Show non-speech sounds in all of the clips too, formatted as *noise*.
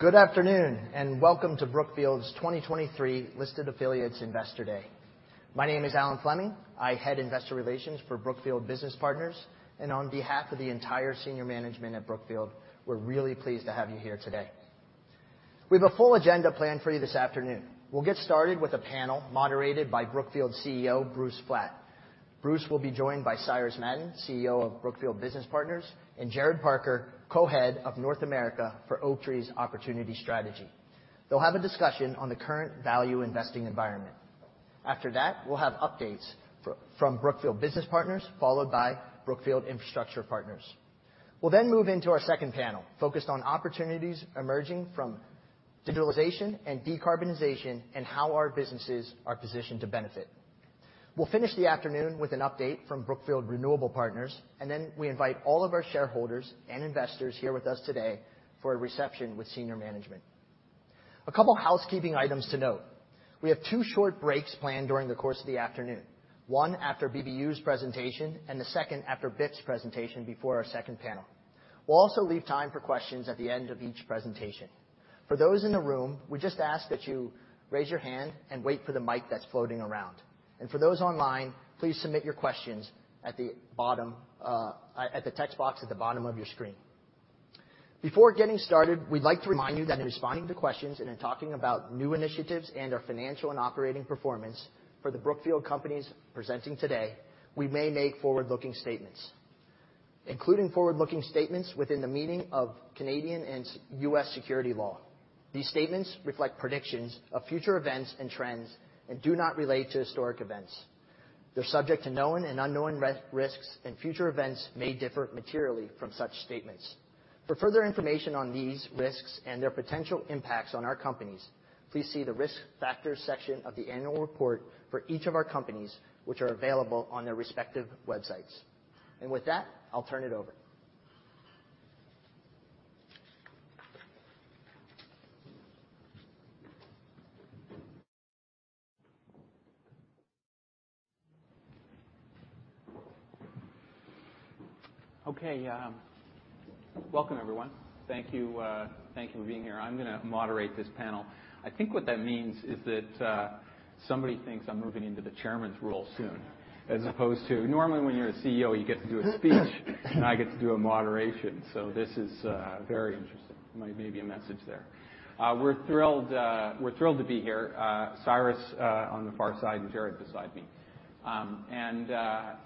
Good afternoon, and welcome to Brookfield's 2023 Listed Affiliates Investor Day. My name is Alan Fleming. I head Investor Relations for Brookfield Business Partners, and on behalf of the entire senior management at Brookfield, we're really pleased to have you here today. We have a full agenda planned for you this afternoon. We'll get started with a panel moderated by Brookfield's CEO, Bruce Flatt. Bruce will be joined by Cyrus Madon, CEO of Brookfield Business Partners, and Jared Parker, Co-Head of North America for Oaktree's Opportunity Strategy. They'll have a discussion on the current value investing environment. After that, we'll have updates from Brookfield Business Partners, followed by Brookfield Infrastructure Partners. We'll then move into our second panel, focused on opportunities emerging from digitalization and decarbonization, and how our businesses are positioned to benefit. We'll finish the afternoon with an update from Brookfield Renewable Partners, and then we invite all of our shareholders and investors here with us today for a reception with senior management. A couple housekeeping items to note. We have two short breaks planned during the course of the afternoon, one after BBU's presentation and the second after BIP's presentation before our second panel. We'll also leave time for questions at the end of each presentation. For those in the room, we just ask that you raise your hand and wait for the mic that's floating around. For those online, please submit your questions at the bottom, at the text box at the bottom of your screen. Before getting started, we'd like to remind you that in responding to questions and in talking about new initiatives and our financial and operating performance for the Brookfield companies presenting today, we may make forward-looking statements, including forward-looking statements within the meaning of Canadian and U.S. securities law. These statements reflect predictions of future events and trends and do not relate to historic events. They're subject to known and unknown risks, and future events may differ materially from such statements. For further information on these risks and their potential impacts on our companies, please see the Risk Factors section of the annual report for each of our companies, which are available on their respective websites. With that, I'll turn it over. Okay, welcome, everyone. Thank you, thank you for being here. I'm gonna moderate this panel. I think what that means is that somebody thinks I'm moving into the chairman's role soon, as opposed to normally when you're a CEO, you get to do a speech, and I get to do a moderation, so this is very interesting. Might may be a message there. We're thrilled, we're thrilled to be here. Cyrus on the far side and Jared beside me.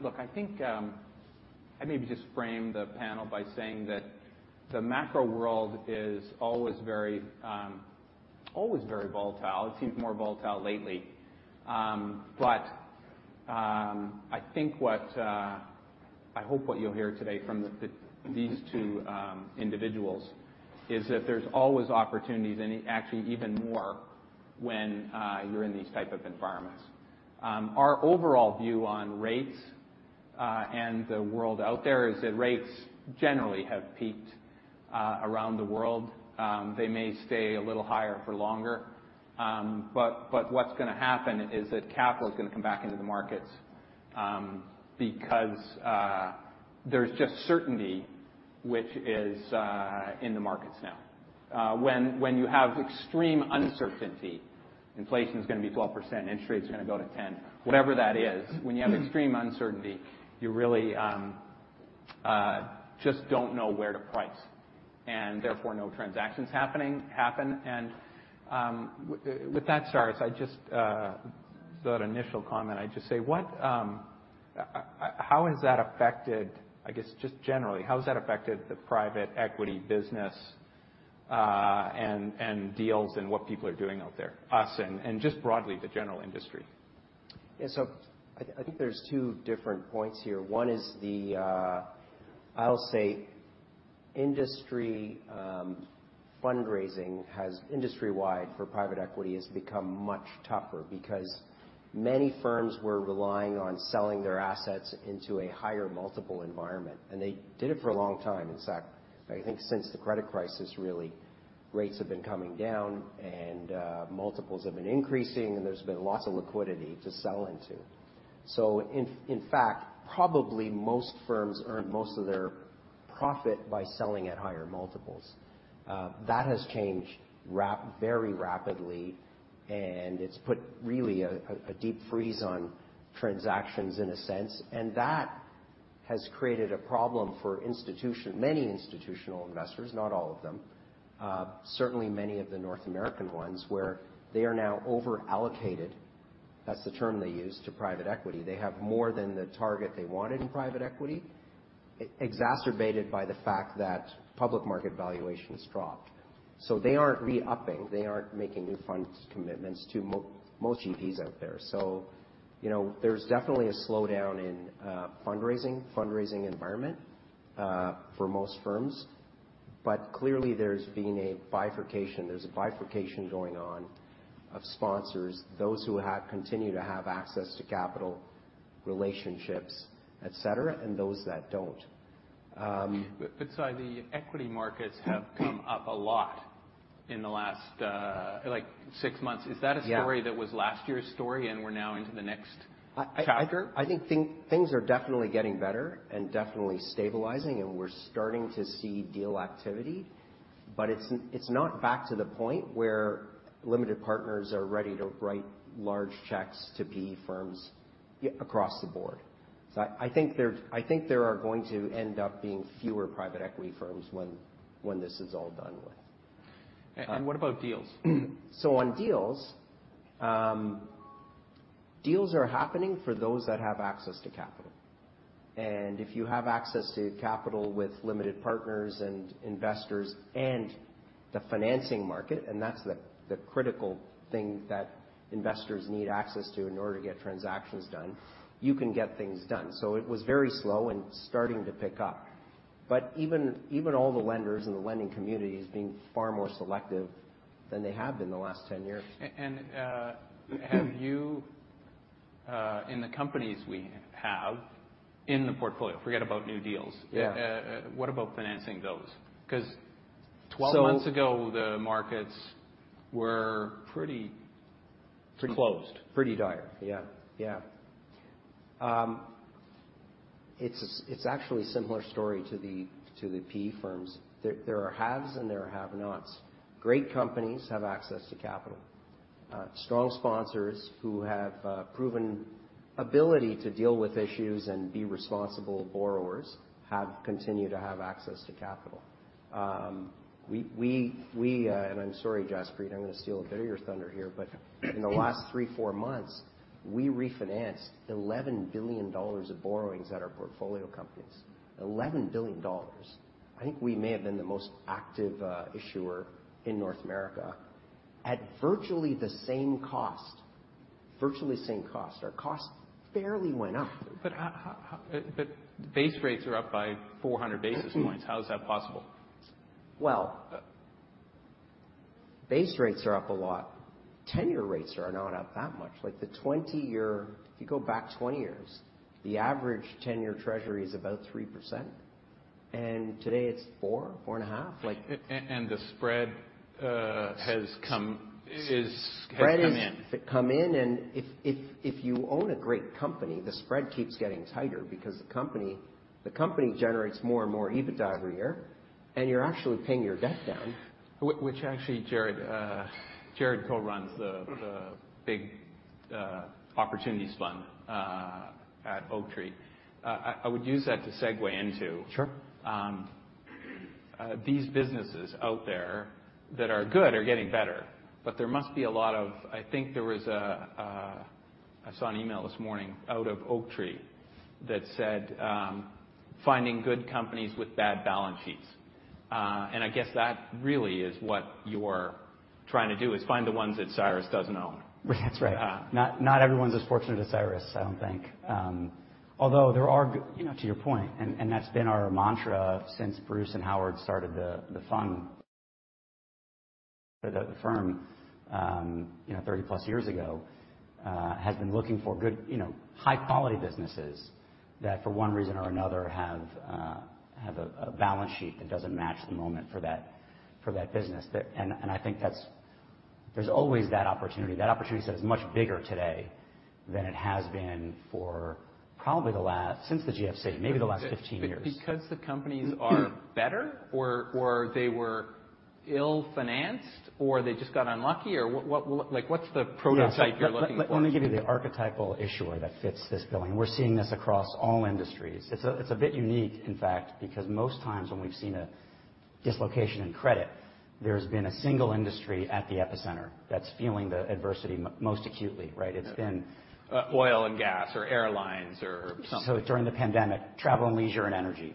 Look, I think I maybe just frame the panel by saying that the macro world is always very always very volatile. It seems more volatile lately. But I think what I hope you'll hear today from these two individuals is that there's always opportunities and actually even more when you're in these type of environments. Our overall view on rates and the world out there is that rates generally have peaked around the world. They may stay a little higher for longer. But what's gonna happen is that capital is gonna come back into the markets because there's just certainty which is in the markets now. When you have extreme uncertainty, inflation is gonna be 12%, interest rates are gonna go to 10%, whatever that is. When you have extreme uncertainty, you really just don't know where to price, and therefore no transactions happen. With that, Cyrus, so that initial comment, I just say: What, how has that affected-- I guess, just generally, how has that affected the private equity business, and deals and what people are doing out there, us and just broadly, the general industry? Yeah. So I, I think there's two different points here. One is the, I'll say industry, fundraising has industry-wide for private equity has become much tougher because many firms were relying on selling their assets into a higher multiple environment, and they did it for a long time. In fact, I think since the credit crisis, really, rates have been coming down and, multiples have been increasing, and there's been lots of liquidity to sell into. So in, in fact, probably most firms earn most of their profit by selling at higher multiples. That has changed very rapidly, and it's put really a deep freeze on transactions in a sense, and that has created a problem for institutional investors, many institutional investors, not all of them, certainly many of the North American ones, where they are now overallocated, that's the term they use, to private equity. They have more than the target they wanted in private equity, exacerbated by the fact that public market valuations dropped. So they aren't re-upping, they aren't making new funds commitments to most GPs out there. So you know, there's definitely a slowdown in fundraising environment for most firms, but clearly, there's been a bifurcation. There's a bifurcation going on of sponsors, those who have, continue to have access to capital, relationships, et cetera, and those that don't. So the equity markets have come up a lot-- in the last, like six months. Yeah. Is that a story that was last year's story, and we're now into the next chapter? I think things are definitely getting better and definitely stabilizing, and we're starting to see deal activity, but it's not back to the point where limited partners are ready to write large checks to PE firms yet across the board. So I think there are going to end up being fewer private equity firms when this is all done with. What about deals? So on deals, deals are happening for those that have access to capital. And if you have access to capital with limited partners and investors and the financing market, and that's the critical thing that investors need access to in order to get transactions done, you can get things done. So it was very slow and starting to pick up, but even all the lenders in the lending community is being far more selective than they have been the last 10 years. Have you in the companies we have in the portfolio, forget about new deals? What about financing those? Because 12 months ago, the markets were pretty, pretty- Closed. Pretty dire. Yeah. Yeah. It's actually a similar story to the PE firms. There are haves and there are have-nots. Great companies have access to capital. Strong sponsors who have proven ability to deal with issues and be responsible borrowers continue to have access to capital. And I'm sorry, Jaspreet, I'm gonna steal a bit of your thunder here, but in the last three-four months, we refinanced $11 billion of borrowings at our portfolio companies. $11 billion. I think we may have been the most active issuer in North America at virtually the same cost. Virtually the same cost. Our cost barely went up. But how-- But base rates are up by 400 basis points. How is that possible? Well, base rates are up a lot. 10-year rates are not up that much. Like, the 20-year—if you go back 20 years, the average 10-year Treasury is about 3%, and today it's 4%-4.5%, like- The spread has come, is-- Spread is come in, and if you own a great company, the spread keeps getting tighter because the company generates more and more EBITDA every year, and you're actually paying your debt down. Which actually, Jared, Jared co-runs the big opportunities fund at Oaktree. I would use that to segue into-- Sure. These businesses out there that are good are getting better, but there must be a lot of-- I think there was an email this morning out of Oaktree that said, finding good companies with bad balance sheets. And I guess that really is what you're trying to do, is find the ones that Cyrus doesn't own. That's right. Not, not everyone's as fortunate as Cyrus, I don't think. Although there are you know, to your point, and, and that's been our mantra since Bruce and Howard started the fund, the firm, you know, +30 years ago, has been looking for good, you know, high-quality businesses that, for one reason or another, have a balance sheet that doesn't match the moment for that business. That and, and I think that's.-- There's always that opportunity. That opportunity set is much bigger today than it has been for probably the last-- since the GFC, maybe the last 15 years. But because the companies are better, or, or they were ill-financed, or they just got unlucky, or what, what—like, what's the prototype you're looking for? Let me give you the archetypal issuer that fits this billing. We're seeing this across all industries. It's a bit unique, in fact, because most times when we've seen a dislocation in credit, there's been a single industry at the epicenter that's feeling the adversity most acutely, right? Yeah. It's been- Oil and gas or airlines or something. During the pandemic, travel and leisure and energy,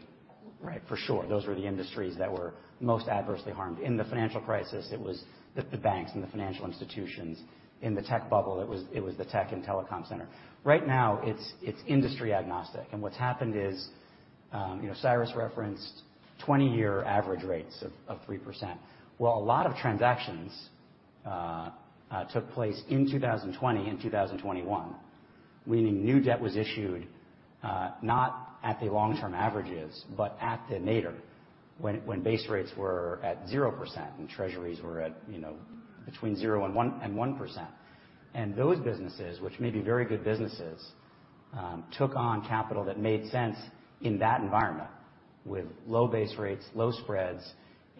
right? For sure, those were the industries that were most adversely harmed. In the financial crisis, it was the banks and the financial institutions. In the tech bubble, it was the tech and telecom sector. Right now, it's industry agnostic, and what's happened is, you know, Cyrus referenced 20-year average rates of 3%. Well, a lot of transactions took place in 2020 and 2021, meaning new debt was issued, not at the long-term averages, but at the nadir, when base rates were at 0% and Treasuries were at, you know, between 0 and 1%-1%. Those businesses, which may be very good businesses, took on capital that made sense in that environment, with low base rates, low spreads,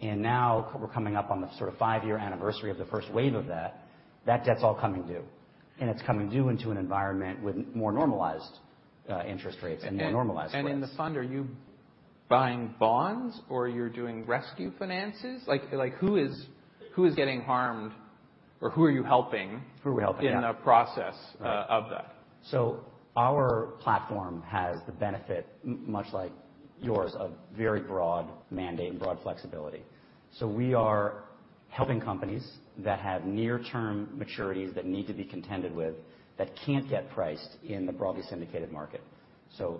and now we're coming up on the sort of five-year anniversary of the first wave of that. That debt's all coming due, and it's coming due into an environment with more normalized interest rates and more normalized spreads. In the fund, are you buying bonds, or you're doing rescue finances? Like, like, who is, who is getting harmed, or who are you helping? Who are we helping? Yeah. in the process of that? So our platform has the benefit, much like yours, of very broad mandate and broad flexibility. So we are helping companies that have near-term maturities that need to be contended with, that can't get priced in the broadly syndicated market. So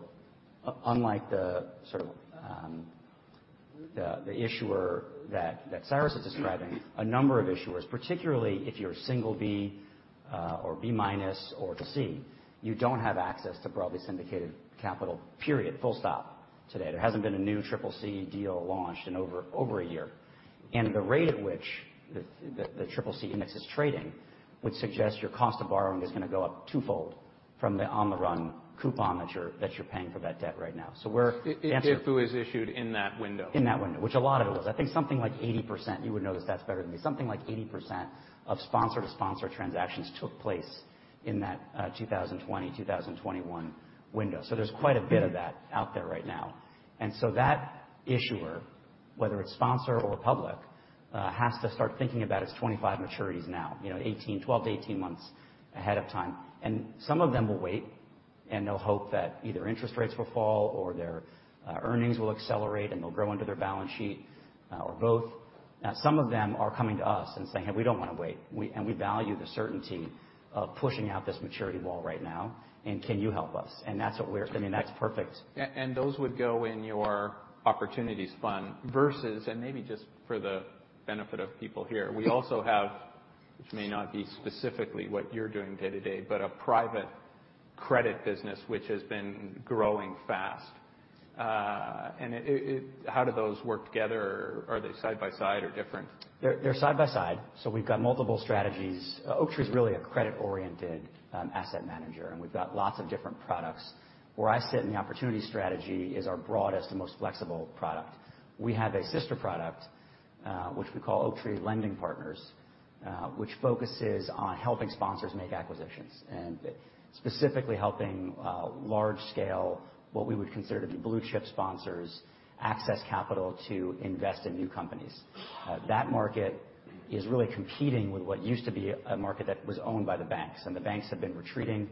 unlike the sort of, the issuer that Cyrus is describing, a number of issuers, particularly if you're a B- or B- or CCC, you don't have access to broadly syndicated capital, period, full stop today. There hasn't been a new CCC deal launched in over a year, and the rate at which the CCC index is trading would suggest your cost of borrowing is gonna go up twofold from the on the run coupon that you're paying for that debt right now. So we're- If who is issued in that window? In that window, which a lot of it was. I think something like 80%, you would know this better than me, something like 80% of sponsor-to-sponsor transactions took place in that, 2020, 2021 window. So there's quite a bit of that out there right now. And so that issuer, whether it's sponsor or public, has to start thinking about its 25 maturities now, you know, 12-18 months ahead of time. And some of them will wait, and they'll hope that either interest rates will fall or their, earnings will accelerate, and they'll grow into their balance sheet, or both. Now, some of them are coming to us and saying: "Hey, we don't wanna wait. We and we value the certainty of pushing out this maturity wall right now, and can you help us? And that's what we're-- I mean, that's perfect. Those would go in your opportunities fund versus, and maybe just for the benefit of people here, we also have, which may not be specifically what you're doing day to day, but a private credit business which has been growing fast. How do those work together? Are they side by side or different? They're, they're side by side, so we've got multiple strategies. Oaktree is really a credit-oriented asset manager, and we've got lots of different products. Where I sit in the opportunity strategy is our broadest and most flexible product. We have a sister product, which we call Oaktree Lending Partners, which focuses on helping sponsors make acquisitions, and specifically helping large scale, what we would consider to be blue chip sponsors, access capital to invest in new companies. That market is really competing with what used to be a market that was owned by the banks, and the banks have been retreating.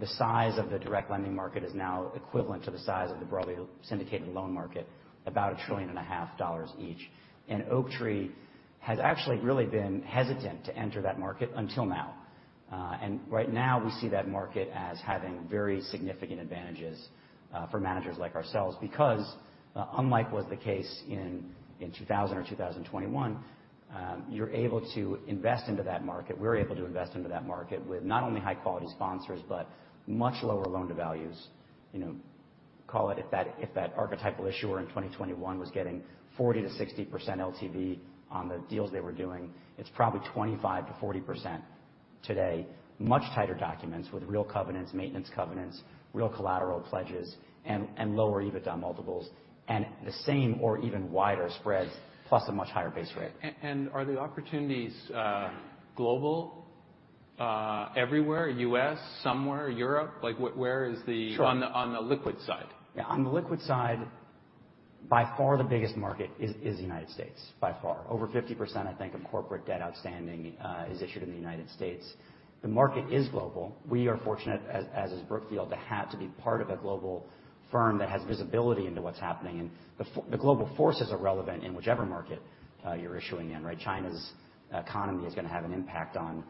The size of the direct lending market is now equivalent to the size of the broadly syndicated loan market, about $1.5 trillion each. Oaktree has actually really been hesitant to enter that market until now. And right now, we see that market as having very significant advantages, for managers like ourselves, because, unlike was the case in 2000 or 2021, you're able to invest into that market. We're able to invest into that market with not only high-quality sponsors, but much lower loan-to-values. You know, call it, if that archetypal issuer in 2021 was getting 40%-60% LTV on the deals they were doing, it's probably 25%-40% today. Much tighter documents with real covenants, maintenance covenants, real collateral pledges, and lower EBITDA multiples, and the same or even wider spreads, plus a much higher base rate. Are the opportunities global, everywhere, U.S., somewhere, Europe? Like, what-- where is the-- Sure. On the liquid side. Yeah, on the liquid side, by far, the biggest market is the United States, by far. Over 50%, I think, of corporate debt outstanding is issued in the United States. The market is global. We are fortunate, as is Brookfield, to have to be part of a global firm that has visibility into what's happening, and the global forces are relevant in whichever market you're issuing in, right? China's economy is gonna have an impact on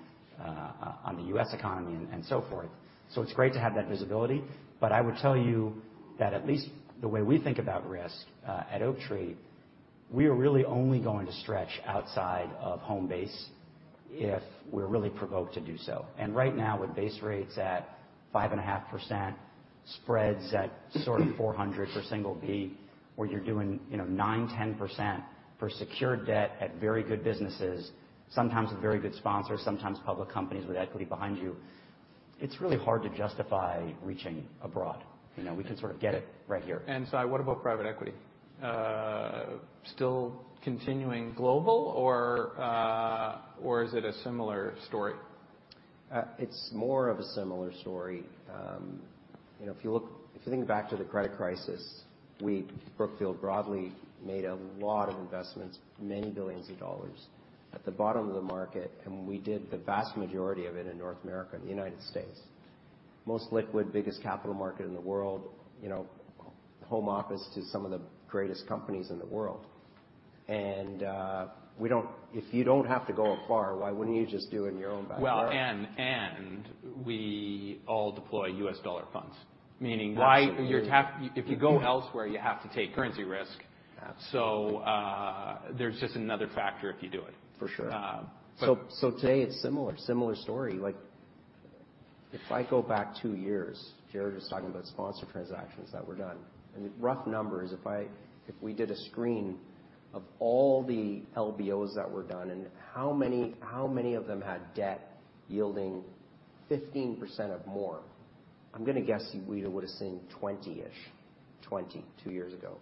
the U.S. economy and so forth. So it's great to have that visibility, but I would tell you that at least the way we think about risk at Oaktree, we are really only going to stretch outside of home base if we're really provoked to do so. Right now, with base rates at 5.5%, spreads at sort of 400 for B, where you're doing, you know, 9%-10% for secured debt at very good businesses, sometimes with very good sponsors, sometimes public companies with equity behind you, it's really hard to justify reaching abroad. You know, we can sort of get it right here. Cy, what about private equity? Still continuing global or, or is it a similar story? It's more of a similar story. You know, if you think back to the credit crisis, we, Brookfield, broadly made a lot of investments, many billions of dollars, at the bottom of the market, and we did the vast majority of it in North America, the United States. Most liquid, biggest capital market in the world, you know, home to some of the greatest companies in the world. We don't-- If you don't have to go afar, why wouldn't you just do it in your own backyard? Well, and we all deploy US dollar funds, meaning if you go elsewhere, you have to take currency risk. Absolutely. There's just another factor if you do it. For sure. Uh, but- Today it's similar story. Like, if I go back two years, Jared was talking about sponsor transactions that were done. And the rough number is if we did a screen of all the LBOs that were done and how many of them had debt yielding 15% or more, I'm gonna guess you, we would have seen 20-ish, 20, two years ago.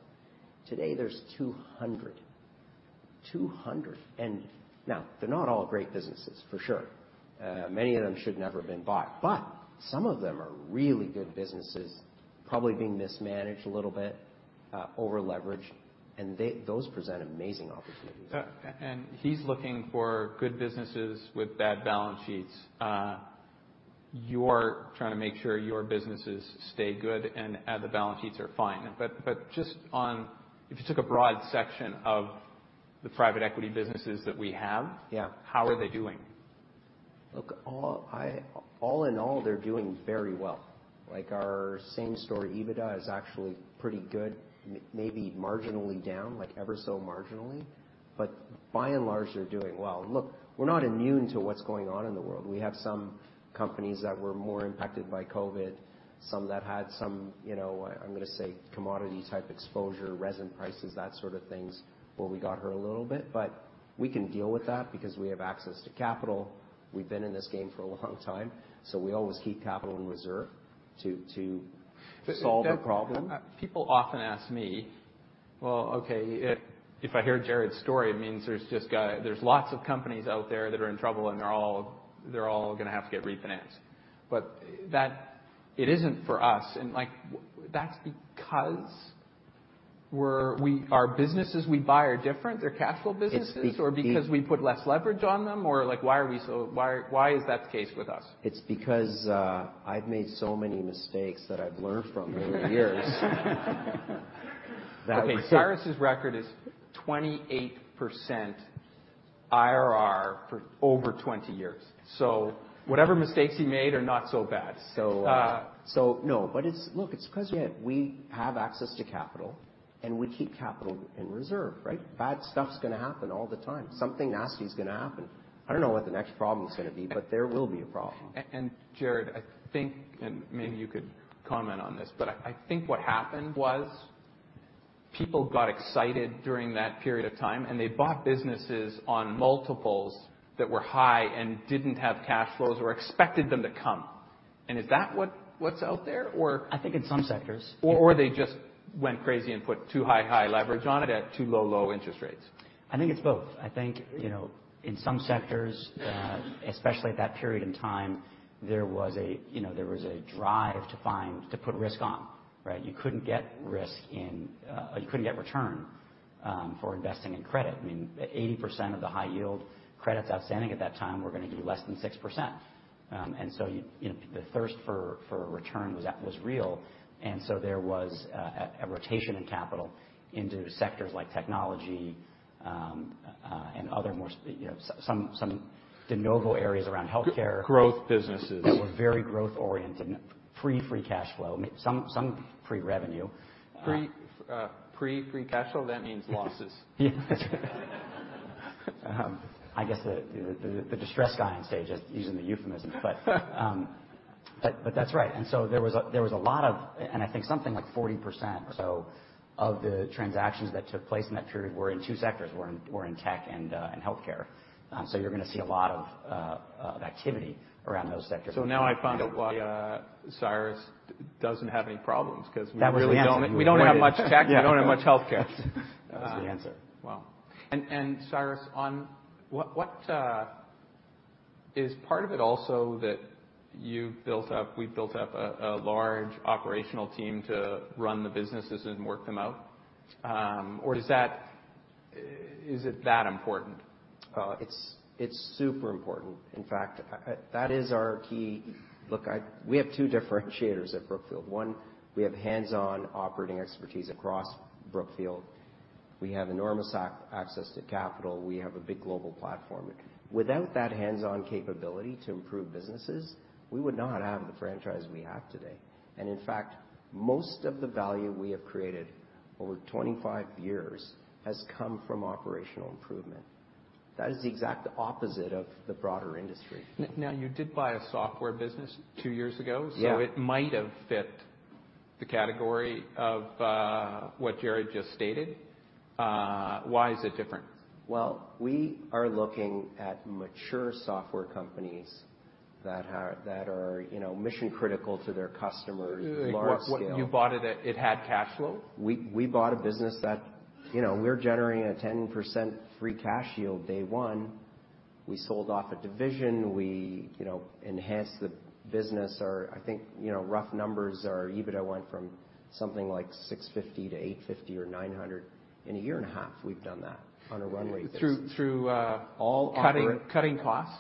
Today, there's 200. 200. And now they're not all great businesses, for sure. Many of them should never have been bought, but some of them are really good businesses, probably being mismanaged a little bit, over-leveraged, and those present amazing opportunities. And he's looking for good businesses with bad balance sheets. You're trying to make sure your businesses stay good, and the balance sheets are fine. But just on-- If you took a broad section of the private equity businesses that we have. How are they doing? Look, all in all, they're doing very well. Like, our same story, EBITDA is actually pretty good. Maybe marginally down, like ever so marginally. But by and large, they're doing well. Look, we're not immune to what's going on in the world. We have some companies that were more impacted by COVID, some that had some, you know, I'm gonna say, commodity-type exposure, resin prices, that sort of things, where we got hurt a little bit. But we can deal with that because we have access to capital. We've been in this game for a long time, so we always keep capital in reserve to solve a problem. People often ask me, "Well, okay, if I hear Jared's story, it means there's just guys—there's lots of companies out there that are in trouble, and they're all gonna have to get refinanced." But that—it isn't for us, and, like, that's because we're our businesses we buy are different, they're cash flow businesses? Or because we put less leverage on them? Or, like, why are we so, why, why is that the case with us? It's because, I've made so many mistakes that I've learned from over the years. Okay, Cyrus's record is 28% IRR for over 20 years. So whatever mistakes he made are not so bad. So, no, but it's. Look, it's because, yeah, we have access to capital, and we keep capital in reserve, right? Bad stuff's gonna happen all the time. Something nasty is gonna happen. I don't know what the next problem is gonna be, but there will be a problem. Jared, I think, and maybe you could comment on this, but I think what happened was people got excited during that period of time, and they bought businesses on multiples that were high and didn't have cash flows or expected them to come. And is that what's out there or? I think in some sectors. Or they just went crazy and put too high leverage on it at too low interest rates. I think it's both. I think, you know, in some sectors, especially at that period in time, there was a, you know, there was a drive to find to put risk on, right? You couldn't get risk in-- You couldn't get return for investing in credit. I mean, 80% of the high yield credits outstanding at that time were gonna be less than 6%. And so you know, the thirst for a return was real, and so there was a rotation in capital into sectors like technology, and other more, you know, some de novo areas around healthcare. Growth businesses. That were very growth oriented, free cash flow, maybe some pre-revenue. Pre-- free cash flow, that means losses. Yes. I guess the distress guy on stage is using the euphemism. But that's right. And so there was a lot of-- And I think something like 40% or so of the transactions that took place in that period were in two sectors, in tech and healthcare. So you're gonna see a lot of activity around those sectors. So now I found out why, Cyrus doesn't have any problems, 'cause-- That was the answer. We don't have much tech, we don't have much healthcare. That was the answer. Wow! And Cyrus, on-- What is part of it also that you've built up, we've built up a large operational team to run the businesses and work them out? Or is that, is it that important? It's super important. In fact, that is our key. Look, we have two differentiators at Brookfield. One, we have hands-on operating expertise across Brookfield. We have enormous access to capital. We have a big global platform. Without that hands-on capability to improve businesses, we would not have the franchise we have today. And in fact, most of the value we have created over 25 years has come from operational improvement. That is the exact opposite of the broader industry. Now, you did buy a software business two years ago. So it might have fit the category of what Jared just stated. Why is it different? Well, we are looking at mature software companies that are, you know, mission-critical to their customers large scale. What-- You bought it at, it had cash flow? We bought a business that, you know, we're generating a 10% free cash yield, day one. We sold off a division, you know, enhanced the business. Our, I think, you know, rough numbers, our EBITDA went from something like $650 million to $850 million or $900 million. In a year and a half, we've done that on a runway business. Through, through, uh-- All operate- Cutting costs?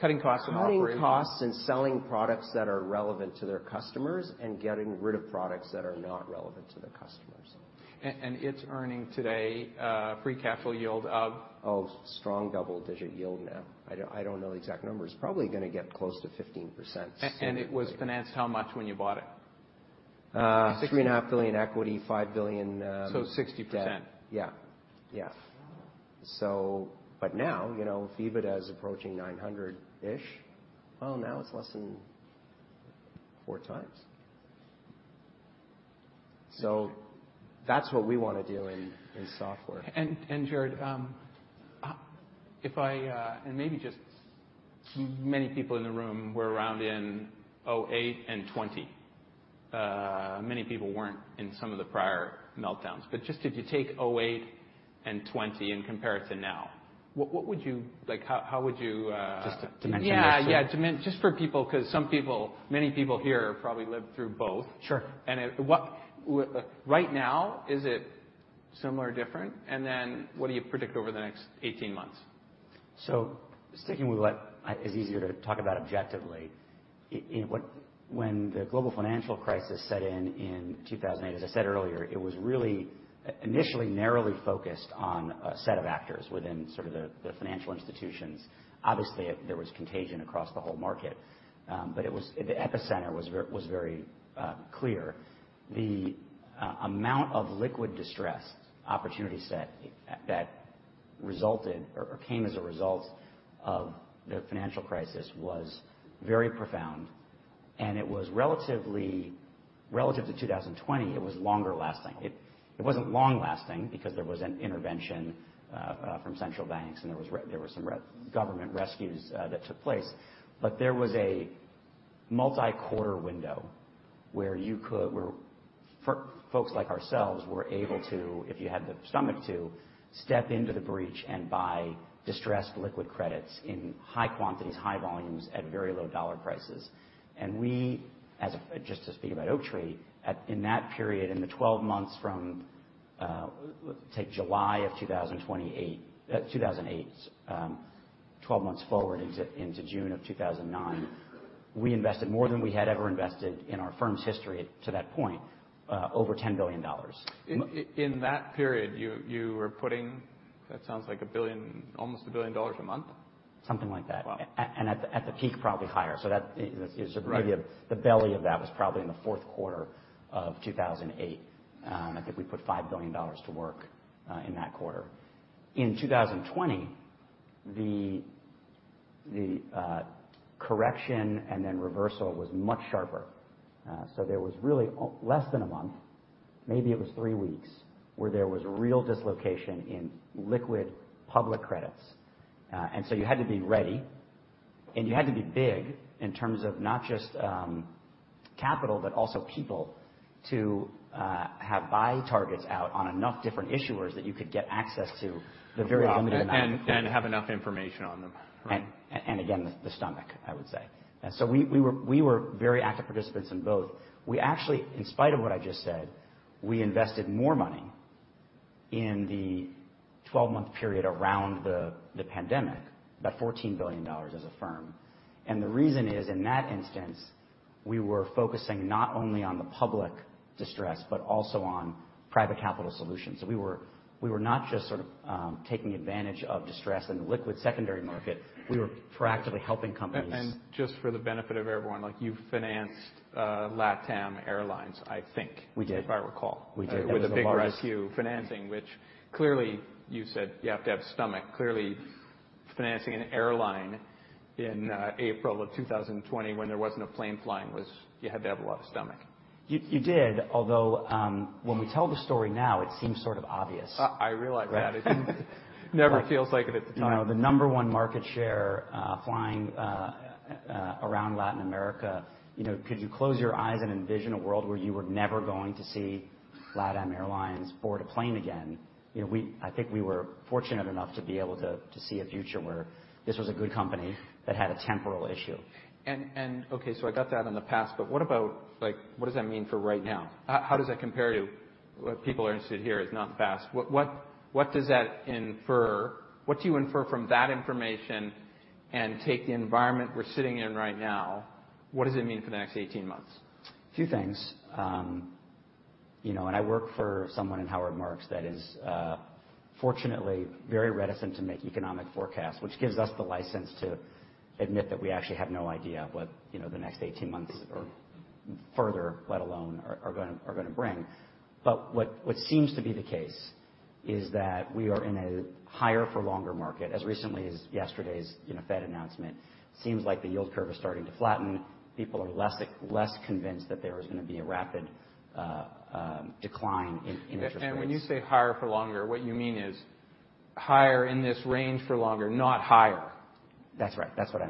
Cutting costs and operati-ng- Cutting costs and selling products that are relevant to their customers and getting rid of products that are not relevant to the customers. And it's earning today, free capital yield of? Of strong double-digit yield now. I don't, I don't know the exact numbers. Probably gonna get close to 15%. It was financed how much when you bought it? $3.5 billion equity, $5 billion. 60%. Yeah. Yeah. So but now, you know, if EBITDA is approaching $900 million-ish, well, now it's less than 4x. So that's what we wanna do in, in software. Jared, and maybe just many people in the room were around in 2008 and 2020. Many people weren't in some of the prior meltdowns. But just if you take 2008 and 2020 and compare it to now, what would you-- Like, how would you-- Just dimension it? Yeah, yeah. Just for people, 'cause some people, many people here probably lived through both. Sure. It, what, right now, is it similar or different? Then, what do you predict over the next 18 months? So sticking with what is easier to talk about objectively, in what, when the global financial crisis set in in 2008, as I said earlier, it was really initially narrowly focused on a set of actors within sort of the, the financial institutions. Obviously, there was contagion across the whole market, but it was. The epicenter was very clear. The amount of liquid distress opportunity set that resulted or came as a result of the financial crisis was very profound, and it was relatively relative to 2020, it was longer lasting. It wasn't long lasting because there was an intervention from central banks, and there were some government rescues that took place. But there was a multi-quarter window where folks like ourselves were able to, if you had the stomach, to step into the breach and buy distressed liquid credits in high quantities, high volumes, at very low dollar prices. And we, as a, just to speak about Oaktree, at, in that period, in the 12 months from, take July of 2028, 2008, 12 months forward into, into June of 2009, we invested more than we had ever invested in our firm's history to that point, over $10 billion. In that period, you were putting, that sounds like $1 billion, almost $1 billion a month? Something like that. Wow! At the peak, probably higher. So that is sort of the belly of that was probably in the fourth quarter of 2008. I think we put $5 billion to work in that quarter. In 2020, the correction and then reversal was much sharper. So there was really only less than a month, maybe it was 3 weeks, where there was real dislocation in liquid public credits. And so you had to be ready, and you had to be big in terms of not just capital, but also people to have buy targets out on enough different issuers that you could get access to the very limited amount of-- And have enough information on them, right? And again, the stomach, I would say. So we were very active participants in both. We actually, in spite of what I just said, invested more money in the 12-month period around the pandemic, about $14 billion as a firm. And the reason is, in that instance, we were focusing not only on the public distress, but also on private capital solutions. So we were not just sort of taking advantage of distress in the liquid secondary market. We were proactively helping companies. And, just for the benefit of everyone, like, you financed LATAM Airlines, I think if I recall. We did. With a big rescue financing, which clearly, you said you have to have stomach. Clearly, financing an airline in April 2020 when there wasn't a plane flying was-- You had to have a lot of stomach. You, you did, although when we tell the story now, it seems sort of obvious. I realize that. Right? It never feels like it at the time. You know, the number one market share, flying, around Latin America, you know, could you close your eyes and envision a world where you were never going to see LATAM Airlines board a plane again? You know, we, I think we were fortunate enough to be able to, to see a future where this was a good company that had a temporal issue. Okay, so I got that on the past, but what about like-- What does that mean for right now? How does that compare to what people are interested to hear is not fast? What does that infer? What do you infer from that information and take the environment we're sitting in right now, what does it mean for the next 18 months? A few things. You know, and I work for someone in Howard Marks that is, fortunately very reticent to make economic forecasts, which gives us the license to admit that we actually have no idea what, you know, the next 18 months or further, let alone are gonna bring. But what seems to be the case, is that we are in a higher-for-longer market. As recently as yesterday's, you know, Fed announcement, seems like the yield curve is starting to flatten. People are less convinced that there is gonna be a rapid decline in interest rates. When you say higher for longer, what you mean is higher in this range for longer, not higher. That's right. That's what I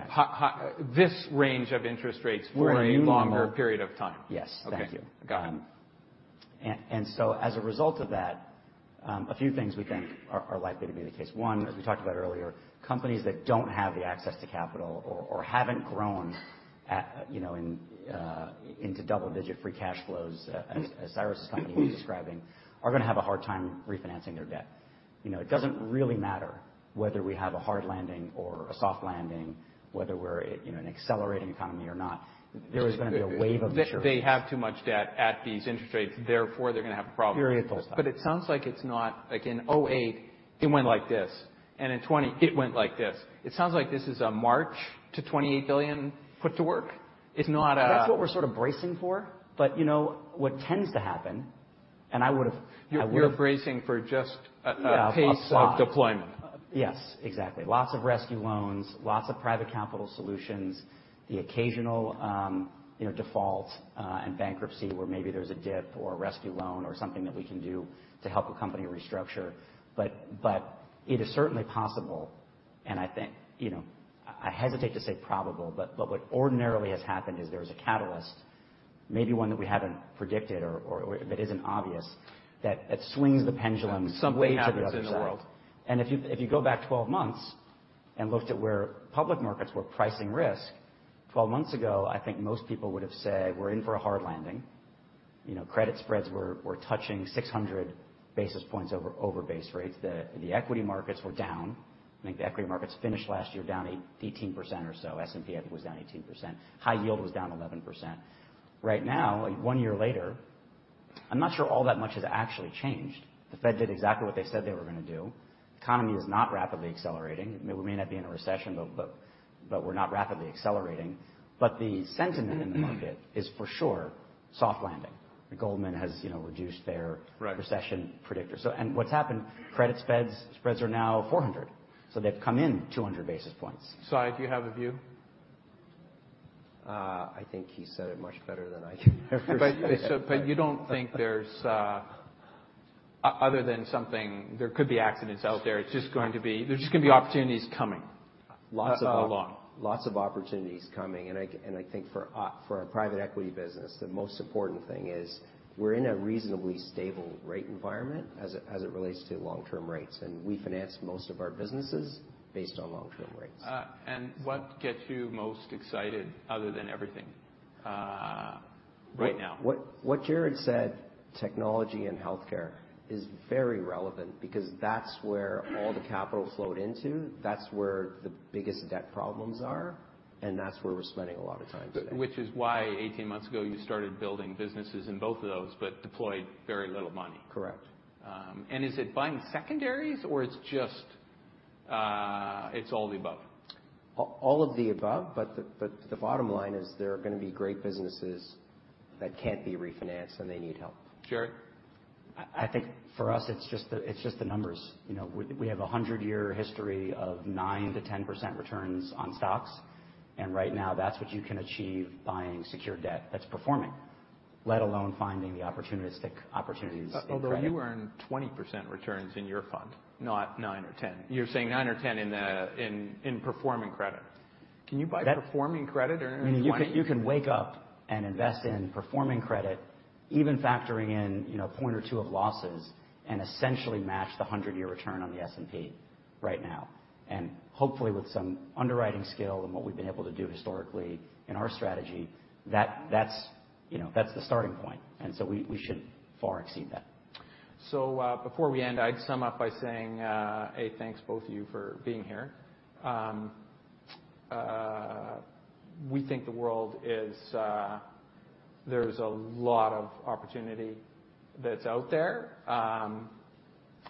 meant. This range of interest rates for a longer period of time. Yes, thank you. Okay. Got it. And so as a result of that, a few things we think are likely to be the case. One, as we talked about earlier, companies that don't have the access to capital or haven't grown at, you know, in, into double-digit free cash flows, as Cyrus' company was describing, are gonna have a hard time refinancing their debt. You know, it doesn't really matter whether we have a hard landing or a soft landing, whether we're in, you know, an accelerating economy or not, there is gonna be a wave of issues. They have too much debt at these interest rates, therefore, they're gonna have a problem. Period. But it sounds like it's not. Like in 2008, it went like this, and in 2020, it went like this. It sounds like this is a march to $28 billion put to work. It's not a- That's what we're sort of bracing for. But, you know what tends to happen, and I would have. You're bracing for just a pace of deployment. Yes, exactly. Lots of rescue loans, lots of private capital solutions, the occasional, you know, default, and bankruptcy, where maybe there's a dip or a rescue loan or something that we can do to help a company restructure. But it is certainly possible, and I think, you know, I hesitate to say probable, but what ordinarily has happened is there was a catalyst, maybe one that we haven't predicted or, that isn't obvious, that it swings the pendulumaway to the other side. And if you go back 12 months and looked at where public markets were pricing risk, 12 months ago, I think most people would have said, "We're in for a hard landing." You know, credit spreads were touching 600 basis points over base rates. The equity markets were down. I think the equity markets finished last year down 18% or so. S&P, I think, was down 18%. High yield was down 11%. Right now, one year later, I'm not sure all that much has actually changed. The Fed did exactly what they said they were gonna do. Economy is not rapidly accelerating. We may not be in a recession, but we're not rapidly accelerating. But the sentiment in the market is for sure, soft landing. Goldman has, you know, reduced their—recession predictor. So, what's happened, credit spreads, spreads are now 400, so they've come in 200 basis points. Sai, do you have a view? I think he said it much better than I can ever say. But, so, but you don't think there's, other than something, there could be accidents out there, it's just going to be—there's just gonna be opportunities coming, lots of along. Lots of opportunities coming. And I think for our private equity business, the most important thing is we're in a reasonably stable rate environment as it relates to long-term rates, and we finance most of our businesses based on long-term rates. What gets you most excited other than everything, right now? What, what Jared said, technology and healthcare is very relevant because that's where all the capital flowed into. That's where the biggest debt problems are, and that's where we're spending a lot of time today. Which is why 18 months ago, you started building businesses in both of those, but deployed very little money. Correct. Is it buying secondaries or it's just, it's all the above? All of the above, but the bottom line is there are gonna be great businesses that can't be refinanced, and they need help. Jared? I think for us, it's just the numbers. You know, we have a 100-year history of 9%-10% returns on stocks, and right now, that's what you can achieve buying secured debt that's performing, let alone finding the opportunistic opportunities in credit. Although you earn 20% returns in your fund, not 9% or 10%. You're saying 9% or 10% in performing credit. Can you buy performing credit earning 20? You can wake up and invest in performing credit, even factoring in, you know, a point or two of losses, and essentially match the 100-year return on the S&P right now. And hopefully, with some underwriting skill and what we've been able to do historically in our strategy, that's, you know, the starting point, and so we should far exceed that. So, before we end, I'd sum up by saying, A, thanks to both of you for being here. We think the world is. There's a lot of opportunity that's out there.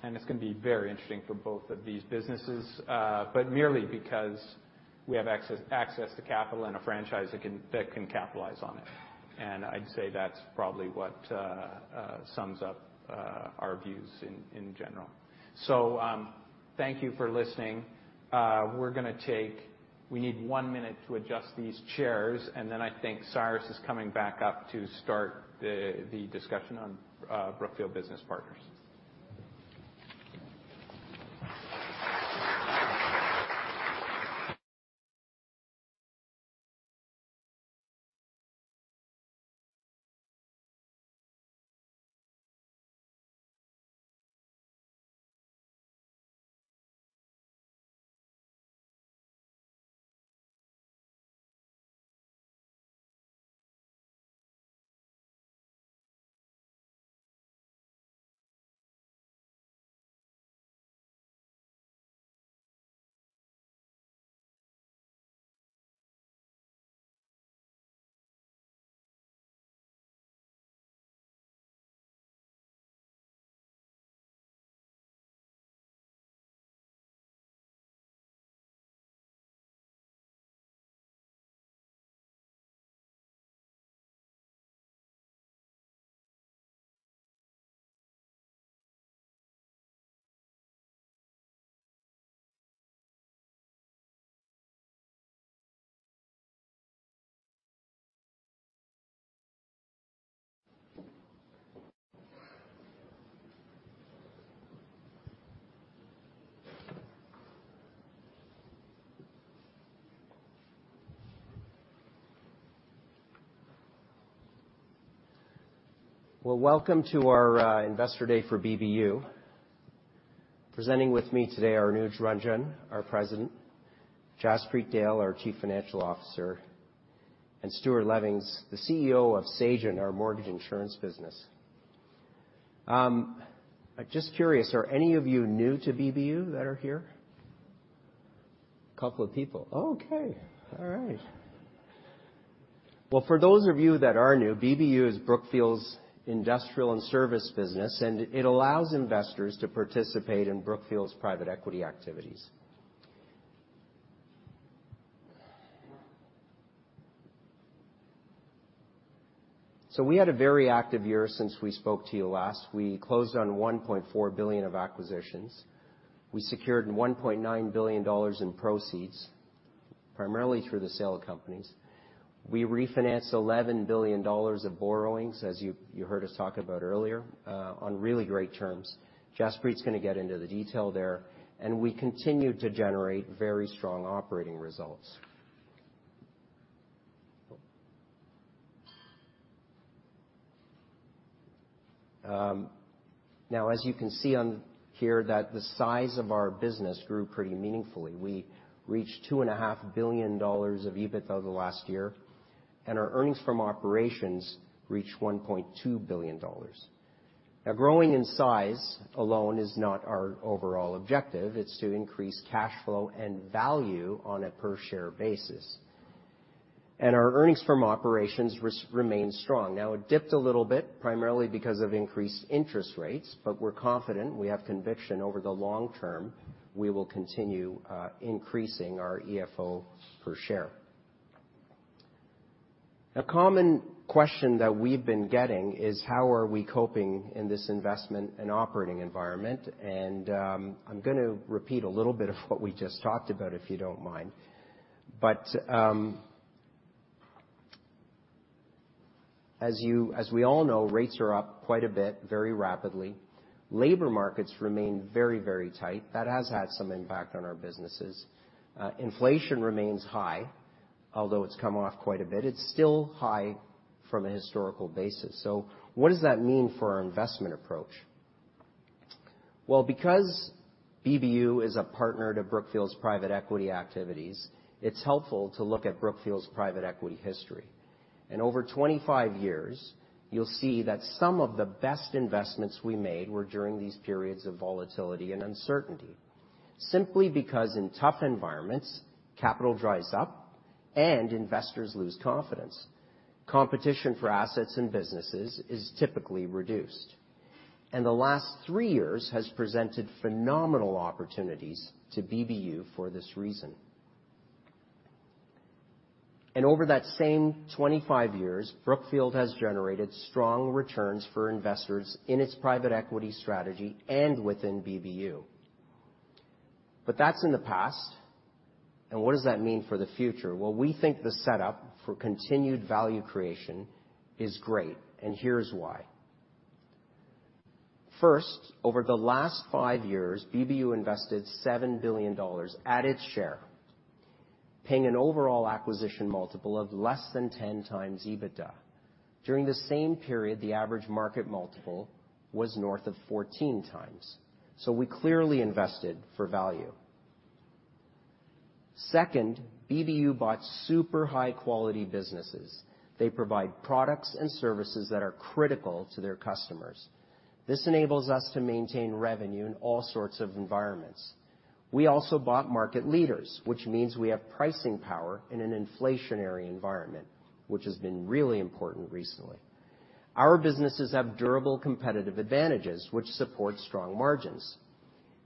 And it's gonna be very interesting for both of these businesses, but merely because we have access, access to capital and a franchise that can, that can capitalize on it. And I'd say that's probably what sums up our views in general. So, thank you for listening. We're gonna take-- We need one minute to adjust these chairs, and then I think Cyrus is coming back up to start the discussion on Brookfield Business Partners. Well, welcome to our Investor Day for BBU. Presenting with me today, Anuj Ranjan, our President, Jaspreet Dehl, our Chief Financial Officer, and Stuart Levings, the CEO of Sagen, our mortgage insurance business. I'm just curious, are any of you new to BBU that are here? Couple of people. *crosstalk* Okay. All right. Well, for those of you that are new, BBU is Brookfield's industrial and service business, and it allows investors to participate in Brookfield's private equity activities. So we had a very active year since we spoke to you last. We closed on $1.4 billion of acquisitions. We secured $1.9 billion in proceeds, primarily through the sale of companies. We refinanced $11 billion of borrowings, as you heard us talk about earlier, on really great terms. Jaspreet is going to get into the detail there, and we continued to generate very strong operating results. Now, as you can see on here, that the size of our business grew pretty meaningfully. We reached $2.5 billion of EBITDA over the last year, and our earnings from operations reached $1.2 billion. Now, growing in size alone is not our overall objective. It's to increase cash flow and value on a per-share basis. And our earnings from operations remain strong. Now, it dipped a little bit, primarily because of increased interest rates, but we're confident, we have conviction over the long term, we will continue increasing our EFO per share. A common question that we've been getting is: how are we coping in this investment and operating environment? And, I'm gonna repeat a little bit of what we just talked about, if you don't mind. But, as you, as we all know, rates are up quite a bit, very rapidly. Labor markets remain very, very tight. That has had some impact on our businesses. Inflation remains high, although it's come off quite a bit. It's still high from a historical basis. So what does that mean for our investment approach? Well, because BBU is a partner to Brookfield's private equity activities, it's helpful to look at Brookfield's private equity history. Over 25 years, you'll see that some of the best investments we made were during these periods of volatility and uncertainty. Simply because in tough environments, capital dries up and investors lose confidence. Competition for assets and businesses is typically reduced, and the last three years has presented phenomenal opportunities to BBU for this reason. Over that same 25 years, Brookfield has generated strong returns for investors in its private equity strategy and within BBU. That's in the past, and what does that mean for the future? Well, we think the setup for continued value creation is great, and here's why. First, over the last five years, BBU invested $7 billion at its share, paying an overall acquisition multiple of less than 10x EBITDA. During the same period, the average market multiple was north of 14x, so we clearly invested for value. Second, BBU bought super high-quality businesses. They provide products and services that are critical to their customers. This enables us to maintain revenue in all sorts of environments. We also bought market leaders, which means we have pricing power in an inflationary environment, which has been really important recently. Our businesses have durable competitive advantages, which support strong margins.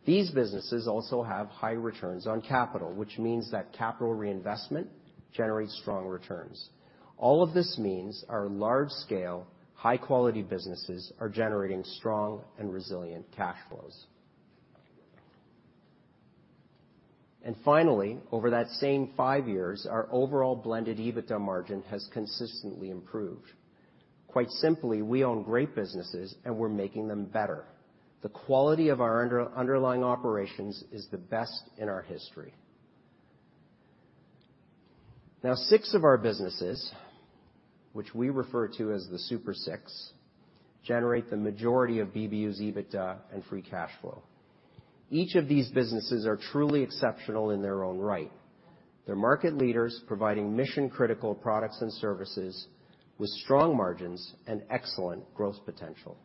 These businesses also have high returns on capital, which means that capital reinvestment generates strong returns. All of this means our large-scale, high-quality businesses are generating strong and resilient cash flows. Finally, over that same five years, our overall blended EBITDA margin has consistently improved. Quite simply, we own great businesses, and we're making them better. The quality of our underlying operations is the best in our history. Now, six of our businesses, which we refer to as the Super Six, generate the majority of BBU's EBITDA and free cash flow. Each of these businesses are truly exceptional in their own right. They're market leaders, providing mission-critical products and services with strong margins and excellent growth potential.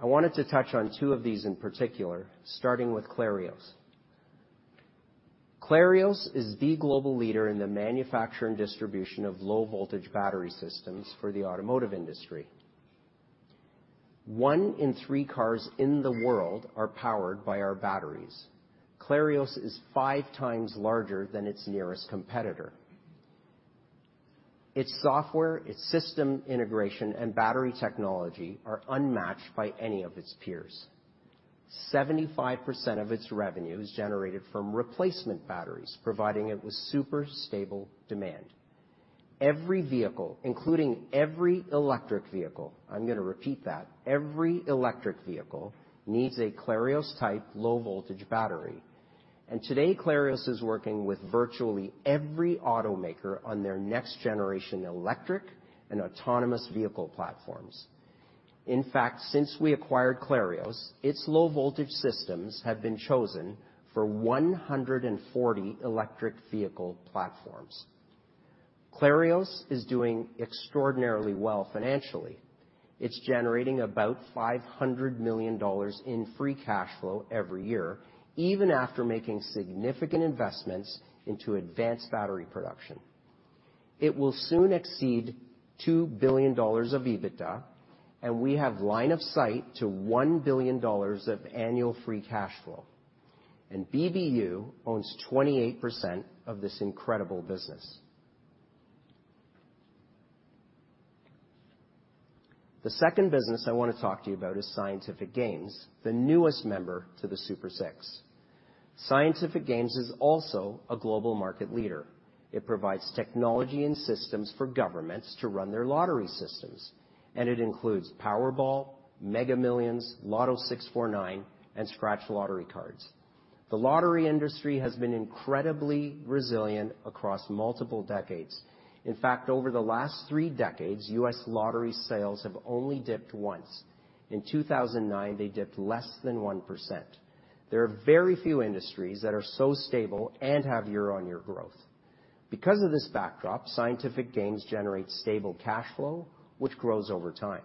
I wanted to touch on two of these in particular, starting with Clarios. Clarios is the global leader in the manufacture and distribution of low-voltage battery systems for the automotive industry. One in three cars in the world are powered by our batteries. Clarios is 5x larger than its nearest competitor. Its software, its system integration, and battery technology are unmatched by any of its peers. 75% of its revenue is generated from replacement batteries, providing it with super stable demand. Every vehicle, including every electric vehicle, I'm gonna repeat that, every electric vehicle, needs a Clarios-type low-voltage battery, and today, Clarios is working with virtually every automaker on their next-generation electric and autonomous vehicle platforms. In fact, since we acquired Clarios, its low-voltage systems have been chosen for 140 electric vehicle platforms. Clarios is doing extraordinarily well financially. It's generating about $500 million in free cash flow every year, even after making significant investments into advanced battery production. It will soon exceed $2 billion of EBITDA, and we have line of sight to $1 billion of annual free cash flow, and BBU owns 28% of this incredible business. The second business I want to talk to you about is Scientific Games, the newest member to the Super Six. Scientific Games is also a global market leader. It provides technology and systems for governments to run their lottery systems, and it includes Powerball, Mega Millions, Lotto 6/49, and scratch lottery cards. The lottery industry has been incredibly resilient across multiple decades. In fact, over the last three decades, U.S. lottery sales have only dipped once. In 2009, they dipped less than 1%. There are very few industries that are so stable and have year-on-year growth. Because of this backdrop, Scientific Games generates stable cash flow, which grows over time.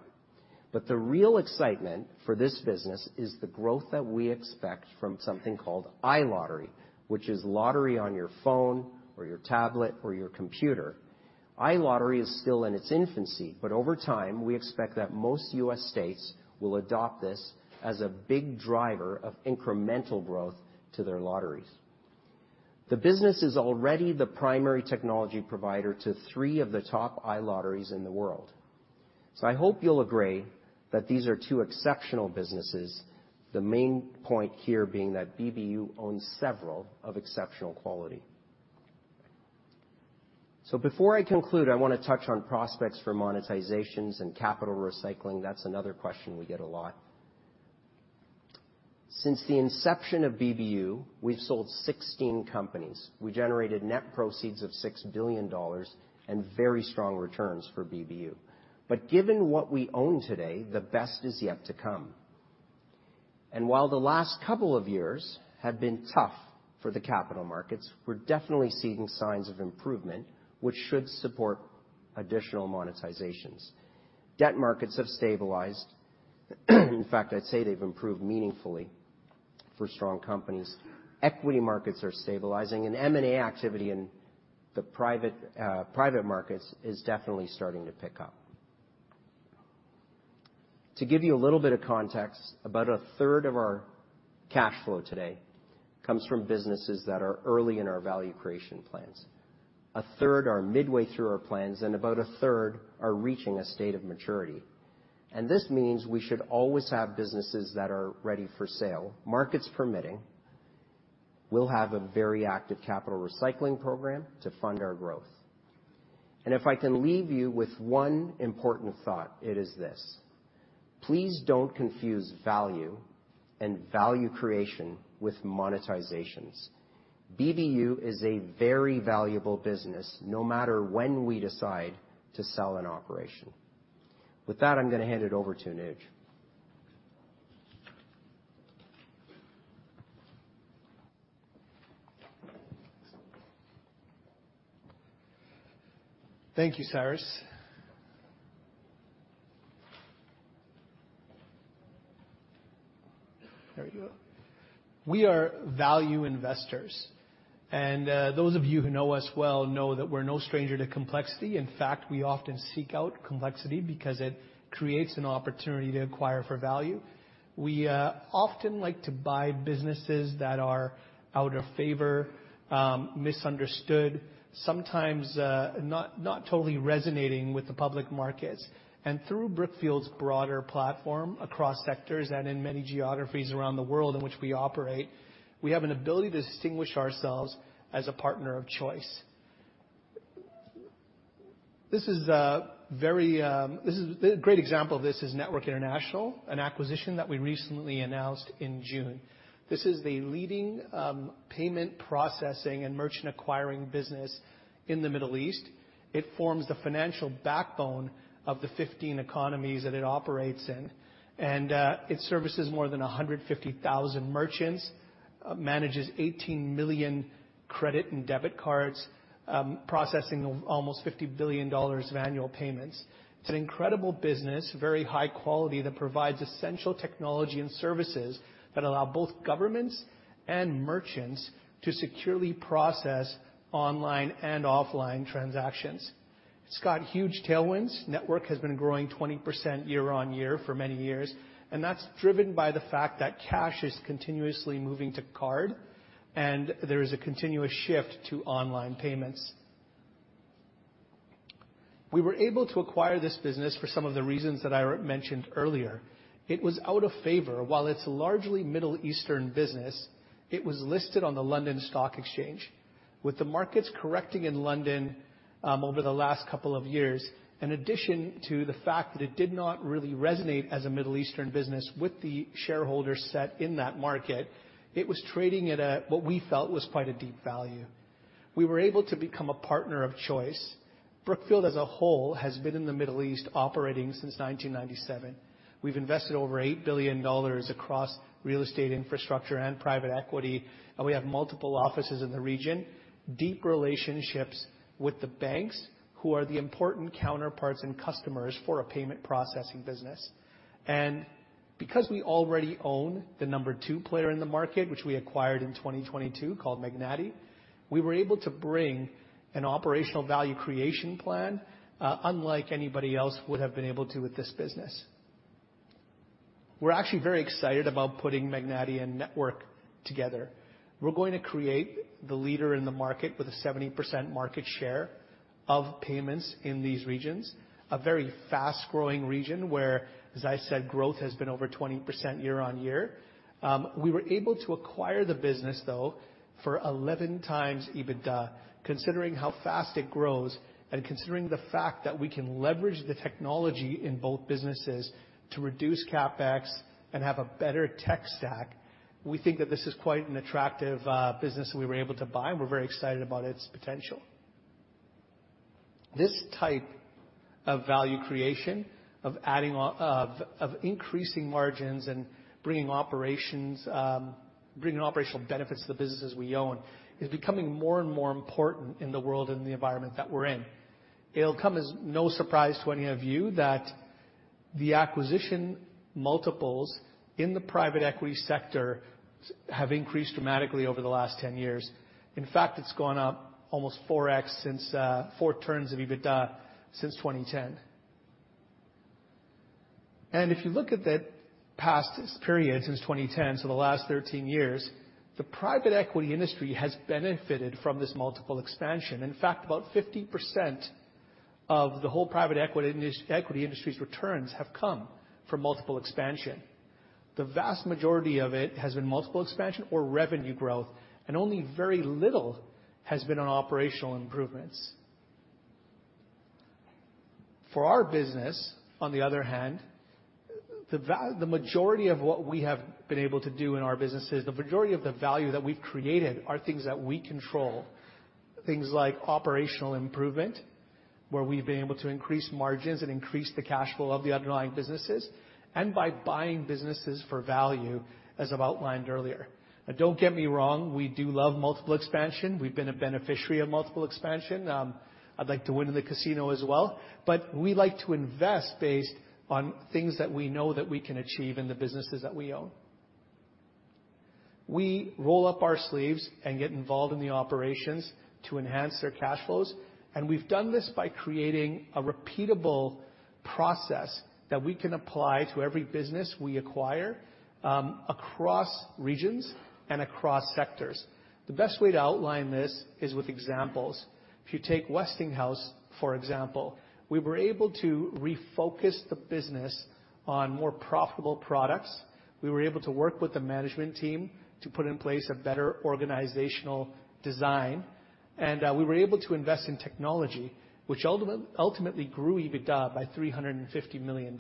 But the real excitement for this business is the growth that we expect from something called iLottery, which is lottery on your phone or your tablet or your computer. iLottery is still in its infancy, but over time, we expect that most U.S. states will adopt this as a big driver of incremental growth to their lotteries. The business is already the primary technology provider to three of the top iLotteries in the world. So I hope you'll agree that these are two exceptional businesses. The main point here being that BBU owns several of exceptional quality. So before I conclude, I want to touch on prospects for monetizations and capital recycling. That's another question we get a lot. Since the inception of BBU, we've sold 16 companies. We generated net proceeds of $6 billion and very strong returns for BBU. But given what we own today, the best is yet to come. And while the last couple of years have been tough for the capital markets, we're definitely seeing signs of improvement, which should support additional monetizations. Debt markets have stabilized. In fact, I'd say they've improved meaningfully for strong companies. Equity markets are stabilizing, and M&A activity in the private, private markets is definitely starting to pick up. To give you a little bit of context, about a third of our cash flow today comes from businesses that are early in our value creation plans. A third are midway through our plans, and about a third are reaching a state of maturity. And this means we should always have businesses that are ready for sale. Markets permitting, we'll have a very active capital recycling program to fund our growth. If I can leave you with one important thought, it is this: please don't confuse value and value creation with monetizations. BBU is a very valuable business, no matter when we decide to sell an operation. With that, I'm going to hand it over to Anuj. Thank you, Cyrus. There we go. We are value investors, and those of you who know us well know that we're no stranger to complexity. In fact, we often seek out complexity because it creates an opportunity to acquire for value. We often like to buy businesses that are out of favor, misunderstood, sometimes not totally resonating with the public markets. And through Brookfield's broader platform across sectors and in many geographies around the world in which we operate, we have an ability to distinguish ourselves as a partner of choice. This is a great example of this is Network International, an acquisition that we recently announced in June. This is the leading payment processing and merchant acquiring business in the Middle East. It forms the financial backbone of the 15 economies that it operates in, and it services more than 150,000 merchants, manages 18 million credit and debit cards, processing almost $50 billion of annual payments. It's an incredible business, very high quality, that provides essential technology and services that allow both governments and merchants to securely process online and offline transactions. It's got huge tailwinds. Network has been growing 20% year-on-year for many years, and that's driven by the fact that cash is continuously moving to card, and there is a continuous shift to online payments. We were able to acquire this business for some of the reasons that I mentioned earlier. It was out of favor. While it's largely Middle Eastern business, it was listed on the London Stock Exchange. With the markets correcting in London over the last couple of years, in addition to the fact that it did not really resonate as a Middle Eastern business with the shareholder set in that market, it was trading at a, what we felt, was quite a deep value. We were able to become a partner of choice. Brookfield, as a whole, has been in the Middle East operating since 1997. We've invested over $8 billion across real estate infrastructure and private equity, and we have multiple offices in the region, deep relationships with the banks, who are the important counterparts and customers for a payment processing business. And because we already own the number two player in the market, which we acquired in 2022, called Magnati, we were able to bring an operational value creation plan, unlike anybody else would have been able to with this business. We're actually very excited about putting Magnati and Network together. We're going to create the leader in the market with a 70% market share of payments in these regions, a very fast-growing region where, as I said, growth has been over 20% year-on-year. We were able to acquire the business, though, for 11x EBITDA, considering how fast it grows and considering the fact that we can leverage the technology in both businesses to reduce CapEx and have a better tech stack. We think that this is quite an attractive business that we were able to buy, and we're very excited about its potential. This type of value creation, of adding, increasing margins and bringing operations, bringing operational benefits to the businesses we own, is becoming more and more important in the world and the environment that we're in. It'll come as no surprise to any of you that the acquisition multiples in the private equity sector have increased dramatically over the last 10 years. In fact, it's gone up almost 4x since 4x EBITDA since 2010. And if you look at the past period, since 2010, so the last 13 years, the private equity industry has benefited from this multiple expansion. In fact, about 50% of the whole private equity industry's returns have come from multiple expansion. The vast majority of it has been multiple expansion or revenue growth, and only very little has been on operational improvements. For our business, on the other hand, the majority of what we have been able to do in our businesses, the majority of the value that we've created are things that we control. Things like operational improvement, where we've been able to increase margins and increase the cash flow of the underlying businesses, and by buying businesses for value, as I've outlined earlier. Now, don't get me wrong, we do love multiple expansion. We've been a beneficiary of multiple expansion. I'd like to win in the casino as well, but we like to invest based on things that we know that we can achieve in the businesses that we own. We roll up our sleeves and get involved in the operations to enhance their cash flows, and we've done this by creating a repeatable process that we can apply to every business we acquire, across regions and across sectors. The best way to outline this is with examples. If you take Westinghouse, for example, we were able to refocus the business on more profitable products. We were able to work with the management team to put in place a better organizational design, and we were able to invest in technology, which ultimately grew EBITDA by $350 million.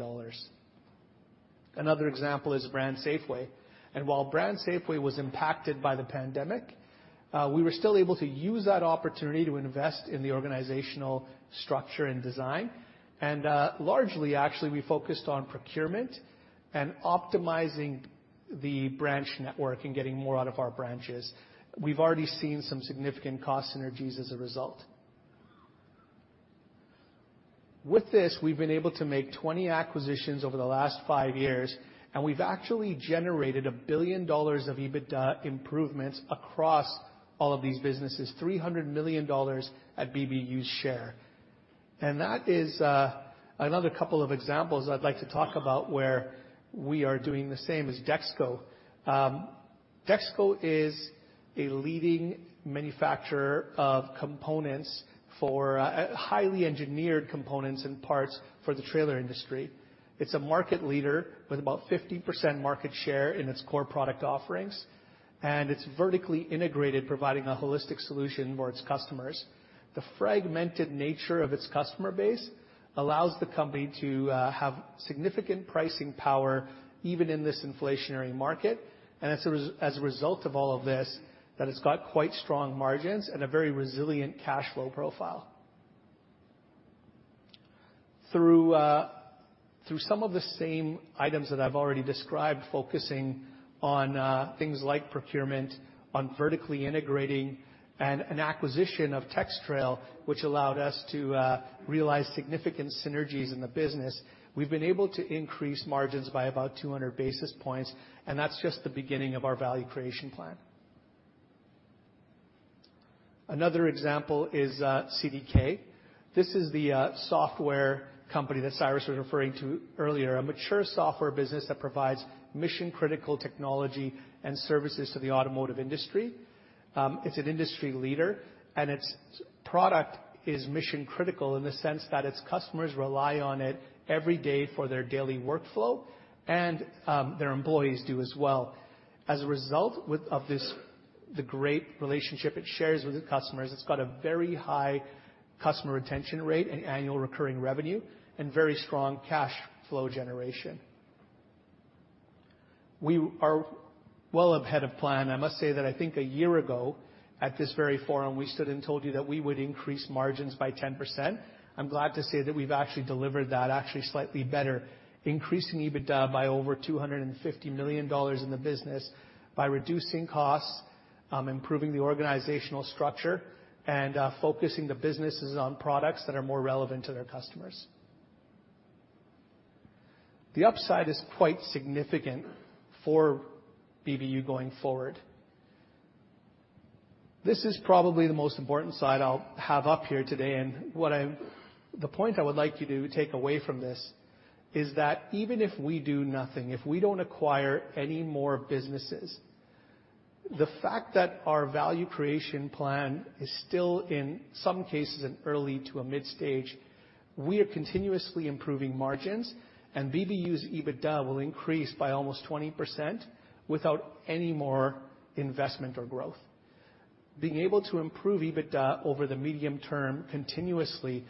Another example is BrandSafway. And while BrandSafway was impacted by the pandemic, we were still able to use that opportunity to invest in the organizational structure and design. Largely, actually, we focused on procurement and optimizing the branch network and getting more out of our branches. We've already seen some significant cost synergies as a result. With this, we've been able to make 20 acquisitions over the last five years, and we've actually generated $1 billion of EBITDA improvements across all of these businesses, $300 million at BBU's share. That is-- Another couple of examples I'd like to talk about where we are doing the same as DexKo. DexKo is a leading manufacturer of components for highly engineered components and parts for the trailer industry. It's a market leader with about 50% market share in its core product offerings, and it's vertically integrated, providing a holistic solution for its customers. The fragmented nature of its customer base allows the company to have significant pricing power, even in this inflationary market, and as a result of all of this, that it's got quite strong margins and a very resilient cash flow profile. Through some of the same items that I've already described, focusing on things like procurement, on vertically integrating and an acquisition of TexTrail, which allowed us to realize significant synergies in the business, we've been able to increase margins by about 200 basis points, and that's just the beginning of our value creation plan. Another example is CDK. This is the software company that Cyrus was referring to earlier, a mature software business that provides mission-critical technology and services to the automotive industry. It's an industry leader, and its product is mission-critical in the sense that its customers rely on it every day for their daily workflow, and their employees do as well. As a result of this, the great relationship it shares with the customers, it's got a very high customer retention rate and annual recurring revenue and very strong cash flow generation. We are well ahead of plan. I must say that I think a year ago, at this very forum, we stood and told you that we would increase margins by 10%. I'm glad to say that we've actually delivered that, actually slightly better, increasing EBITDA by over $250 million in the business by reducing costs, improving the organizational structure, and focusing the businesses on products that are more relevant to their customers. The upside is quite significant for BBU going forward. This is probably the most important slide I'll have up here today, and what I-- The point I would like you to take away from this is that even if we do nothing, if we don't acquire any more businesses, the fact that our value creation plan is still, in some cases, in early to a mid-stage, we are continuously improving margins, and BBU's EBITDA will increase by almost 20% without any more investment or growth. Being able to improve EBITDA over the medium term continuously,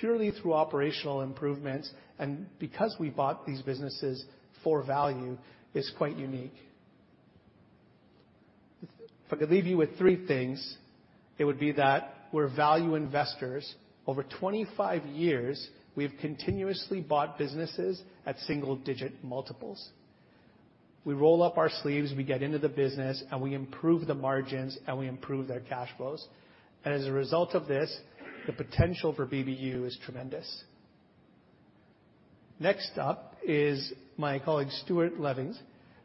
purely through operational improvements, and because we bought these businesses for value, is quite unique. If I could leave you with three things, it would be that we're value investors. Over 25 years, we have continuously bought businesses at single-digit multiples. We roll up our sleeves, we get into the business, and we improve the margins, and we improve their cash flows. As a result of this, the potential for BBU is tremendous. Next up is my colleague, Stuart Levings,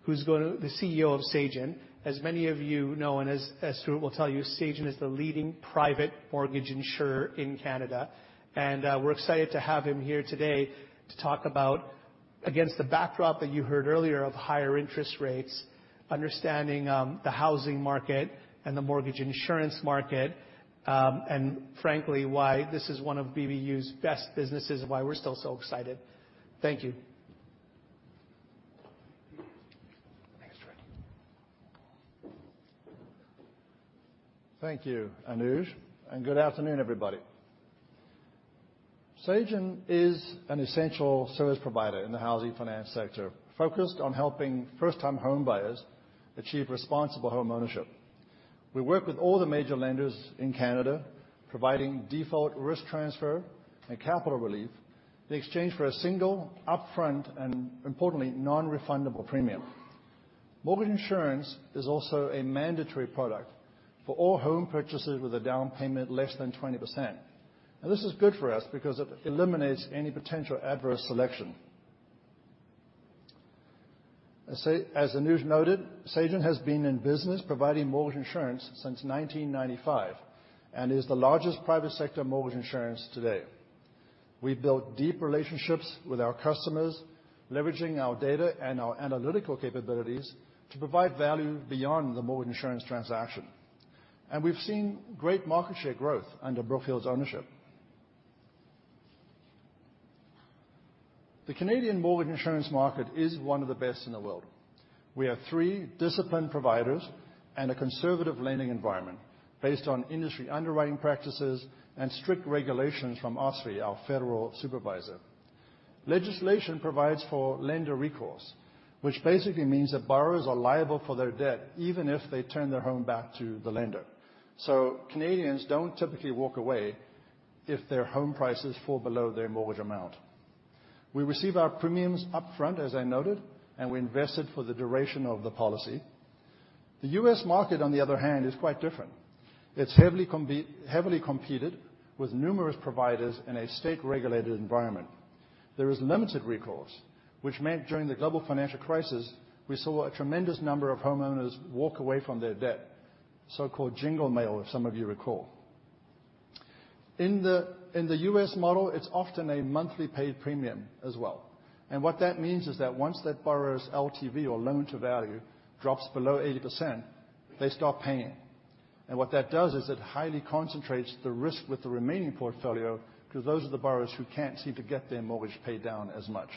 who's going to-- the CEO of Sagen. As many of you know, and as Stuart will tell you, Sagen is the leading private mortgage insurer in Canada. We're excited to have him here today to talk about, against the backdrop that you heard earlier of higher interest rates, understanding the housing market and the mortgage insurance market, and frankly, why this is one of BBU's best businesses, and why we're still so excited. Thank you. Thanks, Stuart? Thank you, Anuj, and good afternoon, everybody. Sagen is an essential service provider in the housing finance sector, focused on helping first-time home buyers achieve responsible homeownership. We work with all the major lenders in Canada, providing default risk transfer and capital relief in exchange for a single, upfront, and importantly, nonrefundable premium. Mortgage insurance is also a mandatory product for all home purchases with a down payment less than 20%. Now, this is good for us because it eliminates any potential adverse selection. As Anuj noted, Sagen has been in business providing mortgage insurance since 1995, and is the largest private sector mortgage insurance today. We've built deep relationships with our customers, leveraging our data and our analytical capabilities to provide value beyond the mortgage insurance transaction. And we've seen great market share growth under Brookfield's ownership. The Canadian mortgage insurance market is one of the best in the world. We have three disciplined providers and a conservative lending environment based on industry underwriting practices and strict regulations from OSFI, our federal supervisor. Legislation provides for lender recourse, which basically means that borrowers are liable for their debt, even if they turn their home back to the lender. So Canadians don't typically walk away if their home prices fall below their mortgage amount. We receive our premiums upfront, as I noted, and we invest it for the duration of the policy. The U.S. market, on the other hand, is quite different. It's heavily competed, with numerous providers in a state-regulated environment. There is limited recourse, which meant during the global financial crisis, we saw a tremendous number of homeowners walk away from their debt, so-called Jingle Mail, as some of you recall. In the U.S. model, it's often a monthly paid premium as well. And what that means is that once that borrower's LTV or loan-to-value drops below 80%, they stop paying. And what that does is it highly concentrates the risk with the remaining portfolio, because those are the borrowers who can't seem to get their mortgage paid down as much.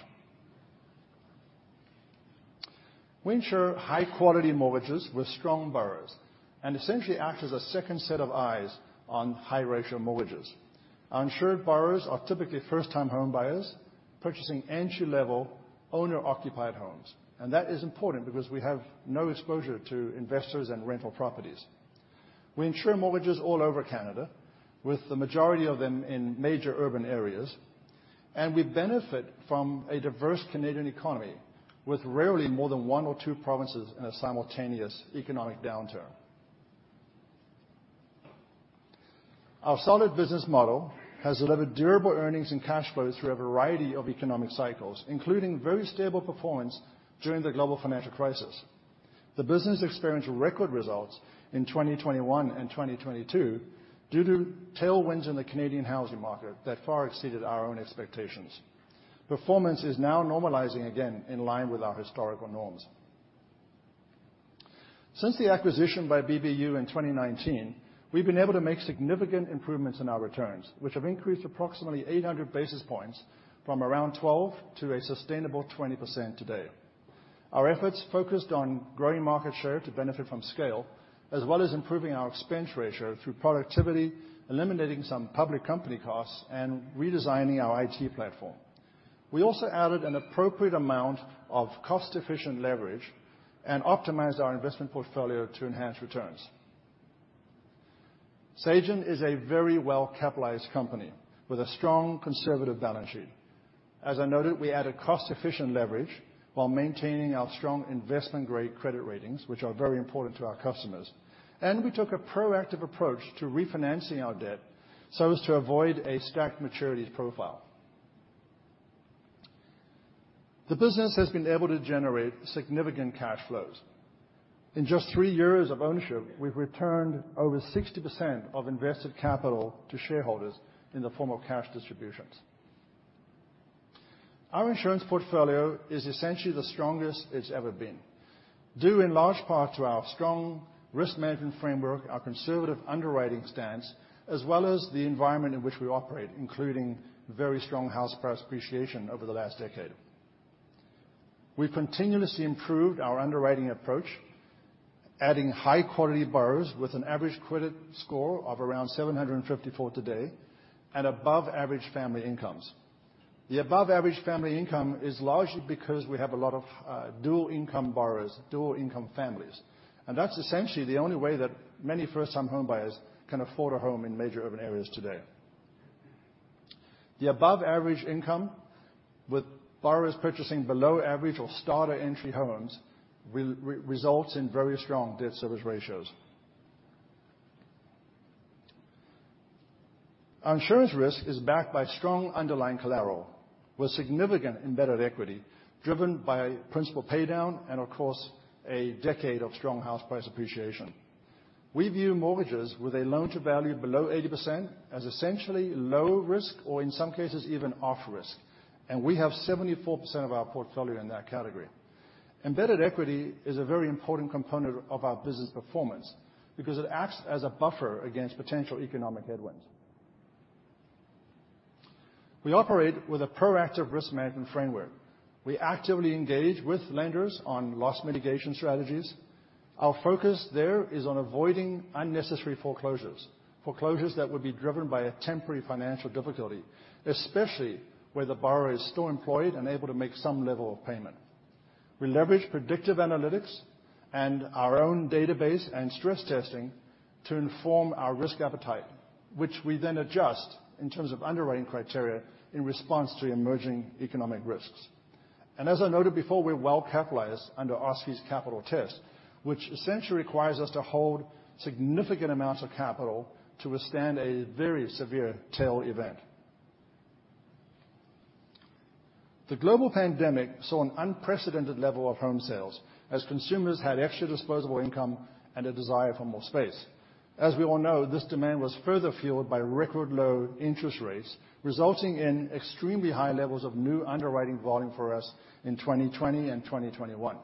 We insure high-quality mortgages with strong borrowers, and essentially act as a second set of eyes on high-ratio mortgages. Our insured borrowers are typically first-time home buyers, purchasing entry-level, owner-occupied homes. And that is important because we have no exposure to investors and rental properties. We insure mortgages all over Canada, with the majority of them in major urban areas, and we benefit from a diverse Canadian economy, with rarely more than one or two provinces in a simultaneous economic downturn. Our solid business model has delivered durable earnings and cash flows through a variety of economic cycles, including very stable performance during the global financial crisis. The business experienced record results in 2021 and 2022 due to tailwinds in the Canadian housing market that far exceeded our own expectations. Performance is now normalizing again in line with our historical norms. Since the acquisition by BBU in 2019, we've been able to make significant improvements in our returns, which have increased approximately 800 basis points from around 12% to a sustainable 20% today. Our efforts focused on growing market share to benefit from scale, as well as improving our expense ratio through productivity, eliminating some public company costs, and redesigning our IT platform. We also added an appropriate amount of cost-efficient leverage and optimized our investment portfolio to enhance returns. Sagen is a very well-capitalized company with a strong conservative balance sheet. As I noted, we added cost-efficient leverage while maintaining our strong investment-grade credit ratings, which are very important to our customers. We took a proactive approach to refinancing our debt so as to avoid a stacked maturities profile. The business has been able to generate significant cash flows. In just three years of ownership, we've returned over 60% of invested capital to shareholders in the form of cash distributions. Our insurance portfolio is essentially the strongest it's ever been, due in large part to our strong risk management framework, our conservative underwriting stance, as well as the environment in which we operate, including very strong house price appreciation over the last decade. We've continuously improved our underwriting approach, adding high-quality borrowers with an average credit score of around 754 today and above-average family incomes. The above-average family income is largely because we have a lot of dual income borrowers, dual income families, and that's essentially the only way that many first-time home buyers can afford a home in major urban areas today-- The above-average income with borrowers purchasing below average or starter entry homes will results in very strong debt service ratios. Our insurance risk is backed by strong underlying collateral, with significant embedded equity, driven by principal paydown and of course, a decade of strong house price appreciation. We view mortgages with a loan-to-value below 80% as essentially low risk, or in some cases, even off risk, and we have 74% of our portfolio in that category. Embedded equity is a very important component of our business performance because it acts as a buffer against potential economic headwinds. We operate with a proactive risk management framework. We actively engage with lenders on loss mitigation strategies. Our focus there is on avoiding unnecessary foreclosures, foreclosures that would be driven by a temporary financial difficulty, especially where the borrower is still employed and able to make some level of payment. We leverage predictive analytics and our own database and stress testing to inform our risk appetite, which we then adjust in terms of underwriting criteria in response to emerging economic risks. As I noted before, we're well capitalized under OSFI's capital test, which essentially requires us to hold significant amounts of capital to withstand a very severe tail event. The global pandemic saw an unprecedented level of home sales as consumers had extra disposable income and a desire for more space. As we all know, this demand was further fueled by record low interest rates, resulting in extremely high levels of new underwriting volume for us in 2020 and 2021.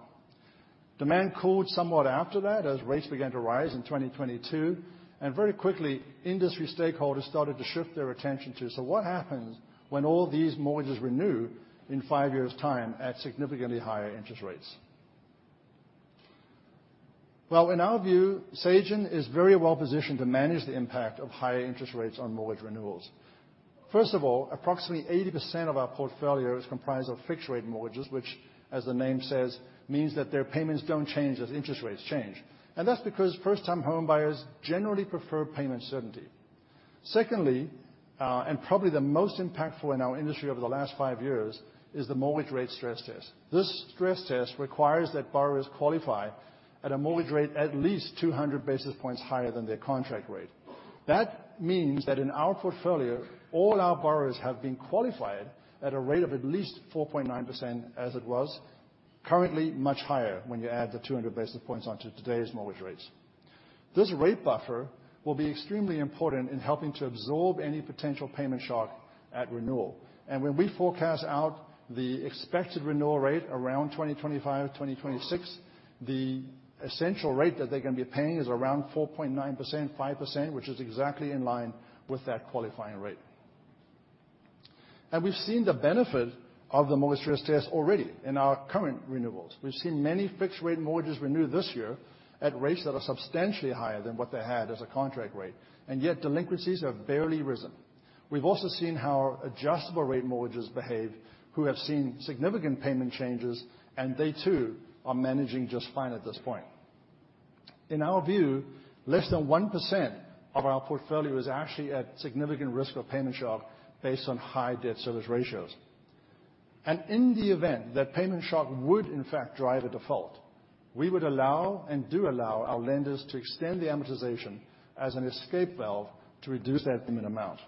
Demand cooled somewhat after that as rates began to rise in 2022, and very quickly, industry stakeholders started to shift their attention to, so what happens when all these mortgages renew in five years' time at significantly higher interest rates? Well, in our view, Sagen is very well positioned to manage the impact of higher interest rates on mortgage renewals. First of all, approximately 80% of our portfolio is comprised of fixed-rate mortgages, which, as the name says, means that their payments don't change as interest rates change. That's because first-time home buyers generally prefer payment certainty. Secondly, and probably the most impactful in our industry over the last five years, is the mortgage rate stress test. This stress test requires that borrowers qualify at a mortgage rate at least 200 basis points higher than their contract rate. That means that in our portfolio, all our borrowers have been qualified at a rate of at least 4.9%, as it was, currently much higher when you add the 200 basis points onto today's mortgage rates. This rate buffer will be extremely important in helping to absorb any potential payment shock at renewal. When we forecast out the expected renewal rate around 2025, 2026, the essential rate that they're gonna be paying is around 4.9%, 5%, which is exactly in line with that qualifying rate. And we've seen the benefit of the mortgage stress test already in our current renewals. We've seen many fixed-rate mortgages renew this year at rates that are substantially higher than what they had as a contract rate, and yet delinquencies have barely risen. We've also seen how adjustable-rate mortgages behave, who have seen significant payment changes, and they, too, are managing just fine at this point. In our view, less than 1% of our portfolio is actually at significant risk of payment shock based on high debt service ratios. And in the event that payment shock would, in fact, drive a default, we would allow and do allow our lenders to extend the amortization as an escape valve to reduce that payment amount.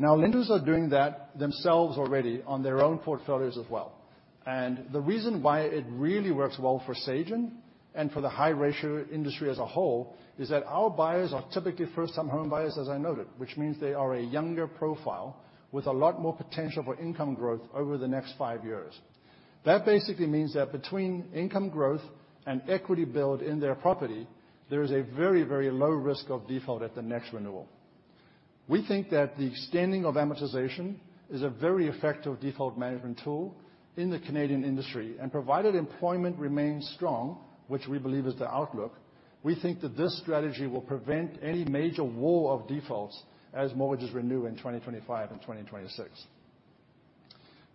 Now, lenders are doing that themselves already on their own portfolios as well. The reason why it really works well for Sagen and for the high ratio industry as a whole, is that our buyers are typically first-time home buyers, as I noted, which means they are a younger profile with a lot more potential for income growth over the next five years. That basically means that between income growth and equity build in their property, there is a very, very low risk of default at the next renewal. We think that the extending of amortization is a very effective default management tool in the Canadian industry, and provided employment remains strong, which we believe is the outlook, we think that this strategy will prevent any major war of defaults as mortgages renew in 2025 and 2026.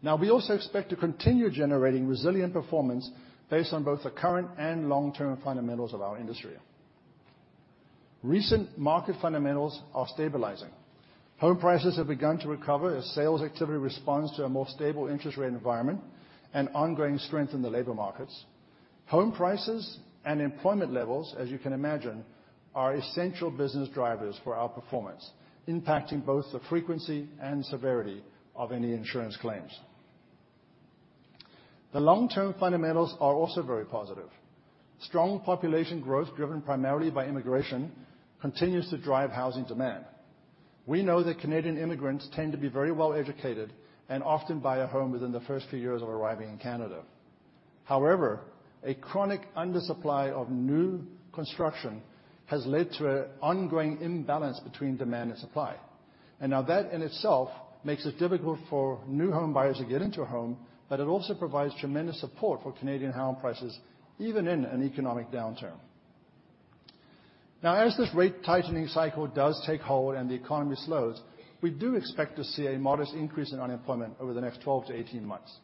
Now, we also expect to continue generating resilient performance based on both the current and long-term fundamentals of our industry. Recent market fundamentals are stabilizing. Home prices have begun to recover as sales activity responds to a more stable interest rate environment and ongoing strength in the labor markets. Home prices and employment levels, as you can imagine, are essential business drivers for our performance, impacting both the frequency and severity of any insurance claims. The long-term fundamentals are also very positive. Strong population growth, driven primarily by immigration, continues to drive housing demand. We know that Canadian immigrants tend to be very well-educated and often buy a home within the first few years of arriving in Canada. However, a chronic undersupply of new construction has led to an ongoing imbalance between demand and supply. Now that in itself makes it difficult for new home buyers to get into a home, but it also provides tremendous support for Canadian home prices, even in an economic downturn. Now, as this rate tightening cycle does take hold and the economy slows, we do expect to see a modest increase in unemployment over the next 12-18 months.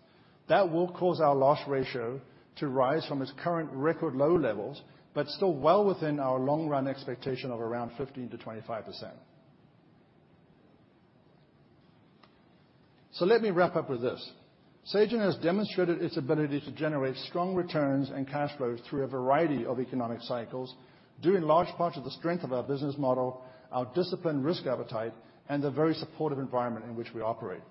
That will cause our loss ratio to rise from its current record low levels, but still well within our long-run expectation of around 15%-25%. So let me wrap up with this. Sagen has demonstrated its ability to generate strong returns and cash flows through a variety of economic cycles, due in large part to the strength of our business model, our disciplined risk appetite, and the very supportive environment in which we operate.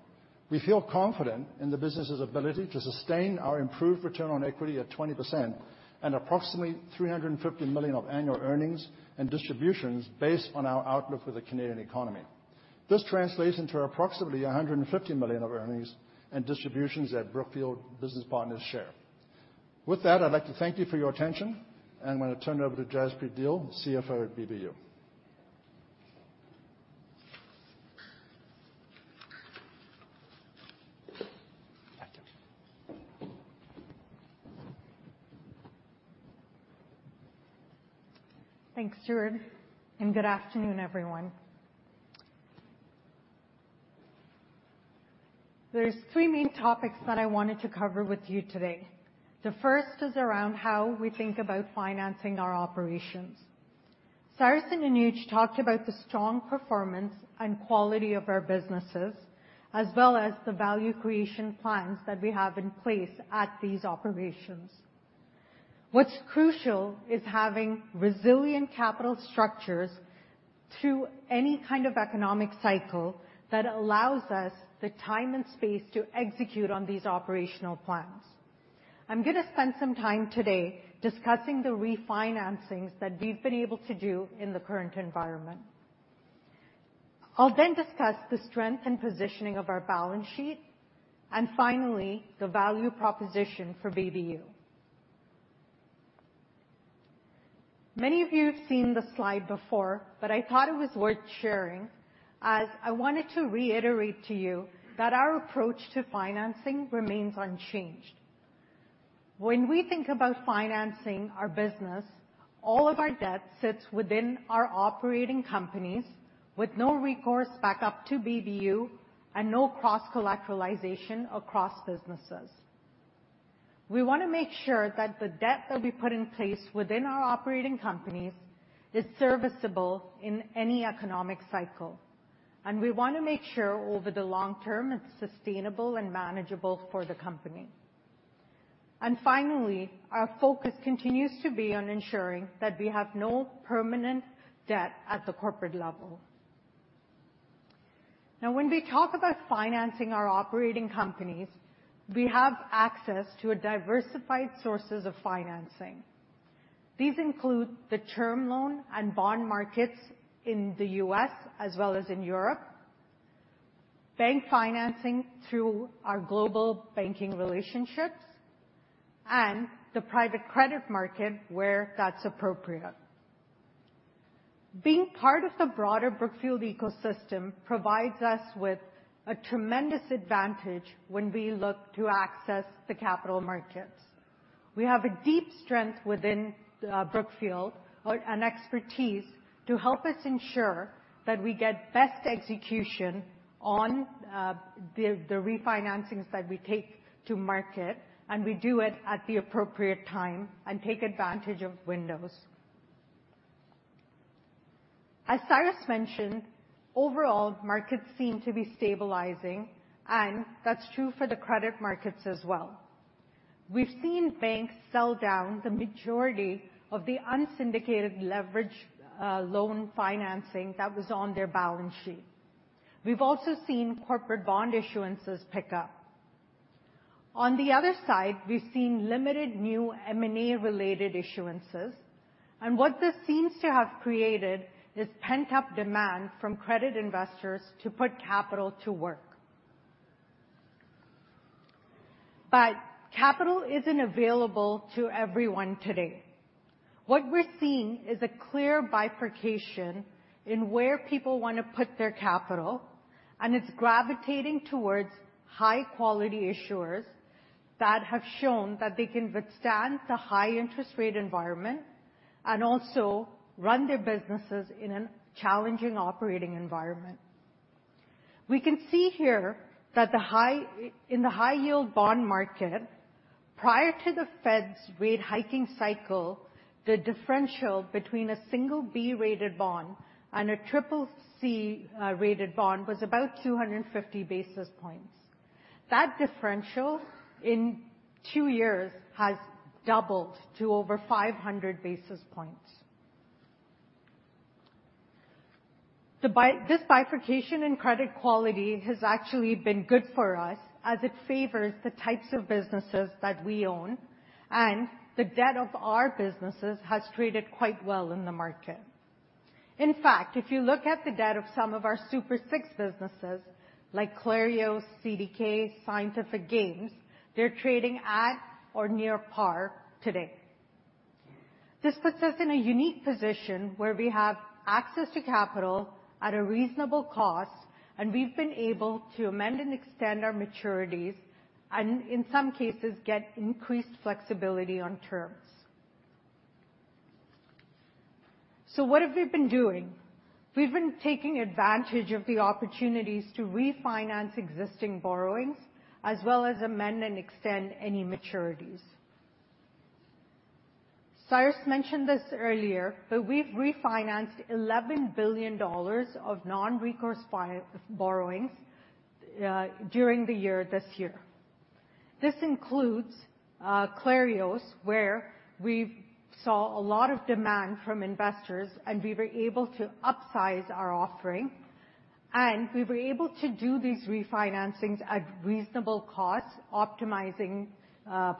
We feel confident in the business's ability to sustain our improved return on equity at 20% and approximately 350 million of annual earnings and distributions based on our outlook for the Canadian economy. This translates into approximately $150 million of earnings and distributions at Brookfield Business Partners Share. With that, I'd like to thank you for your attention, and I'm going to turn it over to Jaspreet Dehl, CFO at BBU. Thanks, Stuart, and good afternoon, everyone. There are three main topics that I wanted to cover with you today. The first is around how we think about financing our operations. Cyrus and Anuj talked about the strong performance and quality of our businesses, as well as the value creation plans that we have in place at these operations. What's crucial is having resilient capital structures through any kind of economic cycle that allows us the time and space to execute on these operational plans. I'm going to spend some time today discussing the refinancings that we've been able to do in the current environment. I'll then discuss the strength and positioning of our balance sheet, and finally, the value proposition for BBU. Many of you have seen this slide before, but I thought it was worth sharing, as I wanted to reiterate to you that our approach to financing remains unchanged. When we think about financing our business, all of our debt sits within our operating companies, with no recourse back up to BBU and no cross-collateralization across businesses. We want to make sure that the debt that we put in place within our operating companies is serviceable in any economic cycle, and we want to make sure over the long term, it's sustainable and manageable for the company. And finally, our focus continues to be on ensuring that we have no permanent debt at the corporate level. Now, when we talk about financing our operating companies, we have access to a diversified sources of financing. These include the term loan and bond markets in the U.S. as well as in Europe, bank financing through our global banking relationships, and the private credit market, where that's appropriate. Being part of the broader Brookfield ecosystem provides us with a tremendous advantage when we look to access the capital markets. We have a deep strength within Brookfield and expertise to help us ensure that we get best execution on the refinancings that we take to market, and we do it at the appropriate time and take advantage of windows. As Cyrus mentioned, overall, markets seem to be stabilizing, and that's true for the credit markets as well. We've seen banks sell down the majority of the unsyndicated leverage loan financing that was on their balance sheet. We've also seen corporate bond issuances pick up. On the other side, we've seen limited new M&A-related issuances, and what this seems to have created is pent-up demand from credit investors to put capital to work. But capital isn't available to everyone today. What we're seeing is a clear bifurcation in where people want to put their capital, and it's gravitating towards high-quality issuers that have shown that they can withstand the high interest rate environment and also run their businesses in a challenging operating environment. We can see here that in the high yield bond market, prior to the Fed's rate hiking cycle, the differential between a B-rated bond and a CCC rated bond was about 250 basis points. That differential, in two years, has doubled to over 500 basis points. This bifurcation in credit quality has actually been good for us, as it favors the types of businesses that we own, and the debt of our businesses has traded quite well in the market. In fact, if you look at the debt of some of our Super Six businesses, like Clarios, CDK, Scientific Games, they're trading at or near par today. This puts us in a unique position where we have access to capital at a reasonable cost, and we've been able to amend and extend our maturities, and in some cases, get increased flexibility on terms. So what have we been doing? We've been taking advantage of the opportunities to refinance existing borrowings, as well as amend and extend any maturities. Cyrus mentioned this earlier, but we've refinanced $11 billion of non-recourse borrowings during the year, this year. This includes Clarios, where we've saw a lot of demand from investors, and we were able to upsize our offering, and we were able to do these refinancings at reasonable cost, optimizing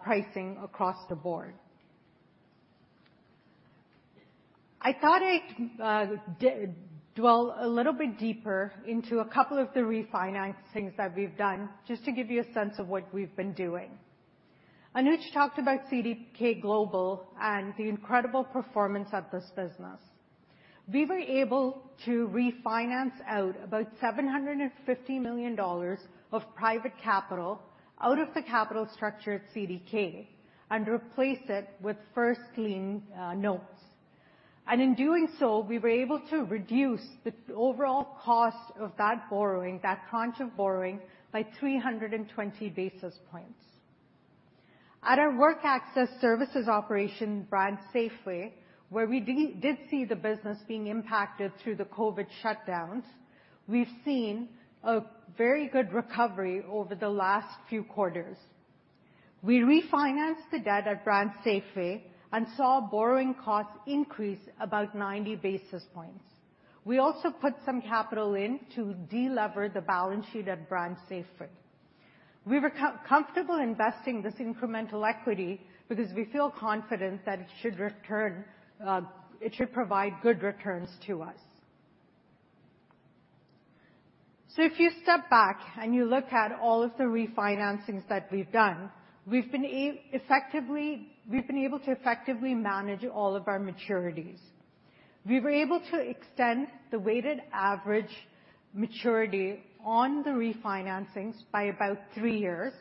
pricing across the board. I thought I'd dwell a little bit deeper into a couple of the refinancings that we've done, just to give you a sense of what we've been doing. Anuj talked about CDK Global and the incredible performance of this business. We were able to refinance out about $750 million of private capital out of the capital structure at CDK and replace it with first lien notes. And in doing so, we were able to reduce the overall cost of that borrowing, that tranche of borrowing, by 320 basis points. At our work access services operation, BrandSafway, where we did see the business being impacted through the COVID shutdowns, we've seen a very good recovery over the last few quarters. We refinanced the debt at BrandSafway and saw borrowing costs increase about 90 basis points. We also put some capital in to delever the balance sheet at BrandSafway. We were comfortable investing this incremental equity because we feel confident that it should return. It should provide good returns to us. So if you step back and you look at all of the refinancings that we've done, we've been able to effectively manage all of our maturities. We were able to extend the weighted average maturity on the refinancings by about three years.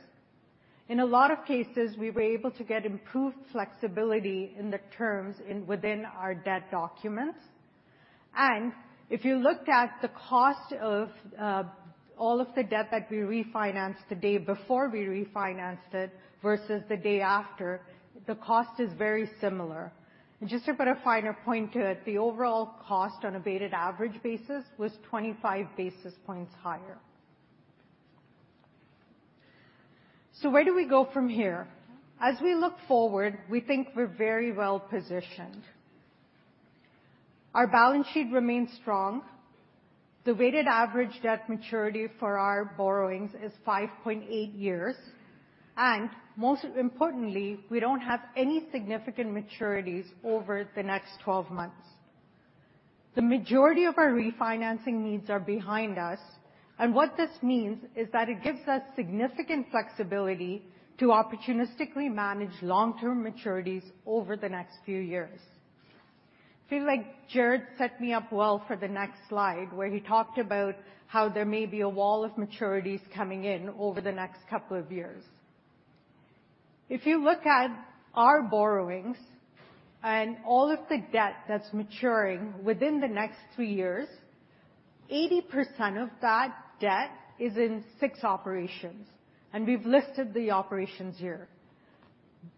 In a lot of cases, we were able to get improved flexibility in the terms within our debt documents. And if you looked at the cost of all of the debt that we refinanced the day before we refinanced it versus the day after, the cost is very similar. Just to put a finer point to it, the overall cost on a weighted average basis was 25 basis points higher. So where do we go from here? As we look forward, we think we're very well positioned. Our balance sheet remains strong. The weighted average debt maturity for our borrowings is 5.8 years, and most importantly, we don't have any significant maturities over the next 12 months. The majority of our refinancing needs are behind us, and what this means is that it gives us significant flexibility to opportunistically manage long-term maturities over the next few years. I feel like Jared set me up well for the next slide, where he talked about how there may be a wall of maturities coming in over the next couple of years. If you look at our borrowings and all of the debt that's maturing within the next three years, 80% of that debt is in six operations, and we've listed the operations here.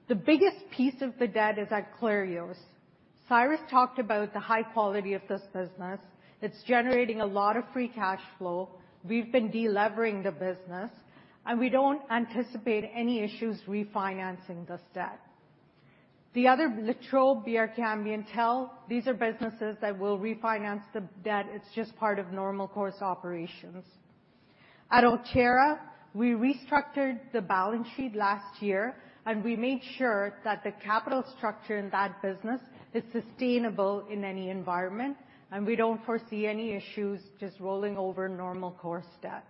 The biggest piece of the debt is at Clarios. Cyrus talked about the high quality of this business. It's generating a lot of free cash flow. We've been delevering the business, and we don't anticipate any issues refinancing this debt. The other, La Trobe, Air Liquide, and Tel, these are businesses that will refinance the debt. It's just part of normal course operations. At Altera, we restructured the balance sheet last year, and we made sure that the capital structure in that business is sustainable in any environment, and we don't foresee any issues just rolling over normal course debt.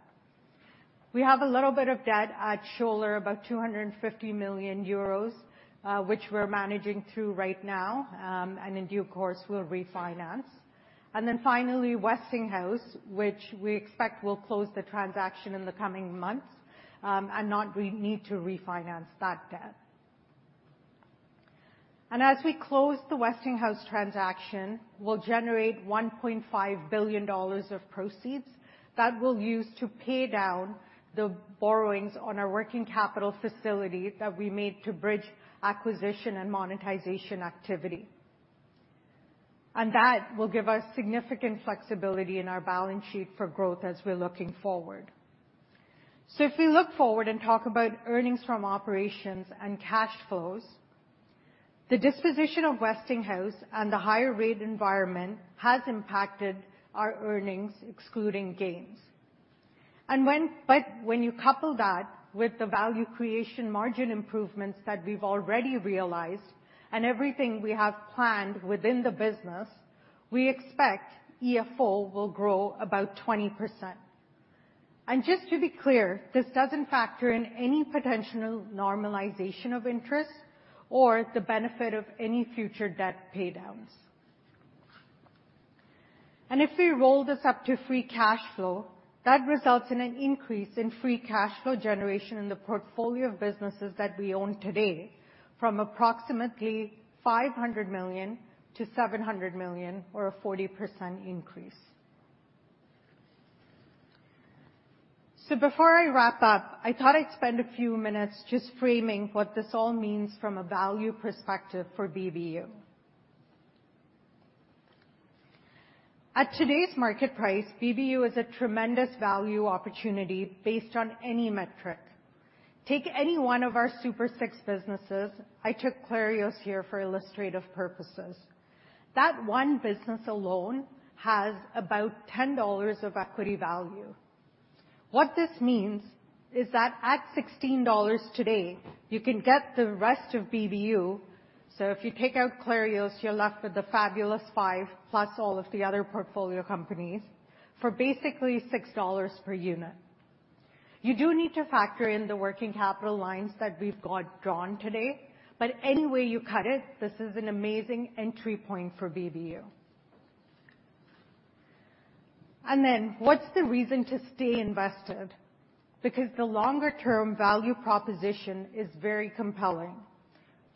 We have a little bit of debt at Schoeller, about 250 million euros, which we're managing through right now, and in due course, we'll refinance. And then finally, Westinghouse, which we expect will close the transaction in the coming months, and not need to refinance that debt. And as we close the Westinghouse transaction, we'll generate $1.5 billion of proceeds that we'll use to pay down the borrowings on our working capital facility that we made to bridge acquisition and monetization activity. And that will give us significant flexibility in our balance sheet for growth as we're looking forward. So if we look forward and talk about earnings from operations and cash flows, the disposition of Westinghouse and the higher rate environment has impacted our earnings, excluding gains. And when-- But when you couple that with the value creation margin improvements that we've already realized and everything we have planned within the business, we expect EFO will grow about 20%. And just to be clear, this doesn't factor in any potential normalization of interest or the benefit of any future debt paydowns. And if we roll this up to free cash flow, that results in an increase in free cash flow generation in the portfolio of businesses that we own today from approximately $500 million-$700 million, or a 40% increase. So before I wrap up, I thought I'd spend a few minutes just framing what this all means from a value perspective for BBU. At today's market price, BBU is a tremendous value opportunity based on any metric. Take any one of our Super Six businesses. I took Clarios here for illustrative purposes. That one business alone has about $10 of equity value. What this means is that at $16 today, you can get the rest of BBU, so if you take out Clarios, you're left with the Fabulous Five, plus all of the other portfolio companies, for basically $6 per unit. You do need to factor in the working capital lines that we've got drawn today, but any way you cut it, this is an amazing entry point for BBU. And then what's the reason to stay invested? Because the longer-term value proposition is very compelling.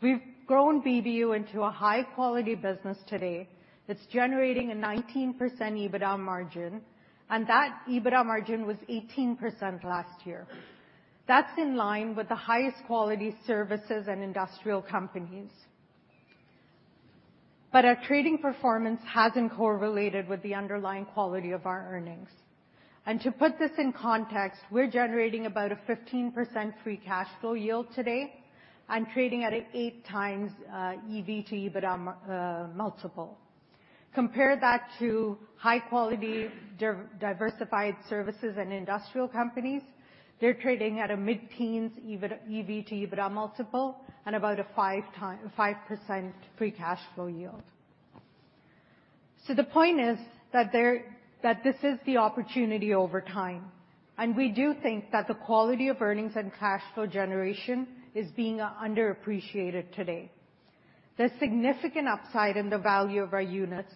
We've grown BBU into a high-quality business today that's generating a 19% EBITDA margin, and that EBITDA margin was 18% last year. That's in line with the highest quality services and industrial companies. But our trading performance hasn't correlated with the underlying quality of our earnings. And to put this in context, we're generating about a 15% free cash flow yield today and trading at an 8x EV to EBITDA multiple. Compare that to high quality, diversified services and industrial companies. They're trading at a mid-teens EV to EBITDA multiple and about a 5% free cash flow yield. So the point is that that this is the opportunity over time, and we do think that the quality of earnings and cash flow generation is being underappreciated today. There's significant upside in the value of our units,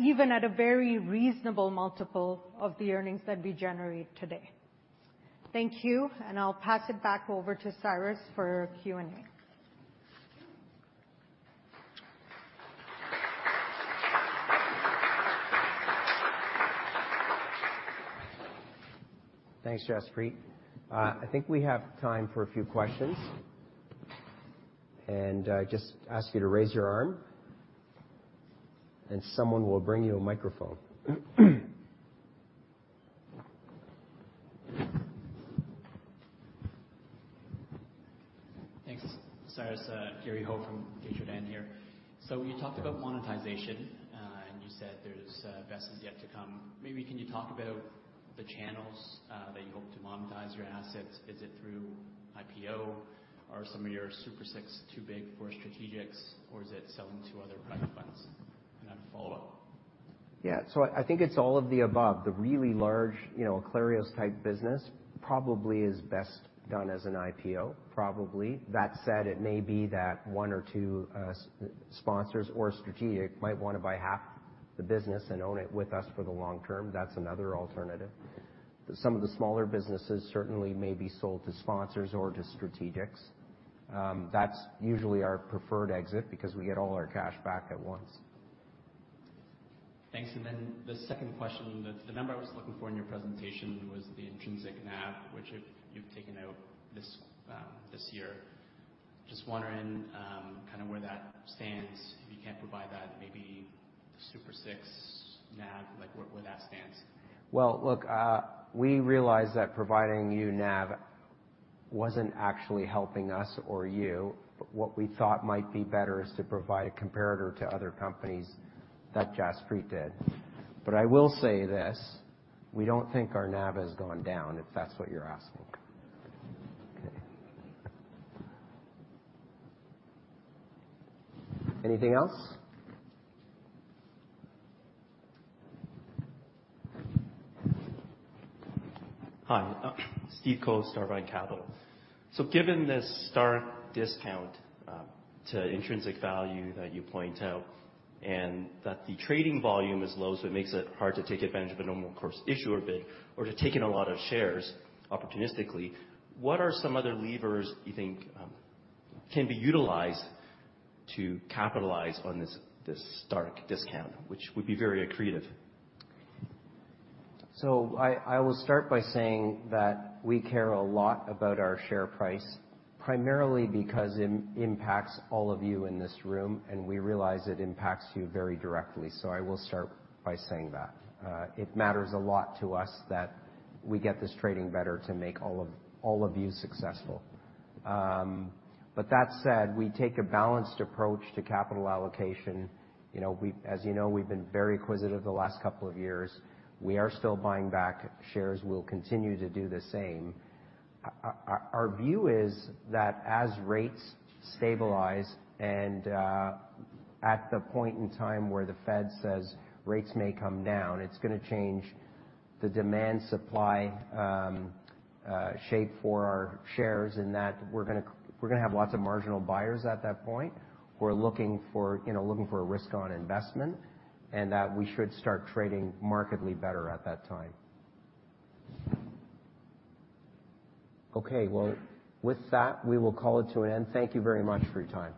even at a very reasonable multiple of the earnings that we generate today. Thank you, and I'll pass it back over to Cyrus for Q&A. Thanks, Jaspreet. I think we have time for a few questions. Just ask you to raise your arm, and someone will bring you a microphone. Thanks, Cyrus. Gary Ho from Desjardins here. So you talked about monetization, and you said there's best is yet to come. Maybe can you talk about the channels that you hope to monetize your assets? Is it through IPO? Are some of your Super Six too big for strategics, or is it selling to other private funds? And a follow-up. Yeah, so I, I think it's all of the above. The really large, you know, Clarios-type business probably is best done as an IPO, probably. That said, it may be that one or two sponsors or strategics might want to buy half the business and own it with us for the long term. That's another alternative. Some of the smaller businesses certainly may be sold to sponsors or to strategics. That's usually our preferred exit because we get all our cash back at once. Thanks. And then the second question, the, the number I was looking for in your presentation was the intrinsic NAV, which you've, you've taken out this, this year. Just wondering, kind of where that stands. If you can't provide that, maybe the Super Six NAV, like, where, where that stands? Well, look, we realize that providing you NAV wasn't actually helping us or you, but what we thought might be better is to provide a comparator to other companies that Jaspreet did. But I will say this: We don't think our NAV has gone down, if that's what you're asking. Okay. Anything else? Hi, Steve Cole, Starvine Capital. So given this stark discount to intrinsic value that you point out and that the trading volume is low, so it makes it hard to take advantage of a normal course issuer bid or to take in a lot of shares opportunistically, what are some other levers you think can be utilized to capitalize on this, this stark discount, which would be very accretive? So I will start by saying that we care a lot about our share price, primarily because it, it impacts all of you in this room, and we realize it impacts you very directly. So I will start by saying that. It matters a lot to us that we get this trading better to make all of, all of you successful. But that said, we take a balanced approach to capital allocation. You know, we, as you know, we've been very acquisitive the last couple of years. We are still buying back shares. We'll continue to do the same. Our view is that as rates stabilize and at the point in time where the Fed says rates may come down, it's gonna change the demand/supply shape for our shares, and that we're gonna have lots of marginal buyers at that point. We're looking for, you know, looking for a risk on investment and that we should start trading markedly better at that time. Okay, well, with that, we will call it to an end. Thank you very much for your time.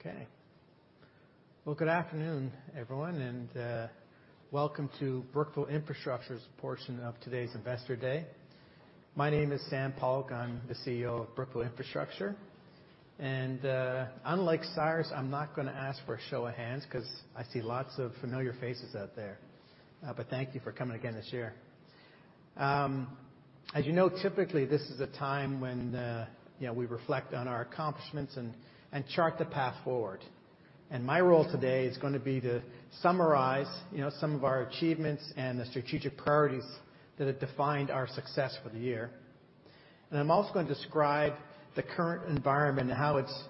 Okay. Well, good afternoon, everyone, and welcome to Brookfield Infrastructure's portion of today's Investor Day. My name is Sam Pollock. I'm the CEO of Brookfield Infrastructure. And unlike Cyrus, I'm not gonna ask for a show of hands, 'cause I see lots of familiar faces out there. But thank you for coming again this year. As you know, typically, this is a time when, you know, we reflect on our accomplishments and chart the path forward. And my role today is gonna be to summarize, you know, some of our achievements and the strategic priorities that have defined our success for the year. And I'm also gonna describe the current environment and how it's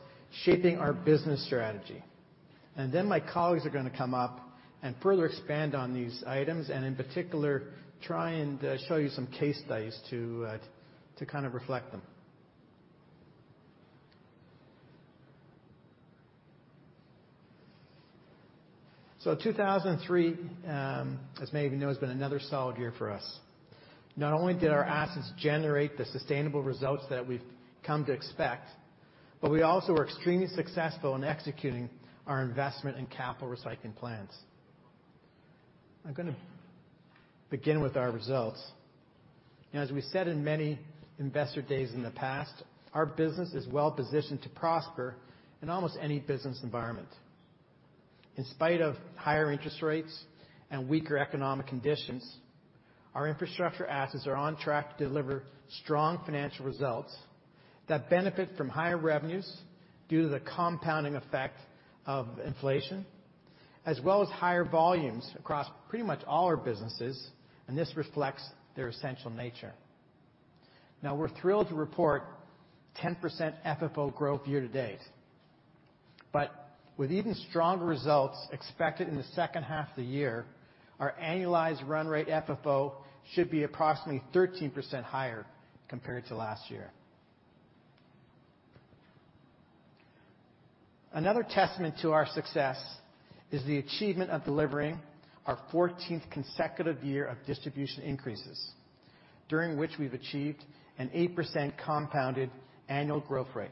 shaping our business strategy. Then my colleagues are gonna come up and further expand on these items, and in particular, try and show you some case studies to kind of reflect them. 2003, as many of you know, has been another solid year for us. Not only did our assets generate the sustainable results that we've come to expect, but we also were extremely successful in executing our investment in capital recycling plans. I'm gonna begin with our results. As we said in many investor days in the past, our business is well positioned to prosper in almost any business environment. In spite of higher interest rates and weaker economic conditions, our infrastructure assets are on track to deliver strong financial results that benefit from higher revenues due to the compounding effect of inflation, as well as higher volumes across pretty much all our businesses, and this reflects their essential nature. Now, we're thrilled to report 10% FFO growth year to date. But with even stronger results expected in the second half of the year, our annualized run rate FFO should be approximately 13% higher compared to last year. Another testament to our success is the achievement of delivering our 14th consecutive year of distribution increases, during which we've achieved an 8% compounded annual growth rate.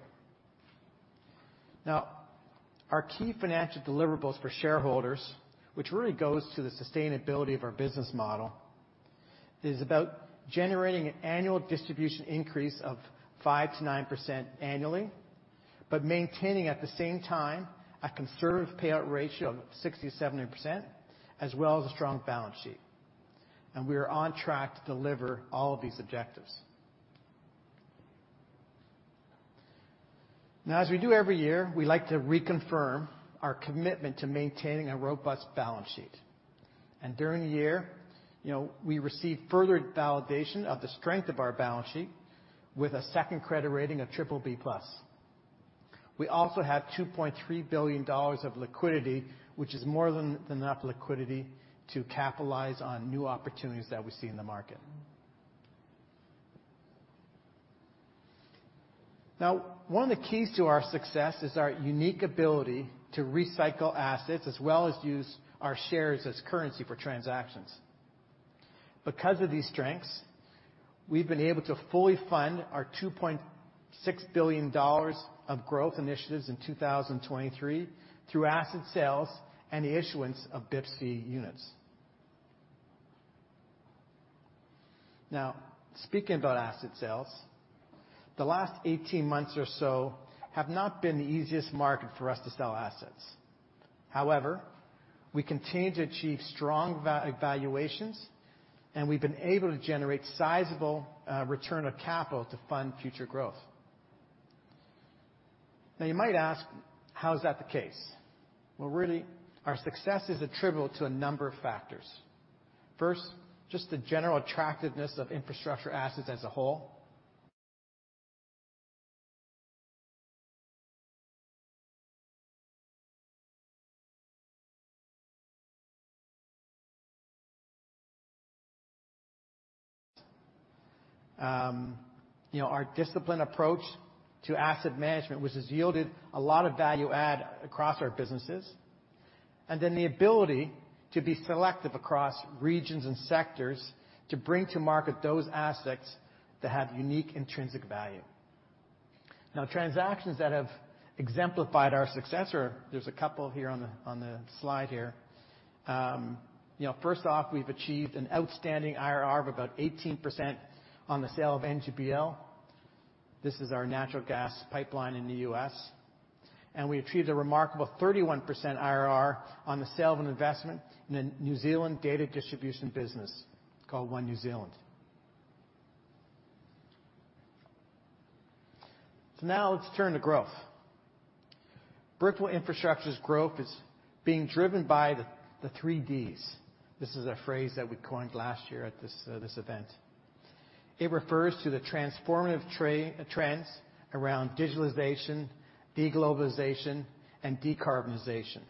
Now, our key financial deliverables for shareholders, which really goes to the sustainability of our business model, is about generating an annual distribution increase of 5%-9% annually, but maintaining, at the same time, a conservative payout ratio of 60%-70%, as well as a strong balance sheet. We are on track to deliver all of these objectives. Now, as we do every year, we like to reconfirm our commitment to maintaining a robust balance sheet. And during the year, you know, we received further validation of the strength of our balance sheet with a second credit rating of BBB+. We also have $2.3 billion of liquidity, which is more than enough liquidity to capitalize on new opportunities that we see in the market. Now, one of the keys to our success is our unique ability to recycle assets as well as use our shares as currency for transactions. Because of these strengths, we've been able to fully fund our $2.6 billion of growth initiatives in 2023 through asset sales and the issuance of BIP's C units. Now, speaking about asset sales, the last 18 months or so have not been the easiest market for us to sell assets. However, we continue to achieve strong valuations, and we've been able to generate sizable return of capital to fund future growth. Now, you might ask, "How is that the case? Well, really, our success is attributable to a number of factors. First, just the general attractiveness of infrastructure assets as a whole. You know, our disciplined approach to asset management, which has yielded a lot of value add across our businesses, and then the ability to be selective across regions and sectors to bring to market those assets that have unique intrinsic value. Now, transactions that have exemplified our success are-- There's a couple here on the, on the slide here. You know, first off, we've achieved an outstanding IRR of about 18% on the sale of NGPL. This is our natural gas pipeline in the U.S., and we achieved a remarkable 31% IRR on the sale of an investment in a New Zealand data distribution business called One New Zealand. So now let's turn to growth. Brookfield Infrastructure's growth is being driven by the DDDs. This is a phrase that we coined last year at this event. It refers to the transformative trends around digitalization, deglobalization, and decarbonization.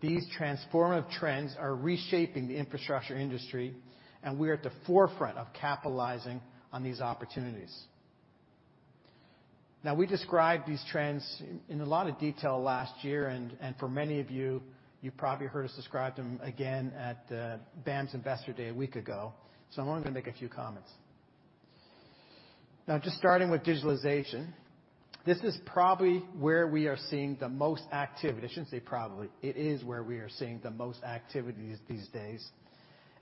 These transformative trends are reshaping the infrastructure industry, and we are at the forefront of capitalizing on these opportunities. Now, we described these trends in a lot of detail last year, and for many of you, you've probably heard us describe them again at BAM's Investor Day a week ago. So I'm only going to make a few comments. Now, just starting with digitalization, this is probably where we are seeing the most activity. I shouldn't say probably. It is where we are seeing the most activity these days--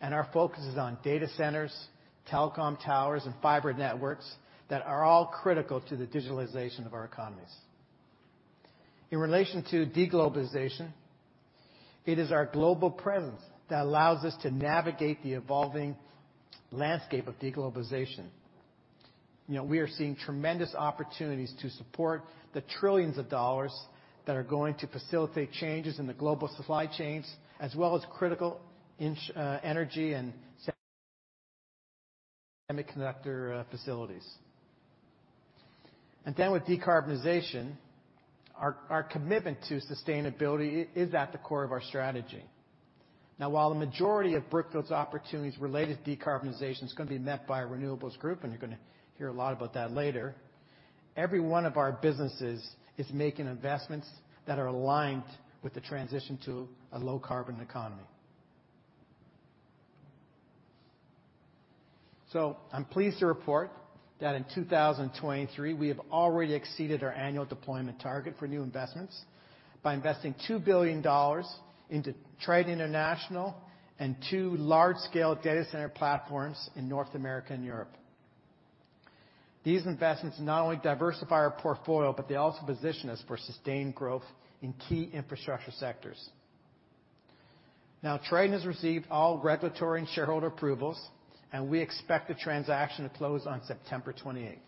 and our focus is on data centers, telecom towers, and fiber networks that are all critical to the digitalization of our economies. In relation to de-globalization, it is our global presence that allows us to navigate the evolving landscape of de-globalization. You know, we are seeing tremendous opportunities to support the trillions of dollars that are going to facilitate changes in the global supply chains, as well as critical infrastructure, energy and semiconductor facilities. And then with decarbonization, our commitment to sustainability is at the core of our strategy. Now, while the majority of Brookfield's opportunities related to decarbonization is gonna be met by our renewables group, and you're gonna hear a lot about that later, every one of our businesses is making investments that are aligned with the transition to a low-carbon economy. So I'm pleased to report that in 2023, we have already exceeded our annual deployment target for new investments by investing $2 billion into Triton International and two large-scale data center platforms in North America and Europe. These investments not only diversify our portfolio, but they also position us for sustained growth in key infrastructure sectors. Now, Triton has received all regulatory and shareholder approvals, and we expect the transaction to close on September 28th.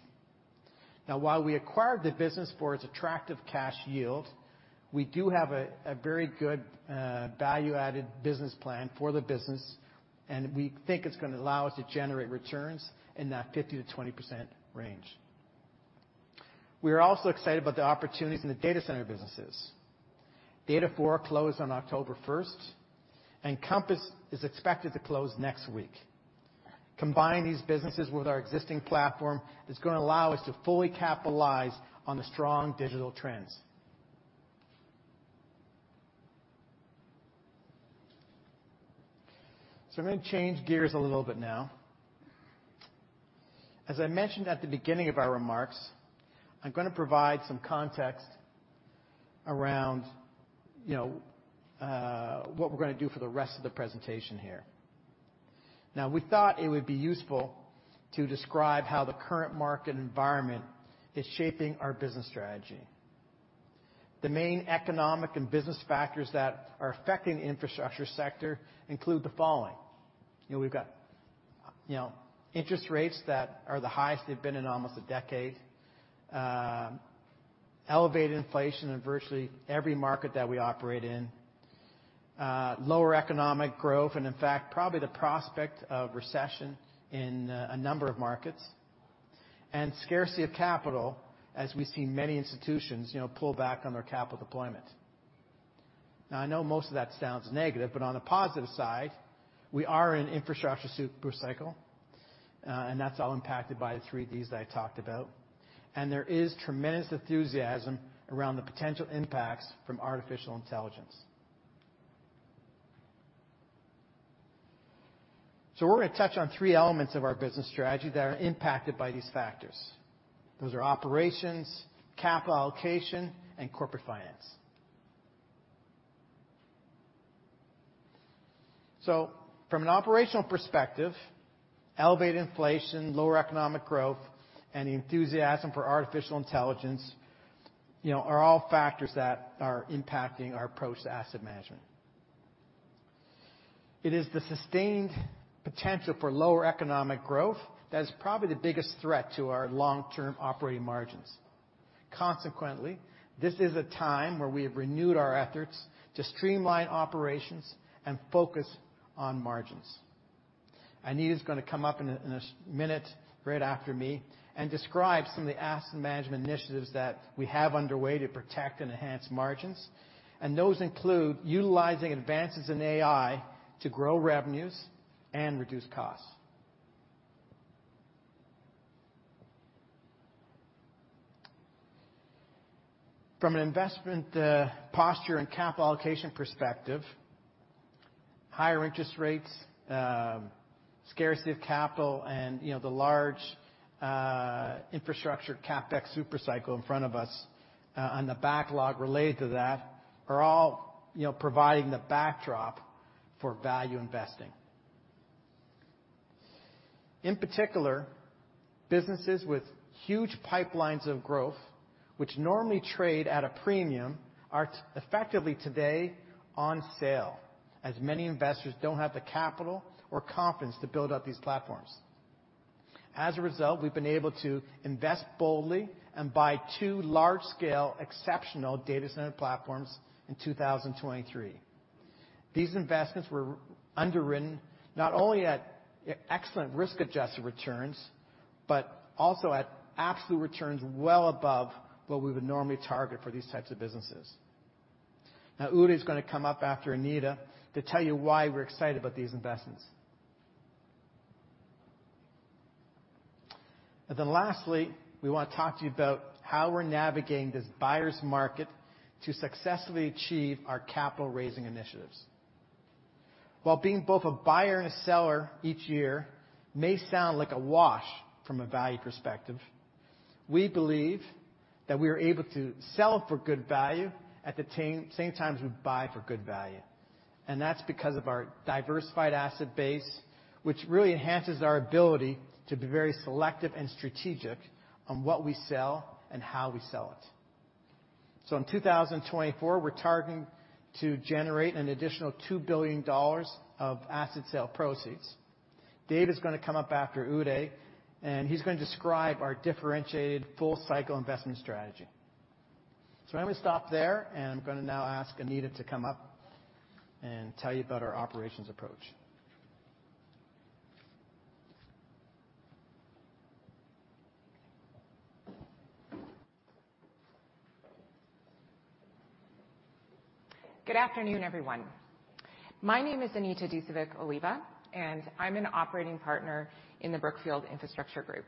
Now, while we acquired the business for its attractive cash yield, we do have a, a very good, value-added business plan for the business, and we think it's gonna allow us to generate returns in that 50%-20% range. We are also excited about the opportunities in the data center businesses. Data4 closed on October 1st, and Compass is expected to close next week. Combining these businesses with our existing platform is gonna allow us to fully capitalize on the strong digital trends. So I'm gonna change gears a little bit now. As I mentioned at the beginning of our remarks, I'm gonna provide some context around, you know, what we're gonna do for the rest of the presentation here. Now, we thought it would be useful to describe how the current market environment is shaping our business strategy. The main economic and business factors that are affecting the infrastructure sector include the following: You know, we've got, you know, interest rates that are the highest they've been in almost a decade. Elevated inflation in virtually every market that we operate in. Lower economic growth, and in fact, probably the prospect of recession in a number of markets. And scarcity of capital, as we've seen many institutions, you know, pull back on their capital deployment. Now, I know most of that sounds negative, but on the positive side, we are in an infrastructure super cycle, and that's all impacted by the DDDs that I talked about. There is tremendous enthusiasm around the potential impacts from artificial intelligence. We're gonna touch on three elements of our business strategy that are impacted by these factors. Those are operations, capital allocation, and corporate finance. From an operational perspective, elevated inflation, lower economic growth, and enthusiasm for artificial intelligence, you know, are all factors that are impacting our approach to asset management. It is the sustained potential for lower economic growth that is probably the biggest threat to our long-term operating margins. Consequently, this is a time where we have renewed our efforts to streamline operations and focus on margins. Anita's gonna come up in a second, minute, right after me, and describe some of the asset management initiatives that we have underway to protect and enhance margins, and those include utilizing advances in AI to grow revenues and reduce costs. From an investment posture and capital allocation perspective, higher interest rates, scarcity of capital, and, you know, the large infrastructure CapEx super cycle in front of us, and the backlog related to that are all, you know, providing the backdrop for value investing. In particular, businesses with huge pipelines of growth, which normally trade at a premium, are effectively today on sale, as many investors don't have the capital or confidence to build out these platforms. As a result, we've been able to invest boldly and buy two large-scale, exceptional data center platforms in 2023. These investments were underwritten not only at excellent risk-adjusted returns, but also at absolute returns well above what we would normally target for these types of businesses. Now, Udhay is gonna come up after Anita to tell you why we're excited about these investments. And then lastly, we want to talk to you about how we're navigating this buyer's market to successfully achieve our capital-raising initiatives. While being both a buyer and a seller each year may sound like a wash from a value perspective. We believe that we are able to sell for good value at the same time as we buy for good value. And that's because of our diversified asset base, which really enhances our ability to be very selective and strategic on what we sell and how we sell it. So in 2024, we're targeting to generate an additional $2 billion of asset sale proceeds. Dave is going to come up after Udhay, and he's going to describe our differentiated full cycle investment strategy. So I'm going to stop there, and I'm going to now ask Anita to come up and tell you about our operations approach. Good afternoon, everyone. My name is Anita Dusevic Oliva, and I'm an Operating Partner in the Brookfield Infrastructure Group.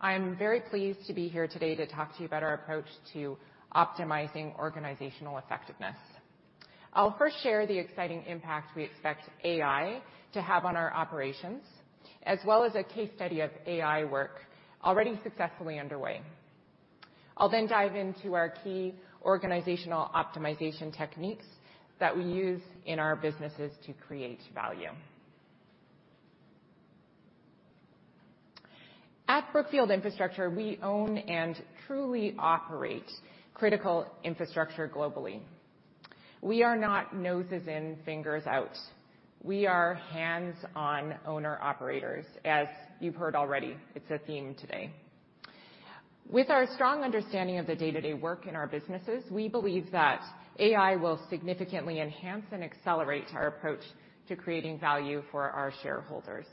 I am very pleased to be here today to talk to you about our approach to optimizing organizational effectiveness. I'll first share the exciting impact we expect AI to have on our operations, as well as a case study of AI work already successfully underway. I'll then dive into our key organizational optimization techniques that we use in our businesses to create value. At Brookfield Infrastructure, we own and truly operate critical infrastructure globally. We are not noses in, fingers out. We are hands-on owner-operators, as you've heard already. It's a theme today. With our strong understanding of the day-to-day work in our businesses, we believe that AI will significantly enhance and accelerate our approach to creating value for our shareholders.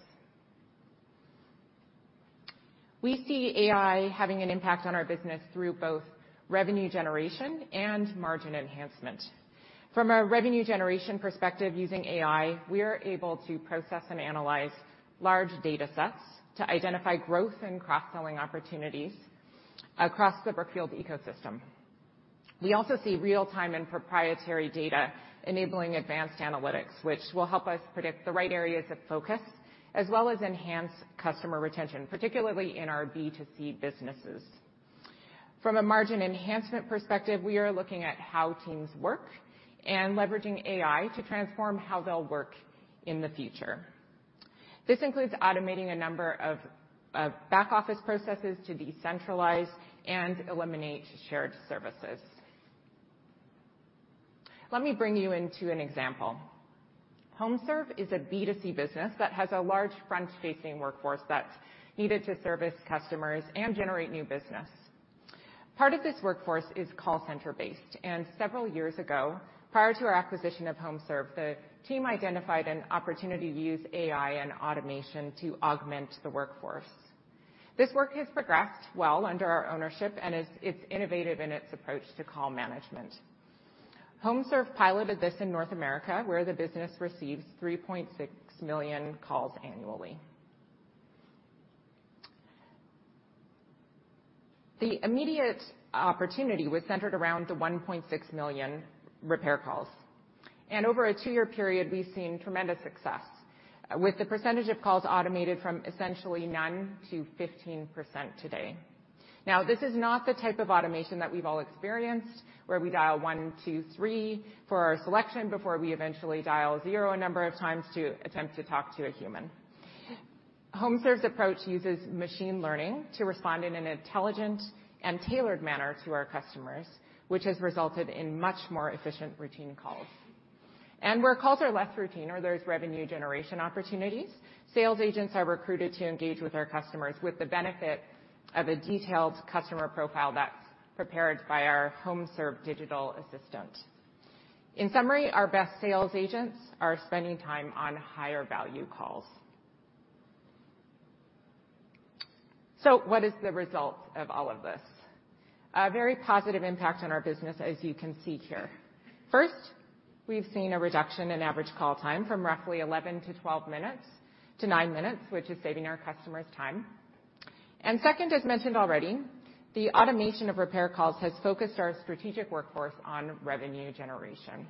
We see AI having an impact on our business through both revenue generation and margin enhancement. From a revenue generation perspective, using AI, we are able to process and analyze large datasets to identify growth and cross-selling opportunities across the Brookfield ecosystem. We also see real-time and proprietary data enabling advanced analytics, which will help us predict the right areas of focus, as well as enhance customer retention, particularly in our B2C businesses. From a margin enhancement perspective, we are looking at how teams work and leveraging AI to transform how they'll work in the future. This includes automating a number of back-office processes to decentralize and eliminate shared services. Let me bring you into an example. HomeServe is a B2C business that has a large front-facing workforce that's needed to service customers and generate new business. Part of this workforce is call center-based, and several years ago, prior to our acquisition of HomeServe, the team identified an opportunity to use AI and automation to augment the workforce. This work has progressed well under our ownership and it's innovative in its approach to call management. HomeServe piloted this in North America, where the business receives 3.6 million calls annually. The immediate opportunity was centered around the 1.6 million repair calls, and over a two-year period, we've seen tremendous success, with the percentage of calls automated from essentially none to 15% today. Now, this is not the type of automation that we've all experienced, where we dial one, two, three for our selection before we eventually dial zero a number of times to attempt to talk to a human. HomeServe's approach uses machine learning to respond in an intelligent and tailored manner to our customers, which has resulted in much more efficient routine calls. Where calls are less routine or there's revenue generation opportunities, sales agents are recruited to engage with our customers with the benefit of a detailed customer profile that's prepared by our HomeServe digital assistant. In summary, our best sales agents are spending time on higher-value calls. What is the result of all of this? A very positive impact on our business, as you can see here. First, we've seen a reduction in average call time from roughly 11-12 minutes to 9 minutes, which is saving our customers time. Second, as mentioned already, the automation of repair calls has focused our strategic workforce on revenue generation.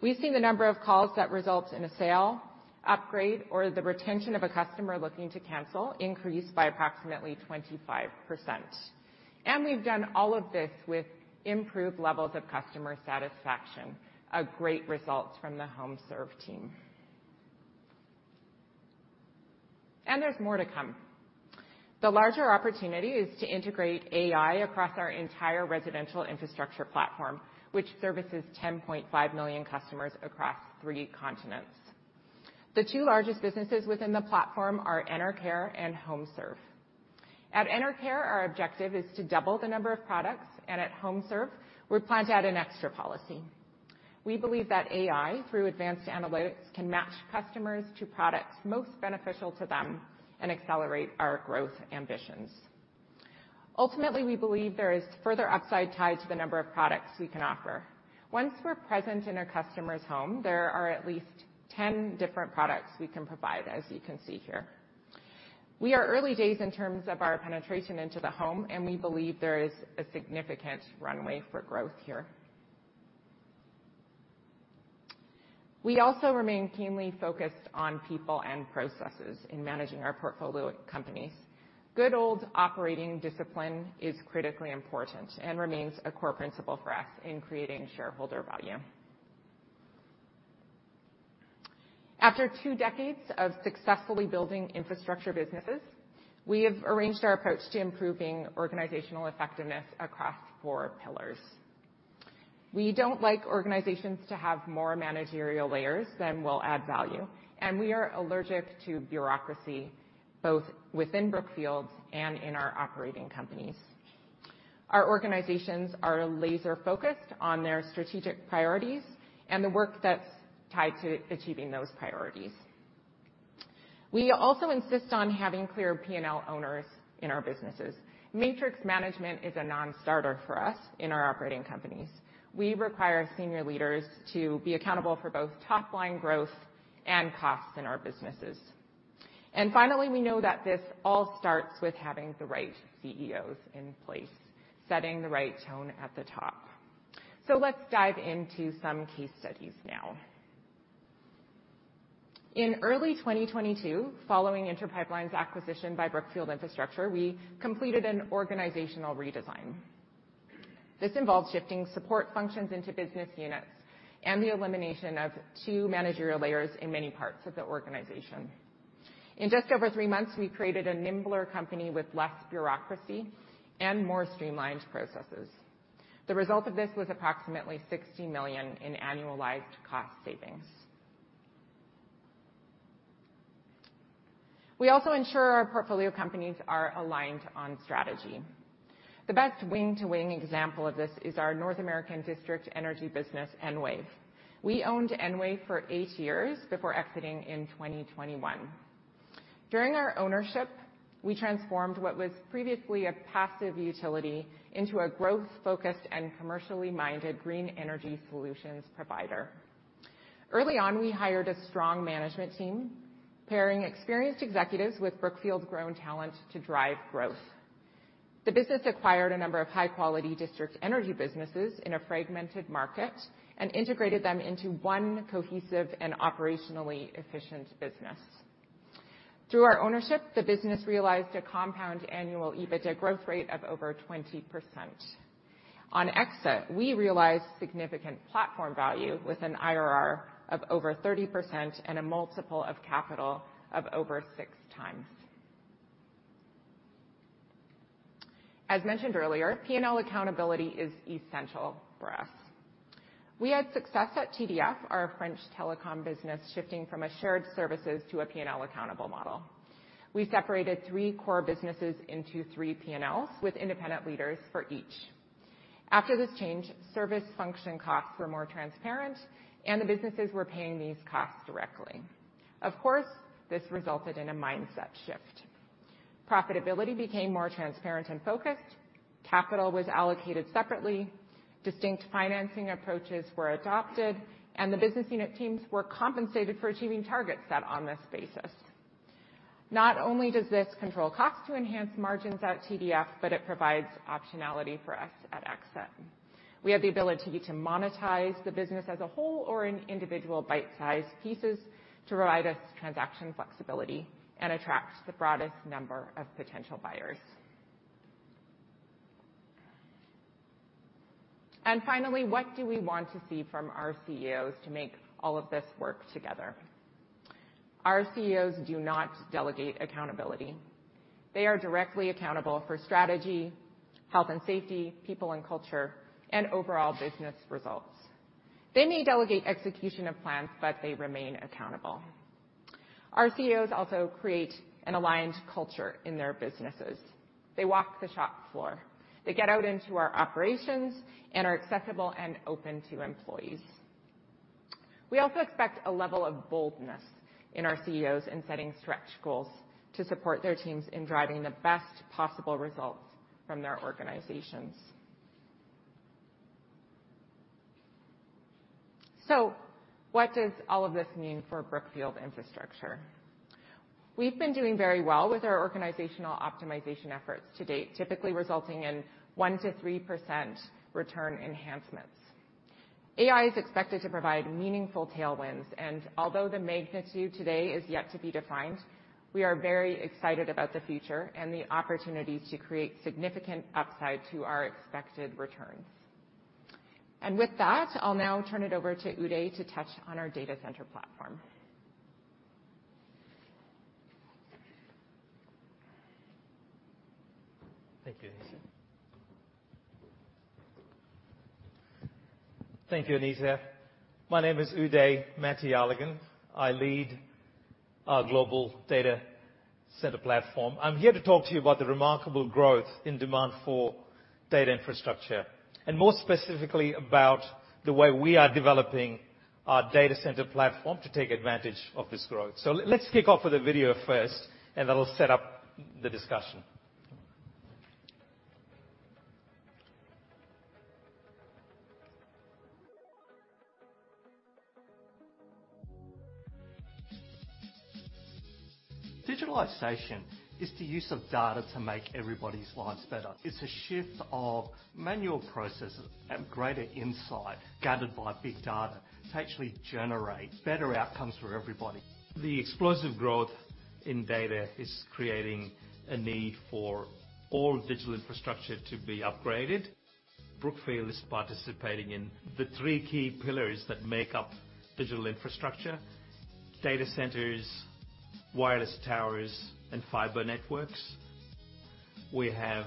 We've seen the number of calls that result in a sale, upgrade, or the retention of a customer looking to cancel increased by approximately 25%. We've done all of this with improved levels of customer satisfaction, a great result from the HomeServe team. There's more to come. The larger opportunity is to integrate AI across our entire residential infrastructure platform, which services 10.5 million customers across three continents. The two largest businesses within the platform are Enercare and HomeServe. At Enercare, our objective is to double the number of products, and at HomeServe, we plan to add an extra policy. We believe that AI, through advanced analytics, can match customers to products most beneficial to them and accelerate our growth ambitions. Ultimately, we believe there is further upside tied to the number of products we can offer. Once we're present in a customer's home, there are at least 10 different products we can provide, as you can see here. We are early days in terms of our penetration into the home, and we believe there is a significant runway for growth here. We also remain keenly focused on people and processes in managing our portfolio companies. Good old operating discipline is critically important and remains a core principle for us in creating shareholder value. After two decades of successfully building infrastructure businesses, we have arranged our approach to improving organizational effectiveness across four pillars. We don't like organizations to have more managerial layers than will add value, and we are allergic to bureaucracy, both within Brookfield and in our operating companies. Our organizations are laser-focused on their strategic priorities and the work that's tied to achieving those priorities. We also insist on having clear P&L owners in our businesses. Matrix management is a non-starter for us in our operating companies. We require senior leaders to be accountable for both top-line growth and costs in our businesses. And finally, we know that this all starts with having the right CEOs in place, setting the right tone at the top. So let's dive into some case studies now. In early 2022, following Inter Pipeline's acquisition by Brookfield Infrastructure, we completed an organizational redesign. This involves shifting support functions into business units and the elimination of two managerial layers in many parts of the organization. In just over three months, we created a nimbler company with less bureaucracy and more streamlined processes. The result of this was approximately $60 million in annualized cost savings. We also ensure our portfolio companies are aligned on strategy. The best wing-to-wing example of this is our North American district energy business, Enwave. We owned Enwave for eight years before exiting in 2021. During our ownership, we transformed what was previously a passive utility into a growth-focused and commercially-minded green energy solutions provider. Early on, we hired a strong management team, pairing experienced executives with Brookfield's grown talent to drive growth. The business acquired a number of high-quality district energy businesses in a fragmented market and integrated them into one cohesive and operationally efficient business. Through our ownership, the business realized a compound annual EBITDA growth rate of over 20%. On exit, we realized significant platform value with an IRR of over 30% and a multiple of capital of over 6x. As mentioned earlier, P&L accountability is essential for us. We had success at TDF, our French telecom business, shifting from a shared services to a P&L accountable model. We separated three core businesses into three P&Ls, with independent leaders for each. After this change, service function costs were more transparent, and the businesses were paying these costs directly. Of course, this resulted in a mindset shift. Profitability became more transparent and focused, capital was allocated separately, distinct financing approaches were adopted, and the business unit teams were compensated for achieving targets set on this basis. Not only does this control costs to enhance margins at TDF, but it provides optionality for us at exit. We have the ability to monetize the business as a whole or in individual bite-sized pieces to provide us transaction flexibility and attract the broadest number of potential buyers. Finally, what do we want to see from our CEOs to make all of this work together? Our CEOs do not delegate accountability. They are directly accountable for strategy, health and safety, people and culture, and overall business results. They may delegate execution of plans, but they remain accountable. Our CEOs also create an aligned culture in their businesses. They walk the shop floor. They get out into our operations and are accessible and open to employees. We also expect a level of boldness in our CEOs in setting stretch goals to support their teams in driving the best possible results from their organizations. What does all of this mean for Brookfield Infrastructure? We've been doing very well with our organizational optimization efforts to date, typically resulting in 1%-3% return enhancements. AI is expected to provide meaningful tailwinds, and although the magnitude today is yet to be defined, we are very excited about the future and the opportunity to create significant upside to our expected returns. With that, I'll now turn it over to Udhay to touch on our data center platform. Thank you, Anisa. Thank you, Anita. My name is Udhay Mathialagan. I lead our global data center platform. I'm here to talk to you about the remarkable growth in demand for data infrastructure, and more specifically, about the way we are developing our data center platform to take advantage of this growth. So let's kick off with a video first, and that'll set up the discussion. Digitalization is the use of data to make everybody's lives better. It's a shift of manual processes and greater insight gathered by big data to actually generate better outcomes for everybody. The explosive growth in data is creating a need for all digital infrastructure to be upgraded. Brookfield is participating in the three key pillars that make up digital infrastructure: data centers, wireless towers, and fiber networks. We have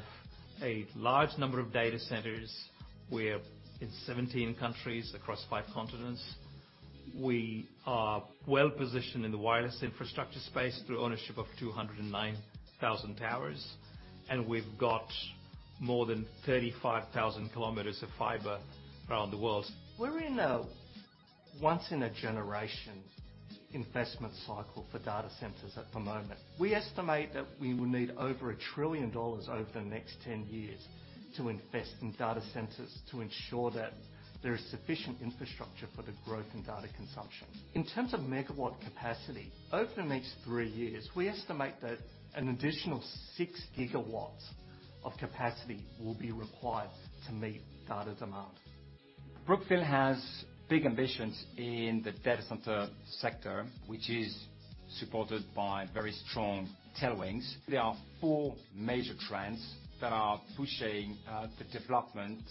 a large number of data centers. We're in 17 countries across 5 continents. We are well-positioned in the wireless infrastructure space through ownership of 209,000 towers, and we've got more than 35,000 kilometers of fiber around the world. We're in a once-in-a-generation investment cycle for data centers at the moment. We estimate that we will need over $1 trillion over the next 10 years to invest in data centers to ensure that there is sufficient infrastructure for the growth in data consumption. In terms of megawatt capacity, over the next three years, we estimate that an additional 6 GW of capacity will be required to meet data demand. Brookfield has big ambitions in the data center sector, which is supported by very strong tailwinds. There are four major trends that are pushing the development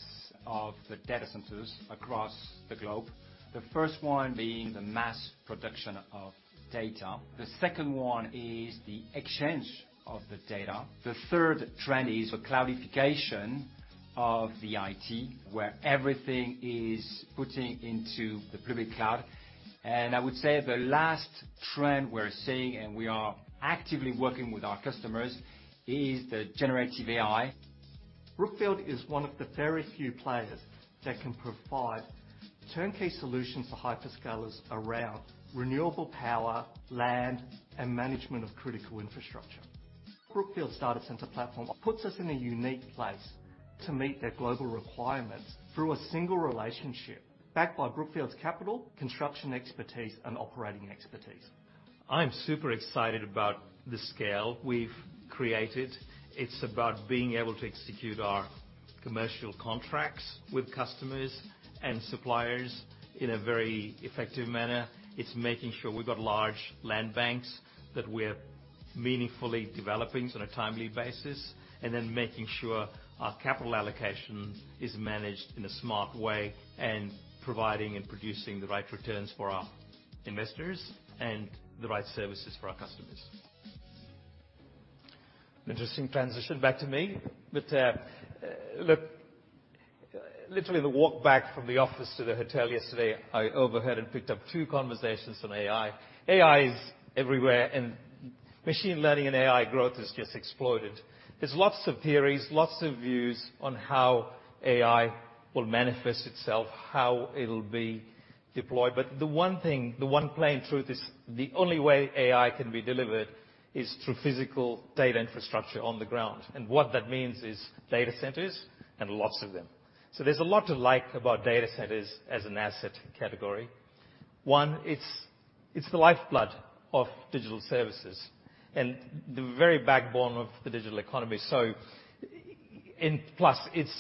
of the data centers across the globe. The first one being the mass production of data. The second one is the exchange of the data. The third trend is the cloudification of the IT, where everything is putting into the public cloud. And I would say the last trend we're seeing, and we are actively working with our customers, is the generative AI. Brookfield is one of the very few players that can provide turnkey solutions to hyperscalers around renewable power, land, and management of critical infrastructure. Brookfield's data center platform puts us in a unique place to meet their global requirements through a single relationship, backed by Brookfield's capital, construction expertise, and operating expertise. I'm super excited about the scale we've created. It's about being able to execute our commercial contracts with customers and suppliers in a very effective manner. It's making sure we've got large land banks that we're meaningfully developing on a timely basis, and then making sure our capital allocation is managed in a smart way, and providing and producing the right returns for our investors and the right services for our customers. Interesting transition back to me. But, look, literally, the walk back from the office to the hotel yesterday, I overheard and picked up two conversations on AI. AI is everywhere, and machine learning and AI growth has just exploded. There's lots of theories, lots of views on how AI will manifest itself, how it'll be deployed, but the one thing, the one plain truth, is the only way AI can be delivered is through physical data infrastructure on the ground, and what that means is data centers, and lots of them. So there's a lot to like about data centers as an asset category. One, it's, it's the lifeblood of digital services and the very backbone of the digital economy. So, and plus, it's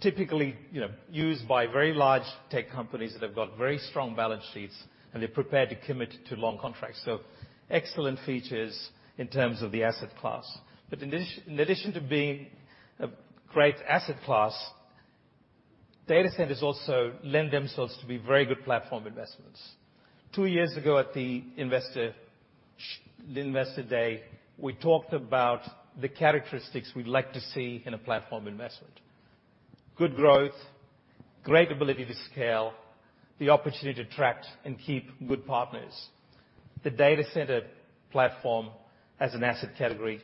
typically, you know, used by very large tech companies that have got very strong balance sheets, and they're prepared to commit to long contracts. So excellent features in terms of the asset class. But in addition to being a great asset class, data centers also lend themselves to be very good platform investments. Two years ago, at the investor day, we talked about the characteristics we'd like to see in a platform investment. Good growth, great ability to scale, the opportunity to attract and keep good partners. The data center platform as an asset category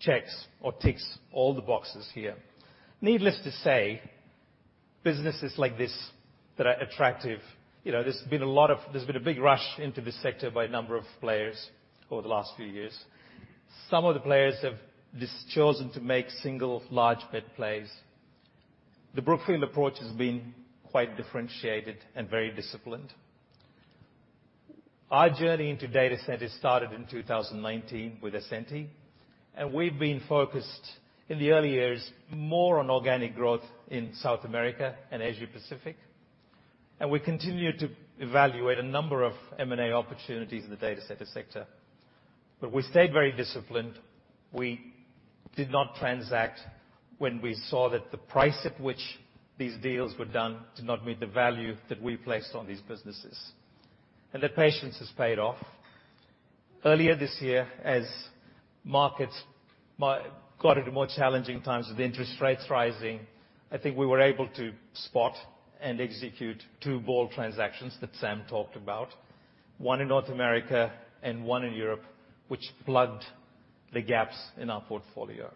checks or ticks all the boxes here. Needless to say, businesses like this that are attractive, you know, there's been a big rush into this sector by a number of players over the last few years. Some of the players have just chosen to make single, large bet plays. The Brookfield approach has been quite differentiated and very disciplined. Our journey into data centers started in 2019 with Ascenty, and we've been focused, in the early years, more on organic growth in South America and Asia Pacific, and we continued to evaluate a number of M&A opportunities in the data center sector. But we stayed very disciplined. We did not transact when we saw that the price at which these deals were done did not meet the value that we placed on these businesses, and that patience has paid off. Earlier this year, as markets got into more challenging times with interest rates rising, I think we were able to spot and execute two bold transactions that Sam talked about, one in North America and one in Europe, which plugged the gaps in our portfolio.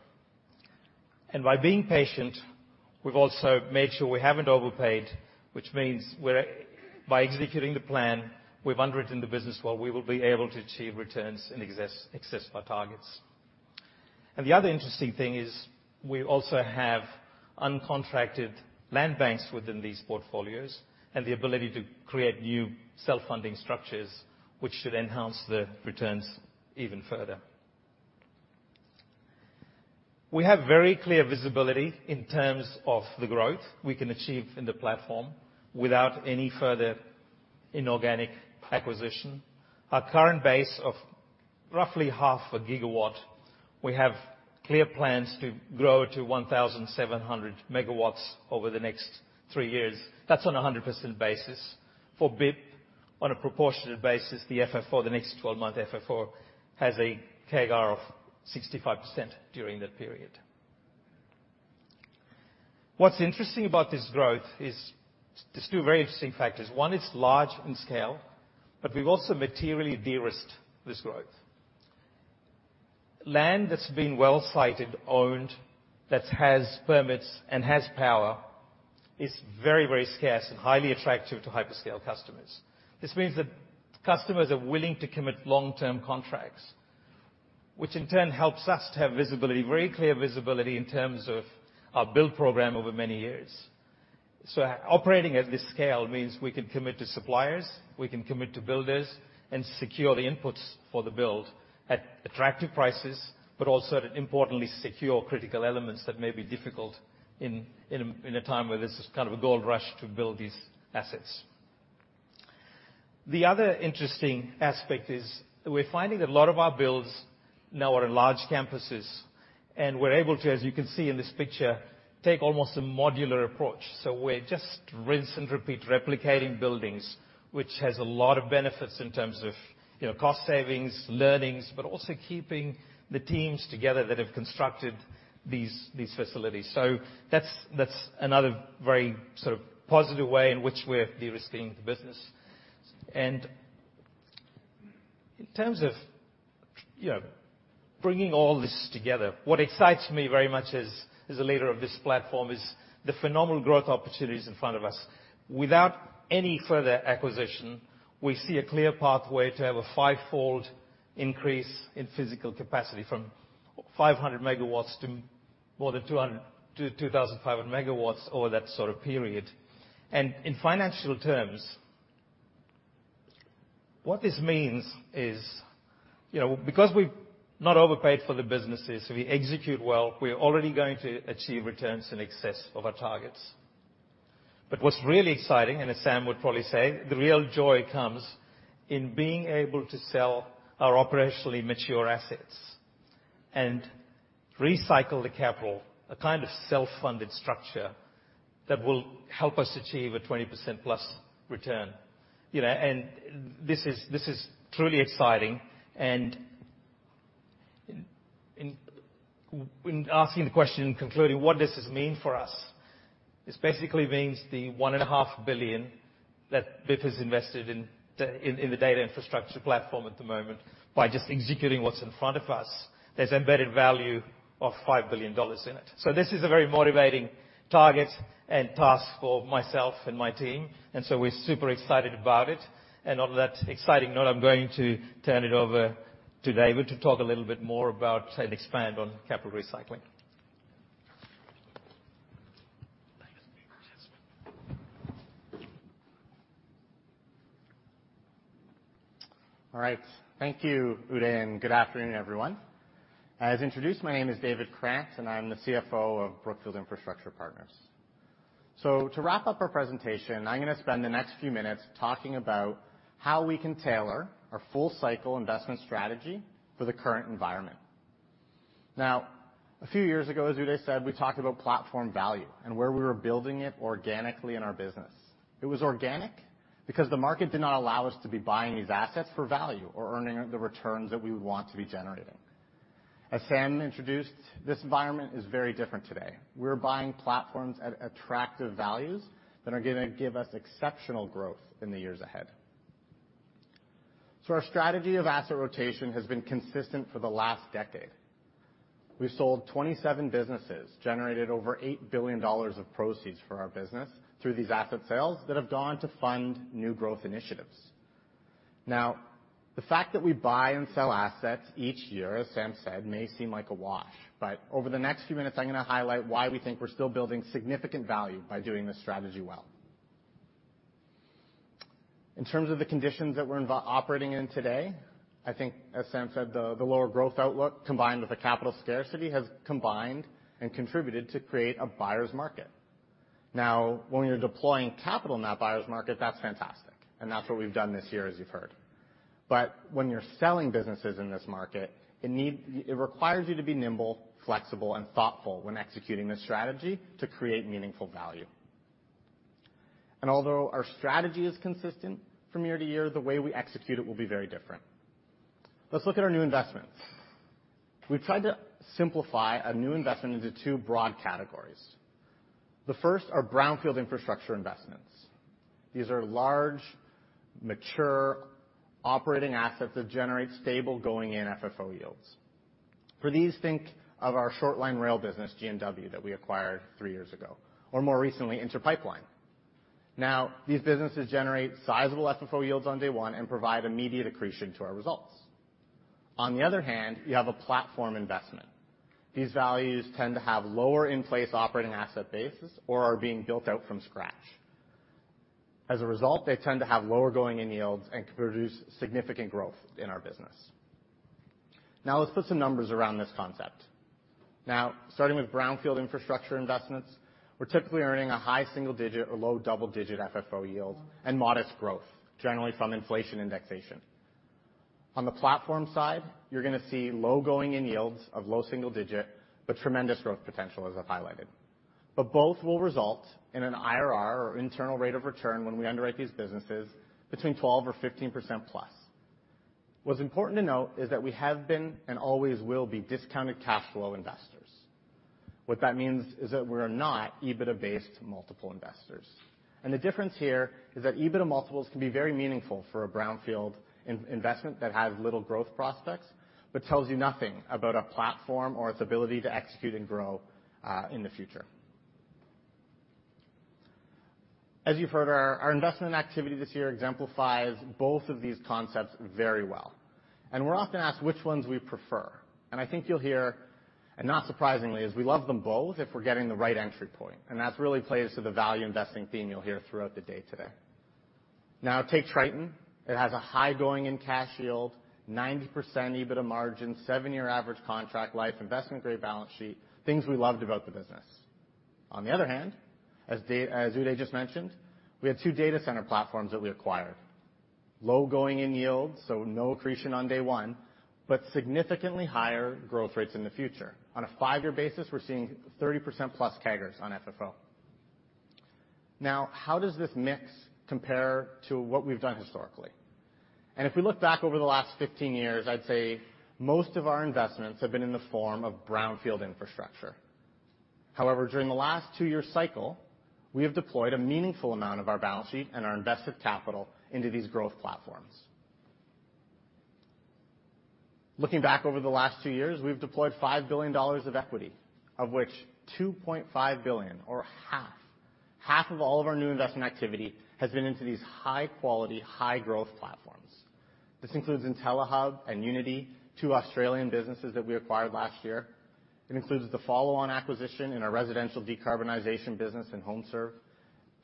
By being patient, we've also made sure we haven't overpaid, which means we're, by executing the plan, we've underwritten the business where we will be able to achieve returns in excess, excess of our targets. The other interesting thing is, we also have uncontracted land banks within these portfolios, and the ability to create new self-funding structures, which should enhance the returns even further. We have very clear visibility in terms of the growth we can achieve in the platform without any further inorganic acquisition. Our current base of roughly 0.5 GW, we have clear plans to grow to 1,700 MW over the next three years. That's on a 100% basis. For BIP, on a proportionate basis, the FFO, the next 12-month FFO, has a CAGR of 65% during that period. What's interesting about this growth is, there's two very interesting factors. One, it's large in scale, but we've also materially de-risked this growth. Land that's been well-sited, owned, that has permits and has power, is very, very scarce and highly attractive to hyperscale customers. This means that customers are willing to commit long-term contracts, which in turn helps us to have visibility, very clear visibility, in terms of our build program over many years. So operating at this scale means we can commit to suppliers, we can commit to builders, and secure the inputs for the build at attractive prices, but also, importantly, secure critical elements that may be difficult in a time where there's this kind of a gold rush to build these assets. The other interesting aspect is we're finding that a lot of our builds now are in large campuses, and we're able to, as you can see in this picture, take almost a modular approach. So we're just rinse and repeat, replicating buildings, which has a lot of benefits in terms of, you know, cost savings, learnings, but also keeping the teams together that have constructed these, these facilities. So that's, that's another very sort of positive way in which we're de-risking the business. And in terms of, you know, bringing all this together, what excites me very much as, as a leader of this platform is the phenomenal growth opportunities in front of us. Without any further acquisition, we see a clear pathway to have a fivefold increase in physical capacity from 500 MW to more than 200 MW to 2,500 MW over that sort of period. And in financial terms, what this means is, you know, because we've not overpaid for the businesses, if we execute well, we're already going to achieve returns in excess of our targets. But what's really exciting, and as Sam would probably say, the real joy comes in being able to sell our operationally mature assets and recycle the capital, a kind of self-funded structure that will help us achieve a 20%+ return. You know, and this is, this is truly exciting. And in asking the question and concluding, what does this mean for us? This basically means the $1.5 billion that BIP has invested in the, in, in the data infrastructure platform at the moment, by just executing what's in front of us, there's embedded value of $5 billion in it. So this is a very motivating target and task for myself and my team, and so we're super excited about it. On that exciting note, I'm going to turn it over to David to talk a little bit more about and expand on capital recycling. All right. Thank you, Udhay, and good afternoon, everyone. As introduced, my name is David Krant, and I'm the CFO of Brookfield Infrastructure Partners. So to wrap up our presentation, I'm gonna spend the next few minutes talking about how we can tailor our full cycle investment strategy for the current environment. Now, a few years ago, as Udhay said, we talked about platform value and where we were building it organically in our business. It was organic because the market did not allow us to be buying these assets for value or earning the returns that we would want to be generating. As Sam introduced, this environment is very different today. We're buying platforms at attractive values that are gonna give us exceptional growth in the years ahead. So our strategy of asset rotation has been consistent for the last decade. We've sold 27 businesses, generated over $8 billion of proceeds for our business through these asset sales that have gone to fund new growth initiatives. Now, the fact that we buy and sell assets each year, as Sam said, may seem like a wash, but over the next few minutes, I'm gonna highlight why we think we're still building significant value by doing this strategy well. In terms of the conditions that we're operating in today, I think, as Sam said, the lower growth outlook, combined with the capital scarcity, has combined and contributed to create a buyer's market. Now, when you're deploying capital in that buyer's market, that's fantastic, and that's what we've done this year, as you've heard. But when you're selling businesses in this market, it requires you to be nimble, flexible, and thoughtful when executing this strategy to create meaningful value. And although our strategy is consistent from year to year, the way we execute it will be very different. Let's look at our new investments. We've tried to simplify a new investment into two broad categories. The first are brownfield infrastructure investments. These are large, mature, operating assets that generate stable going-in FFO yields. For these, think of our short-line rail business, G&W, that we acquired three years ago, or more recently, Inter Pipeline. Now, these businesses generate sizable FFO yields on day one and provide immediate accretion to our results. On the other hand, you have a platform investment. These values tend to have lower in-place operating asset bases or are being built out from scratch. As a result, they tend to have lower going-in yields and can produce significant growth in our business. Now, let's put some numbers around this concept. Now, starting with brownfield infrastructure investments, we're typically earning a high single digit or low double-digit FFO yield and modest growth, generally from inflation indexation. On the platform side, you're gonna see low going-in yields of low single digit, but tremendous growth potential, as I've highlighted. But both will result in an IRR or internal rate of return when we underwrite these businesses between 12% or +15%. What's important to note is that we have been and always will be discounted cash flow investors. What that means is that we're not EBITDA-based multiple investors. And the difference here is that EBITDA multiples can be very meaningful for a brownfield investment that has little growth prospects, but tells you nothing about a platform or its ability to execute and grow in the future. As you've heard, our investment activity this year exemplifies both of these concepts very well, and we're often asked which ones we prefer. And I think you'll hear, and not surprisingly, is we love them both if we're getting the right entry point, and that's really plays to the value investing theme you'll hear throughout the day today. Now, take Triton. It has a high going-in cash yield, 90% EBITDA margin, seven-year average contract life, investment-grade balance sheet, things we loved about the business. On the other hand, as Udhay just mentioned, we had two data center platforms that we acquired. Low going-in yields, so no accretion on day one, but significantly higher growth rates in the future. On a five-year basis, we're seeing 30%+ CAGRs on FFO. Now, how does this mix compare to what we've done historically? If we look back over the last 15 years, I'd say most of our investments have been in the form of brownfield infrastructure. However, during the last two-year cycle, we have deployed a meaningful amount of our balance sheet and our invested capital into these growth platforms. Looking back over the last two years, we've deployed $5 billion of equity, of which $2.5 billion or half, half of all of our new investment activity has been into these high-quality, high-growth platforms. This includes Intellihub and Uniti, two Australian businesses that we acquired last year. It includes the follow-on acquisition in our residential decarbonization business in HomeServe,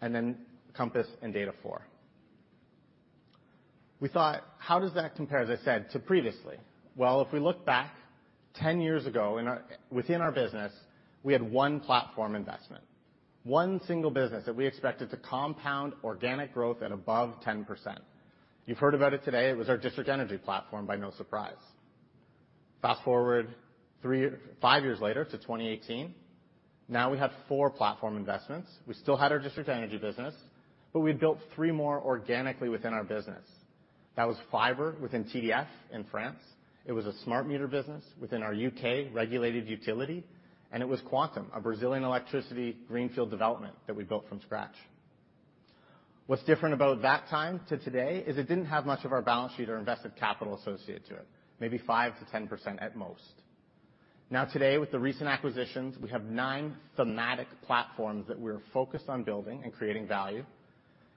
and then Compass and Data4. We thought, how does that compare, as I said, to previously? Well, if we look back 10 years ago in our within our business, we had one platform investment, one single business that we expected to compound organic growth at above 10%. You've heard about it today. It was our district energy platform, by no surprise. Fast-forward five years later to 2018, now we have four platform investments. We still had our district energy business, but we built three more organically within our business. That was fiber within TDF in France. It was a smart meter business within our U.K. regulated utility, and it was Quantum, a Brazilian electricity greenfield development that we built from scratch. What's different about that time to today is it didn't have much of our balance sheet or invested capital associated to it, maybe 5%-10% at most. Now, today, with the recent acquisitions, we have nine thematic platforms that we're focused on building and creating value.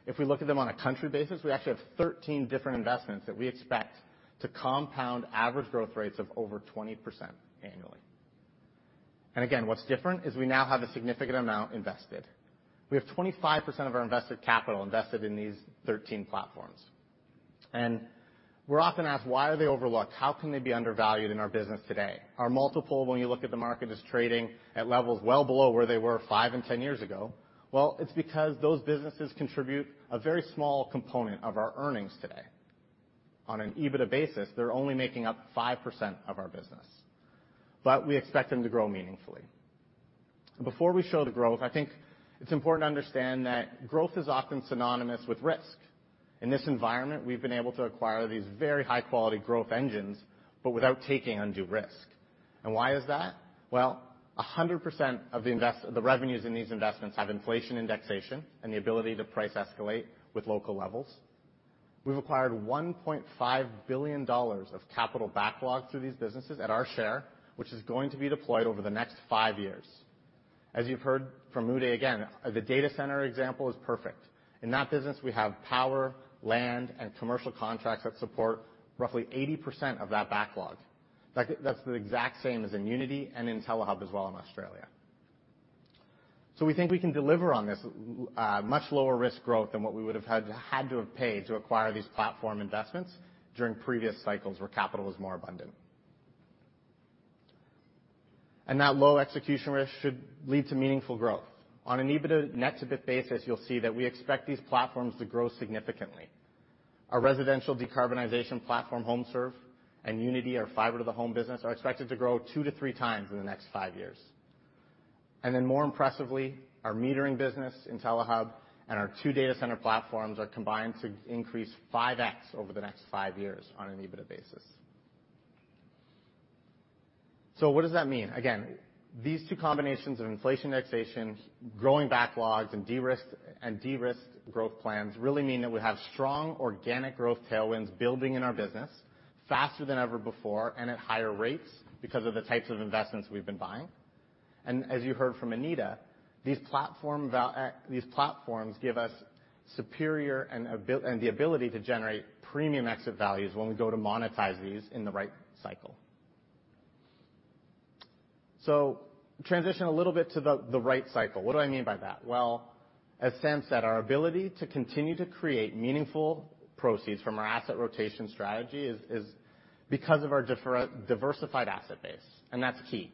If we look at them on a country basis, we actually have 13 different investments that we expect to compound average growth rates of over 20% annually. Again, what's different is we now have a significant amount invested. We have 25% of our invested capital invested in these 13 platforms. We're often asked, why are they overlooked? How can they be undervalued in our business today? Our multiple, when you look at the market, is trading at levels well below where they were five and 10 years ago. Well, it's because those businesses contribute a very small component of our earnings today. On an EBITDA basis, they're only making up 5% of our business, but we expect them to grow meaningfully. Before we show the growth, I think it's important to understand that growth is often synonymous with risk. In this environment, we've been able to acquire these very high-quality growth engines, but without taking undue risk. And why is that? Well, 100% of the revenues in these investments have inflation indexation and the ability to price escalate with local levels. We've acquired $1.5 billion of capital backlog through these businesses at our share, which is going to be deployed over the next five years. As you've heard from Udhay, again, the data center example is perfect. In that business, we have power, land, and commercial contracts that support roughly 80% of that backlog. That's, that's the exact same as in Uniti and Intellihub as well in Australia. So we think we can deliver on this, much lower risk growth than what we would have had, had to have paid to acquire these platform investments during previous cycles where capital was more abundant. And that low execution risk should lead to meaningful growth. On an EBITDA net-to-BIP basis, you'll see that we expect these platforms to grow significantly. Our residential decarbonization platform, HomeServe, and Uniti, our fiber-to-the-home business, are expected to grow 2x-3x in the next five years. And then, more impressively, our metering business, Intellihub, and our two data center platforms are combined to increase 5x over the next five years on an EBITDA basis. So what does that mean? Again, these two combinations of inflation indexation, growing backlogs, and de-risked, and de-risked growth plans really mean that we have strong organic growth tailwinds building in our business faster than ever before and at higher rates because of the types of investments we've been buying. And as you heard from Anita, these platforms give us superior and the ability to generate premium exit values when we go to monetize these in the right cycle. So transition a little bit to the right cycle. What do I mean by that? Well, as Sam said, our ability to continue to create meaningful proceeds from our asset rotation strategy is because of our diversified asset base, and that's key.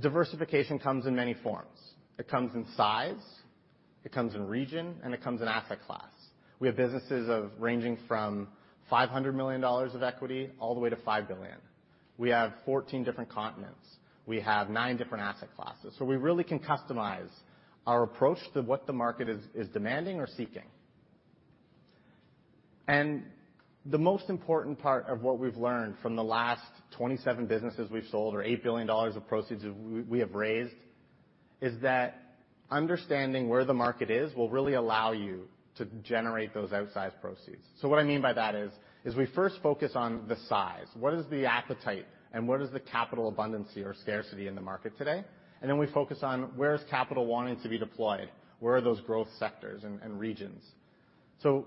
Diversification comes in many forms. It comes in size, it comes in region, and it comes in asset class. We have businesses ranging from $500 million of equity all the way to $5 billion. We have 14 different continents. We have nine different asset classes, so we really can customize our approach to what the market is, is demanding or seeking. And the most important part of what we've learned from the last 27 businesses we've sold, or $8 billion of proceeds we, we have raised, is that understanding where the market is will really allow you to generate those outsized proceeds. So what I mean by that is, is we first focus on the size. What is the appetite, and what is the capital abundancy or scarcity in the market today? And then we focus on where is capital wanting to be deployed? Where are those growth sectors and, and regions? So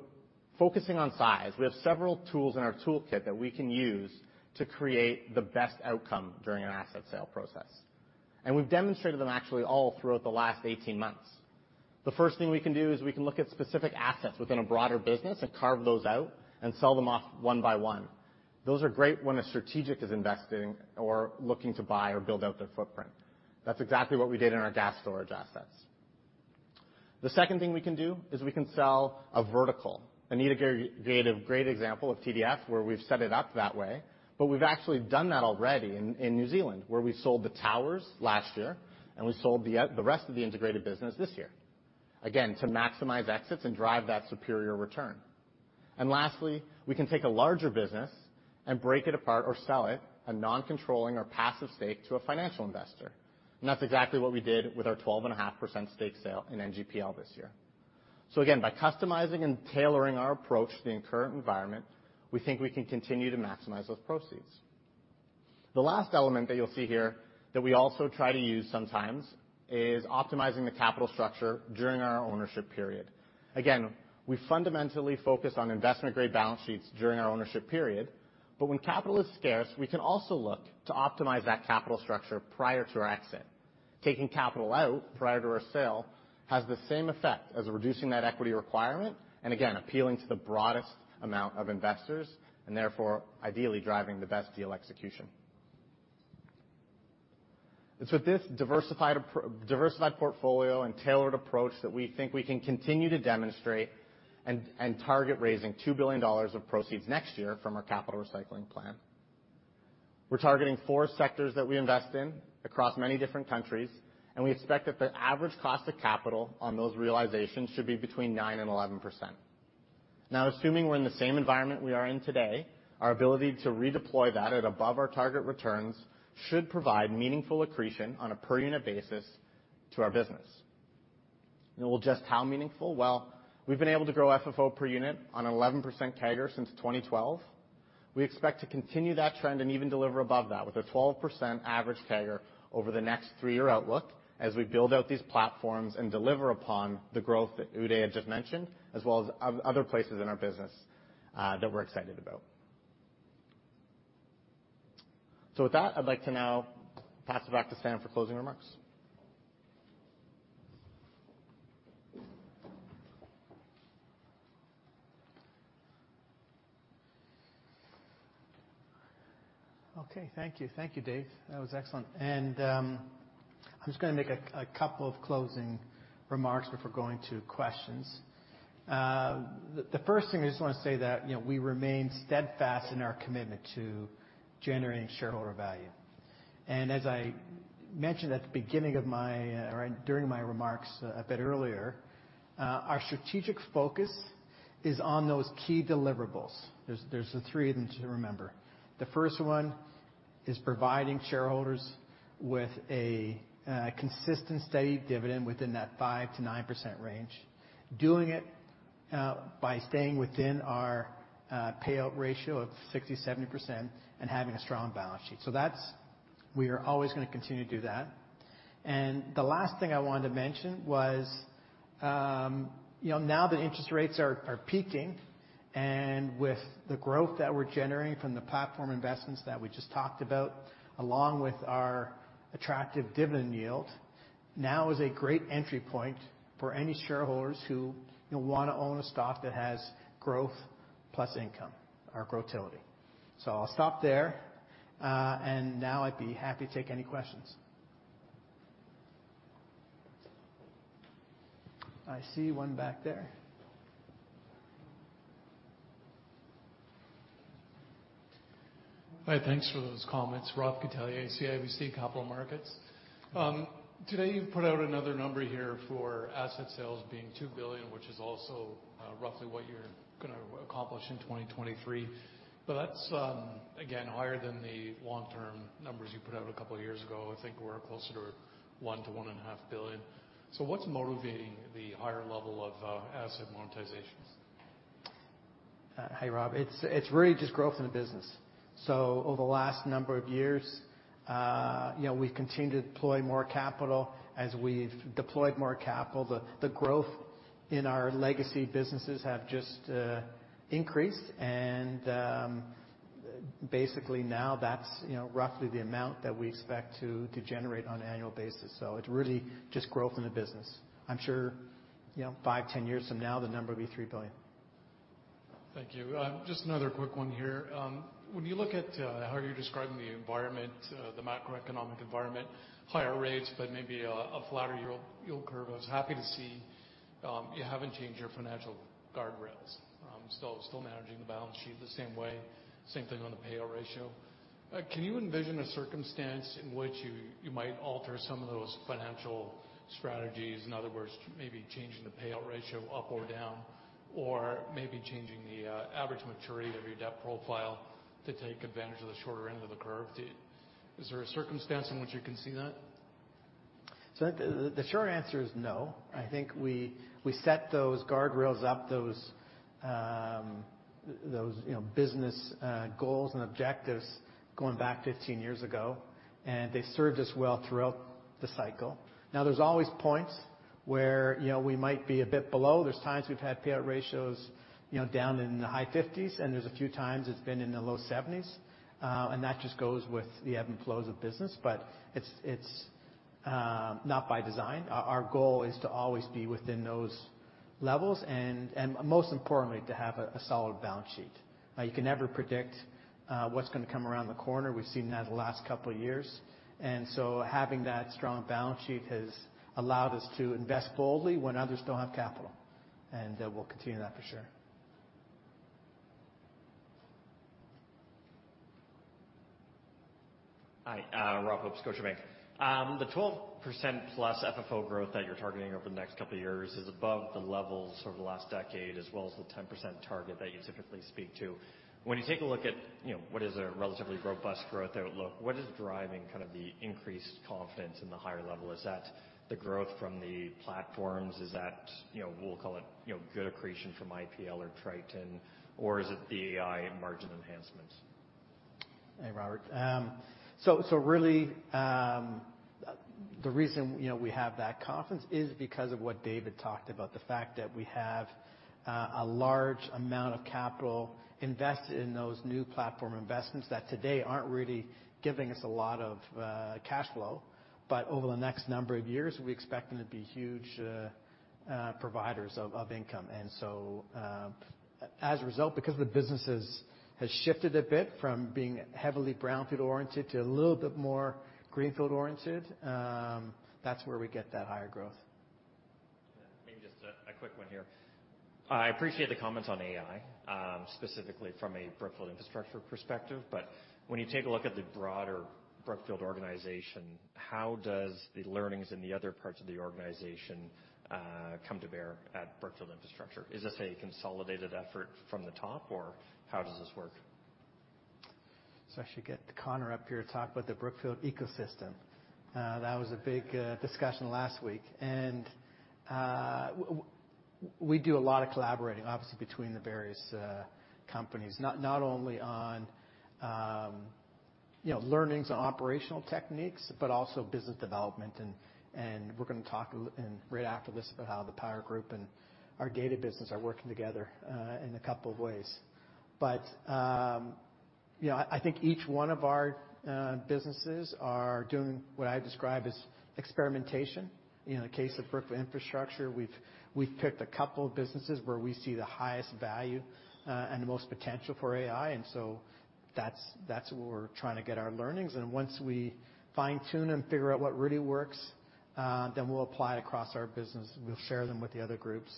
focusing on size, we have several tools in our toolkit that we can use to create the best outcome during an asset sale process, and we've demonstrated them actually all throughout the last 18 months. The first thing we can do is we can look at specific assets within a broader business and carve those out and sell them off one by one. Those are great when a strategic is investing or looking to buy or build out their footprint. That's exactly what we did in our gas storage assets. The second thing we can do is we can sell a vertical. Anita gave a great example of TDF, where we've set it up that way, but we've actually done that already in New Zealand, where we sold the towers last year, and we sold the rest of the integrated business this year, again, to maximize exits and drive that superior return. And lastly, we can take a larger business and break it apart or sell a non-controlling or passive stake to a financial investor. And that's exactly what we did with our 12.5% stake sale in NGPL this year. So again, by customizing and tailoring our approach to the current environment, we think we can continue to maximize those proceeds. The last element that you'll see here that we also try to use sometimes is optimizing the capital structure during our ownership period. Again, we fundamentally focus on investment-grade balance sheets during our ownership period, but when capital is scarce, we can also look to optimize that capital structure prior to our exit. Taking capital out prior to our sale has the same effect as reducing that equity requirement and, again, appealing to the broadest amount of investors and therefore ideally driving the best deal execution. It's with this diversified portfolio and tailored approach that we think we can continue to demonstrate and target raising $2 billion of proceeds next year from our capital recycling plan. We're targeting four sectors that we invest in across many different countries, and we expect that the average cost of capital on those realizations should be between 9% and 11%. Now, assuming we're in the same environment we are in today, our ability to redeploy that at above our target returns should provide meaningful accretion on a per unit basis to our business. And well, just how meaningful? Well, we've been able to grow FFO per unit on an 11% CAGR since 2012. We expect to continue that trend and even deliver above that with a 12% average CAGR over the next three-year outlook as we build out these platforms and deliver upon the growth that Udhay had just mentioned, as well as other places in our business, that we're excited about. So with that, I'd like to now pass it back to Sam for closing remarks. Okay. Thank you. Thank you, Dave. That was excellent. And, I'm just gonna make a couple of closing remarks before going to questions. The first thing, I just want to say that, you know, we remain steadfast in our commitment to generating shareholder value. And as I mentioned at the beginning of my or during my remarks a bit earlier, our strategic focus is on those key deliverables. There's the three of them to remember. The first one is providing shareholders with a consistent, steady dividend within that 5%-9% range, doing it by staying within our payout ratio of 60%-70% and having a strong balance sheet. So that's. We are always gonna continue to do that. And the last thing I wanted to mention was, you know, now that interest rates are, are peaking and with the growth that we're generating from the platform investments that we just talked about, along with our attractive dividend yield, now is a great entry point for any shareholders who, you know, want to own a stock that has growth plus income or growth utility. So I'll stop there, and now I'd be happy to take any questions. I see one back there. Hi, thanks for those comments. Robert Catellier, CIBC Capital Markets. Today, you've put out another number here for asset sales being $2 billion, which is also roughly what you're gonna accomplish in 2023. But that's again higher than the long-term numbers you put out a couple of years ago. I think we're closer to $1 billion-$1.5 billion. So what's motivating the higher level of asset monetizations? Hi, Rob. It's really just growth in the business. Over the last number of years, you know, we've continued to deploy more capital. As we've deployed more capital, the growth in our legacy businesses has just increased. Basically, now that's, you know, roughly the amount that we expect to generate on an annual basis. It's really just growth in the business. I'm sure, you know, 5, 10 years from now, the number will be $3 billion. Thank you. Just another quick one here. When you look at how you're describing the environment, the macroeconomic environment, higher rates, but maybe a flatter yield curve, I was happy to see you haven't changed your financial guardrails. Still managing the balance sheet the same way. Same thing on the payout ratio. Can you envision a circumstance in which you might alter some of those financial strategies? In other words, maybe changing the payout ratio up or down, or maybe changing the average maturity of your debt profile to take advantage of the shorter end of the curve. Is there a circumstance in which you can see that? So the short answer is no. I think we set those guardrails up, those you know business goals and objectives going back 15 years ago, and they served us well throughout the cycle. Now, there's always points where, you know, we might be a bit below. There's times we've had payout ratios, you know, down in the high 50s, and there's a few times it's been in the low 70s. And that just goes with the ebb and flows of business, but it's not by design. Our goal is to always be within those levels and most importantly, to have a solid balance sheet. Now, you can never predict what's gonna come around the corner. We've seen that the last couple of years. And so having that strong balance sheet has allowed us to invest boldly when others don't have capital, and we'll continue that for sure. Hi, Rob Hope, Scotiabank. The 12%+ FFO growth that you're targeting over the next couple of years is above the levels over the last decade, as well as the 10% target that you typically speak to. When you take a look at, you know, what is a relatively robust growth outlook, what is driving kind of the increased confidence in the higher level? Is that the growth from the platforms, is that, you know, we'll call it, you know, good accretion from IPL or Triton, or is it the AI margin enhancements? Hey, Robert. So really, the reason, you know, we have that confidence is because of what David talked about, the fact that we have a large amount of capital invested in those new platform investments that today aren't really giving us a lot of cash flow. But over the next number of years, we expect them to be huge providers of income. And so, as a result, because the businesses has shifted a bit from being heavily brownfield-oriented to a little bit more greenfield-oriented, that's where we get that higher growth. Maybe just a quick one here. I appreciate the comments on AI, specifically from a Brookfield Infrastructure perspective. But when you take a look at the broader Brookfield organization, how does the learnings in the other parts of the organization come to bear at Brookfield Infrastructure? Is this a consolidated effort from the top, or how does this work? So I should get Connor up here to talk about the Brookfield ecosystem. That was a big discussion last week, and we do a lot of collaborating, obviously, between the various companies, not only on, you know, learnings and operational techniques, but also business development. And we're gonna talk a little and right after this about how the power group and our data business are working together in a couple of ways. But you know, I think each one of our businesses are doing what I describe as experimentation. In the case of Brookfield Infrastructure, we've picked a couple of businesses where we see the highest value and the most potential for AI, and so that's where we're trying to get our learnings. And once we fine-tune and figure out what really works, then we'll apply it across our business. We'll share them with the other groups,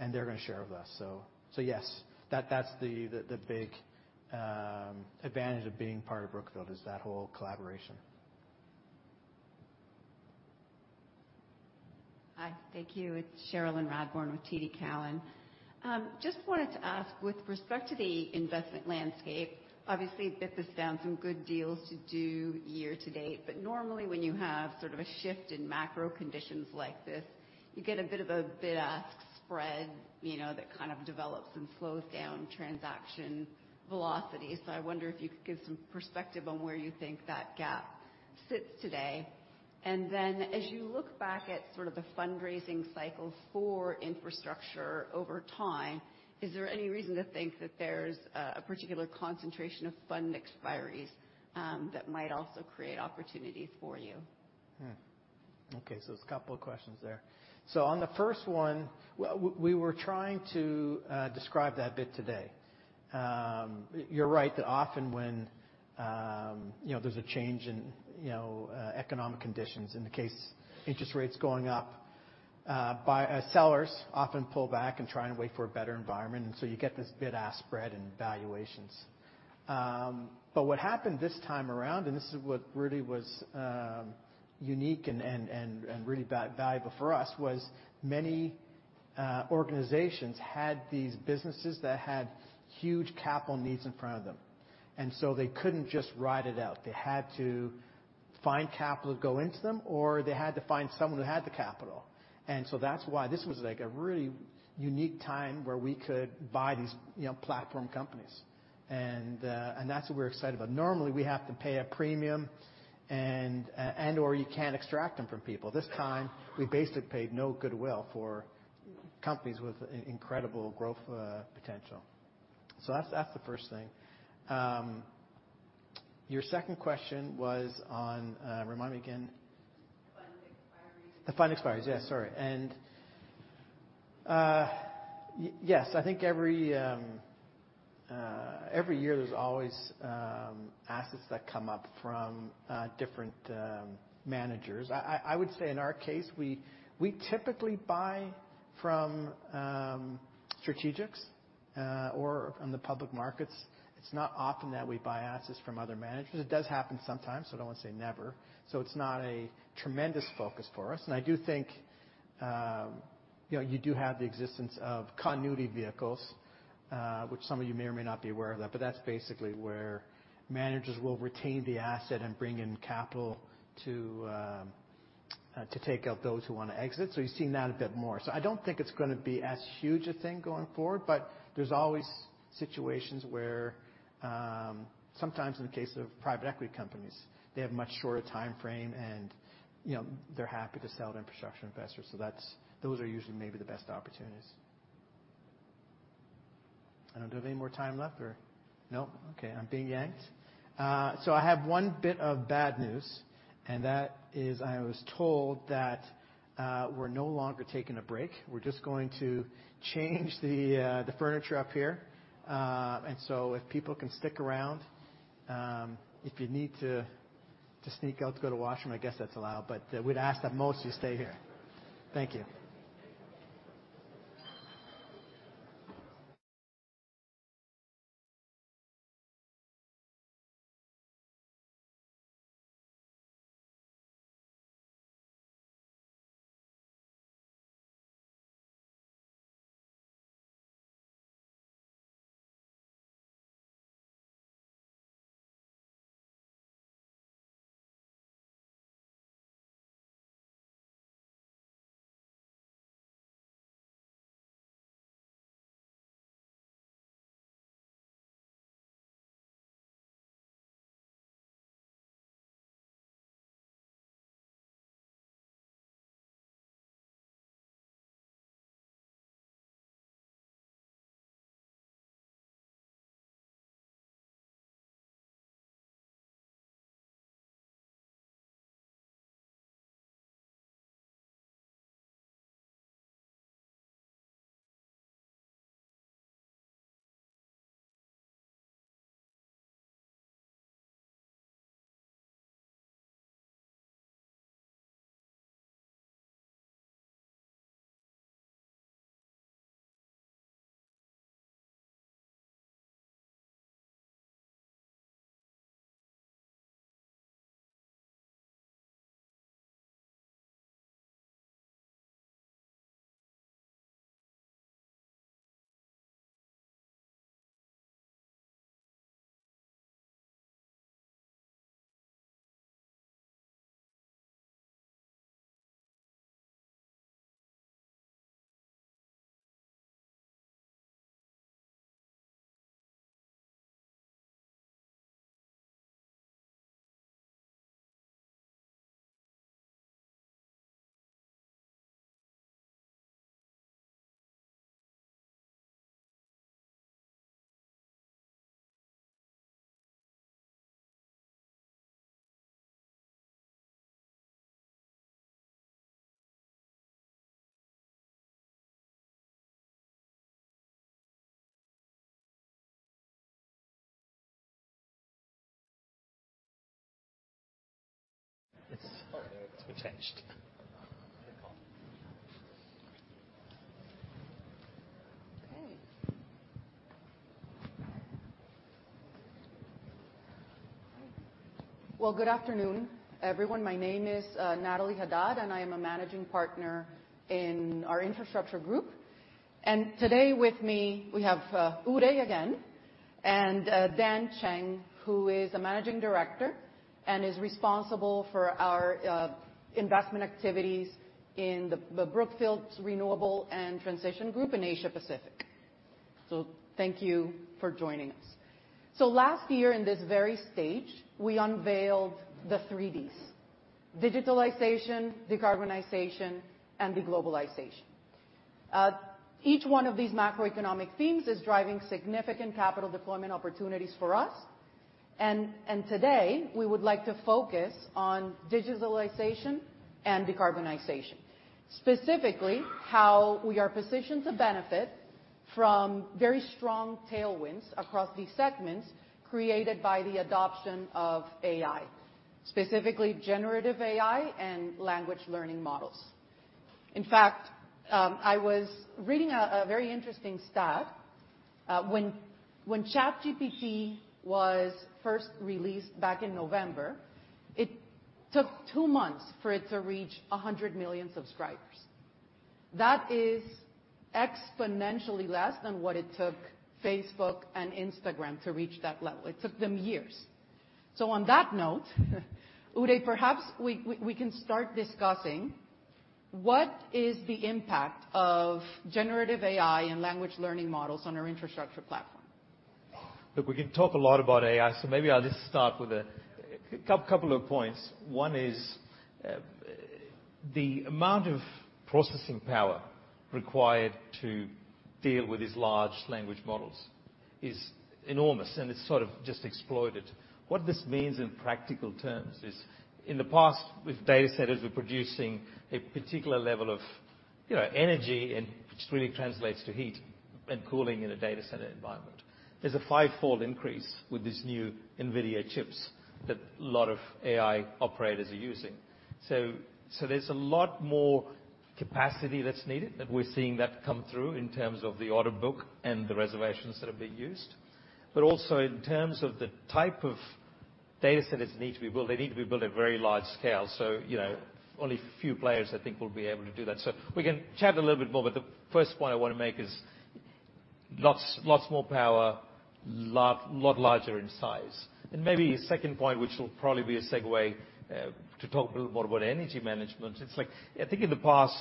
and they're gonna share with us. So, yes, that's the big advantage of being part of Brookfield, is that whole collaboration. Hi, thank you. It's Cherilyn Radbourne with TD Cowen. Just wanted to ask, with respect to the investment landscape, obviously, we've done some good deals year to date, but normally when you have sort of a shift in macro conditions like this, you get a bit of a bid-ask spread, you know, that kind of develops and slows down transaction velocity. So I wonder if you could give some perspective on where you think that gap sits today. And then, as you look back at sort of the fundraising cycle for infrastructure over time, is there any reason to think that there's a particular concentration of fund expiries that might also create opportunities for you? Okay, so there's a couple of questions there. So on the first one, we were trying to describe that a bit today. You're right that often when you know, there's a change in you know, economic conditions, in the case interest rates going up, sellers often pull back and try and wait for a better environment, and so you get this bid-ask spread and valuations. But what happened this time around, and this is what really was unique and really valuable for us, was many organizations had these businesses that had huge capital needs in front of them. And so they couldn't just ride it out. They had to find capital to go into them, or they had to find someone who had the capital. And so that's why this was, like, a really unique time where we could buy these, you know, platform companies. And that's what we're excited about. Normally, we have to pay a premium and/or you can't extract them from people. This time, we basically paid no goodwill for companies with incredible growth potential. So that's, that's the first thing. Your second question was on, remind me again. Fund expiry. The fund expiries. Yes, sorry. And yes, I think every year there's always assets that come up from different managers. I would say in our case, we typically buy from strategics or from the public markets. It's not often that we buy assets from other managers. It does happen sometimes, so I don't want to say never. So it's not a tremendous focus for us. And I do think you know, you do have the existence of continuity vehicles which some of you may or may not be aware of that, but that's basically where managers will retain the asset and bring in capital to take out those who wanna exit. So you're seeing that a bit more. So I don't think it's gonna be as huge a thing going forward, but there's always situations where, sometimes in the case of private equity companies, they have much shorter timeframe and, you know, they're happy to sell to infrastructure investors. So that's, those are usually maybe the best opportunities. I don't know, do I have any more time left or-- Nope? Okay, I'm being yanked. So I have one bit of bad news, and that is I was told that, we're no longer taking a break. We're just going to change the, the furniture up here. And so if people can stick around, if you need to, to sneak out to go to washroom, I guess that's allowed, but, we'd ask that most of you stay here. Thank you. Well, good afternoon, everyone. My name is Natalie Hadad, and I am a Managing Partner in our infrastructure group. And today with me, we have Udhay again, and Dan Cheng, who is a managing director and is responsible for our investment activities in the Brookfield Renewable and Transition Group in Asia-Pacific. So thank you for joining us. So last year, in this very stage, we unveiled the three Ds: digitalization, decarbonization, and deglobalization. Each one of these macroeconomic themes is driving significant capital deployment opportunities for us. And today, we would like to focus on digitalization and decarbonization. Specifically, how we are positioned to benefit from very strong tailwinds across these segments created by the adoption of AI, specifically generative AI and language learning models. In fact, I was reading a very interesting stat. When ChatGPT was first released back in November, it took two months for it to reach 100 million subscribers. That is exponentially less than what it took Facebook and Instagram to reach that level. It took them years. So on that note, Udhay, perhaps we can start discussing what is the impact of generative AI and language learning models on our infrastructure platform? Look, we can talk a lot about AI, so maybe I'll just start with a couple of points. One is, the amount of processing power required to deal with these large language models is enormous, and it's sort of just exploded. What this means in practical terms is, in the past, with data centers, we're producing a particular level of, you know, energy and which really translates to heat and cooling in a data center environment. There's a fivefold increase with these new NVIDIA chips that a lot of AI operators are using. So there's a lot more capacity that's needed, that we're seeing that come through in terms of the order book and the reservations that have been used. But also, in terms of the type of data centers need to be built, they need to be built at very large scale. So, you know, only a few players, I think, will be able to do that. We can chat a little bit more, but the first point I wanna make is lots, lots more power, lot, lot larger in size. Maybe a second point, which will probably be a segue to talk a little more about energy management. It's like, I think in the past,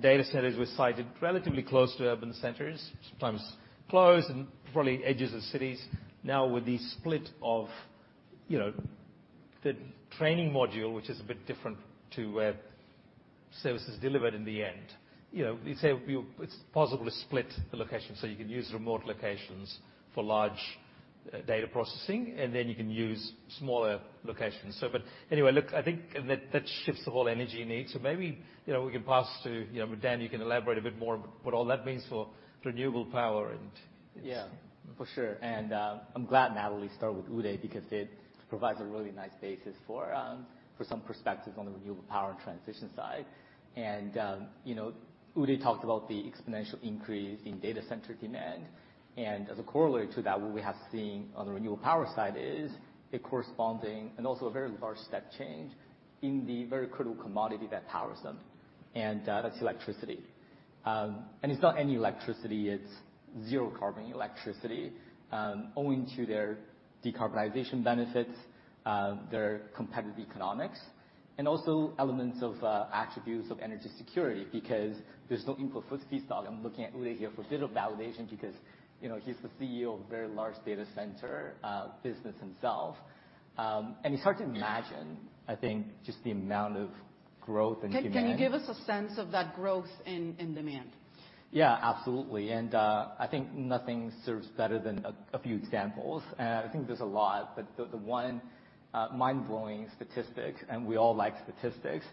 data centers were sited relatively close to urban centers, sometimes close and probably edges of cities. Now, with the split of, you know, the training module, which is a bit different to services delivered in the end, you know, It's possible to split the location, so you can use remote locations for large data processing, and then you can use smaller locations. But anyway, look, I think that that shifts the whole energy need. So maybe, you know, we can pass to, you know, Dan. You can elaborate a bit more what all that means for renewable power and- Yeah, for sure. And, I'm glad Natalie started with Udhay because it provides a really nice basis for some perspective on the renewable power and transition side. And, you know, Udhay talked about the exponential increase in data center demand, and as a corollary to that, what we have seen on the renewable power side is a corresponding and also a very large step change in the very critical commodity that powers them, and, that's electricity. And it's not any electricity, it's zero carbon electricity, owing to their decarbonization benefits, their competitive economics, and also elements of attributes of energy security because there's no input feedstock. I'm looking at Udhay here for a bit of validation because, you know, he's the CEO of a very large data center business himself. It's hard to imagine, I think, just the amount of growth and demand. Can you give us a sense of that growth in demand? Yeah, absolutely. And, I think nothing serves better than a few examples. And I think there's a lot, but the one mind-blowing statistic, and we all like statistics,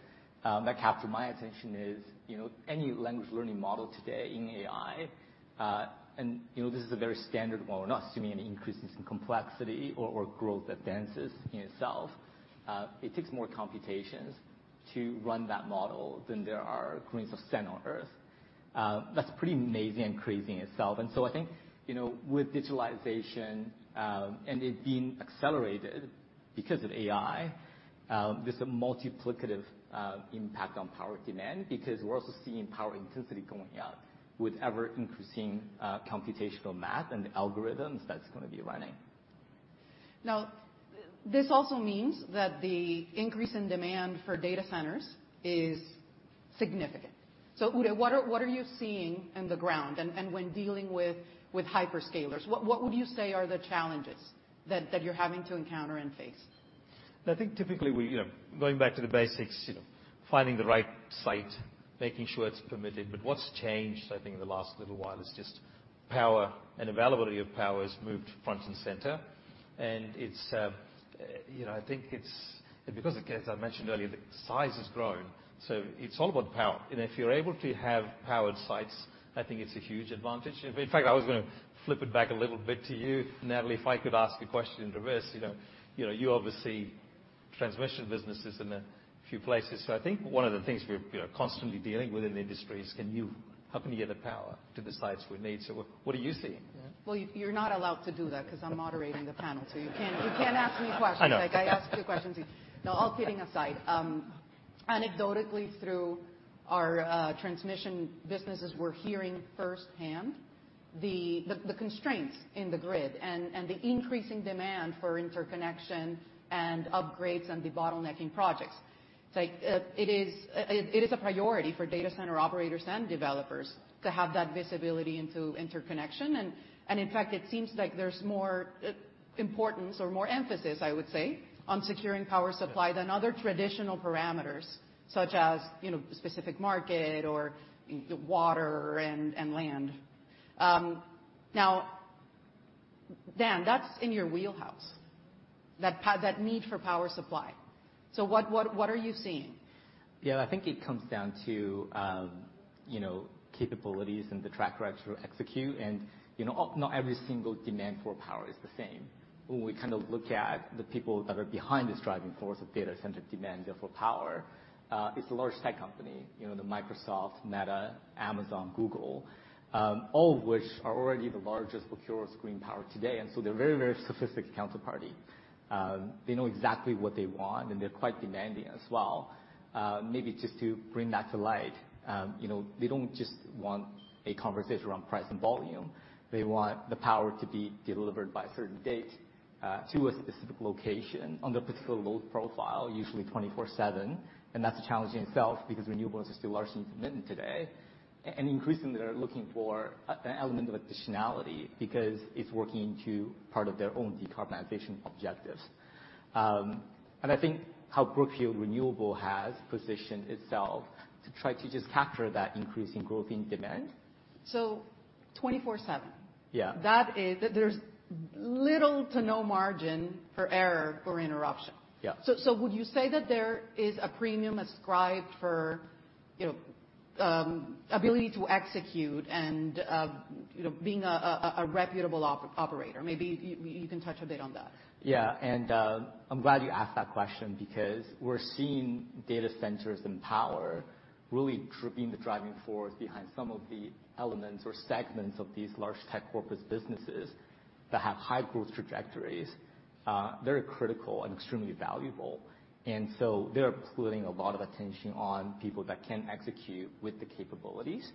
that captured my attention is, you know, any language learning model today in AI, and you know, this is a very standard one, we're not assuming any increases in complexity or growth advances in itself, it takes more computations to run that model than there are grains of sand on Earth. That's pretty amazing and crazy in itself. And so I think, you know, with digitalization, and it being accelerated because of AI, there's a multiplicative impact on power demand because we're also seeing power intensity going up with ever-increasing computational math and algorithms that's gonna be running. Now, this also means that the increase in demand for data centers is significant. So, Udhay, what are you seeing on the ground and when dealing with hyperscalers? What would you say are the challenges that you're having to encounter and face? I think typically we, you know, going back to the basics, you know, finding the right site, making sure it's permitted. But what's changed, I think, in the last little while is just power and availability of power is moved front and center, and it's, you know, I think it's-- Because, as I mentioned earlier, the size has grown, so it's all about power. And if you're able to have powered sites, I think it's a huge advantage. In fact, I was gonna flip it back a little bit to you, Natalie, if I could ask a question in reverse. You know, you know, you obviously, transmission business is in a few places, so I think one of the things we're, we are constantly dealing with in the industry is, can you, how can you get the power to the sites we need? So what, what are you seeing? Well, you, you're not allowed to do that 'cause I'm moderating the panel, so you can't, you can't ask me questions- I know. Like I ask you questions. No, all kidding aside, anecdotally, through our transmission businesses, we're hearing firsthand the constraints in the grid and the increasing demand for interconnection and upgrades and the bottlenecking projects. Like, it is a priority for data center operators and developers to have that visibility into interconnection. And in fact, it seems like there's more importance or more emphasis, I would say, on securing power supply than other traditional parameters, such as, you know, specific market or water and land. Now, Dan, that's in your wheelhouse, that need for power supply. So what, what, what are you seeing? Yeah, I think it comes down to, you know, capabilities and the track record to execute. And, you know, not every single demand for power is the same. When we kind of look at the people that are behind this driving force of data center demand for power, it's a large tech company. You know, the Microsoft, Meta, Amazon, Google, all of which are already the largest procurers of green power today, and so they're a very, very sophisticated counterparty. They know exactly what they want, and they're quite demanding as well. Maybe just to bring that to light, you know, they don't just want a conversation around price and volume. They want the power to be delivered by a certain date, to a specific location on the particular load profile, usually 24/7, and that's a challenge in itself, because renewables are still largely intermittent today. And increasingly, they're looking for an element of additionality because it's working into part of their own decarbonization objectives. And I think how Brookfield Renewable has positioned itself to try to just capture that increasing growth in demand. So 24/7? Yeah. That is-- There's little to no margin for error or interruption. Yeah. So would you say that there is a premium ascribed for, you know, ability to execute and, you know, being a reputable operator? Maybe you can touch a bit on that. Yeah, and I'm glad you asked that question, because we're seeing data centers and power really driving the driving force behind some of the elements or segments of these large tech corpus businesses that have high growth trajectories. Very critical and extremely valuable. And so they're putting a lot of attention on people that can execute with the capabilities.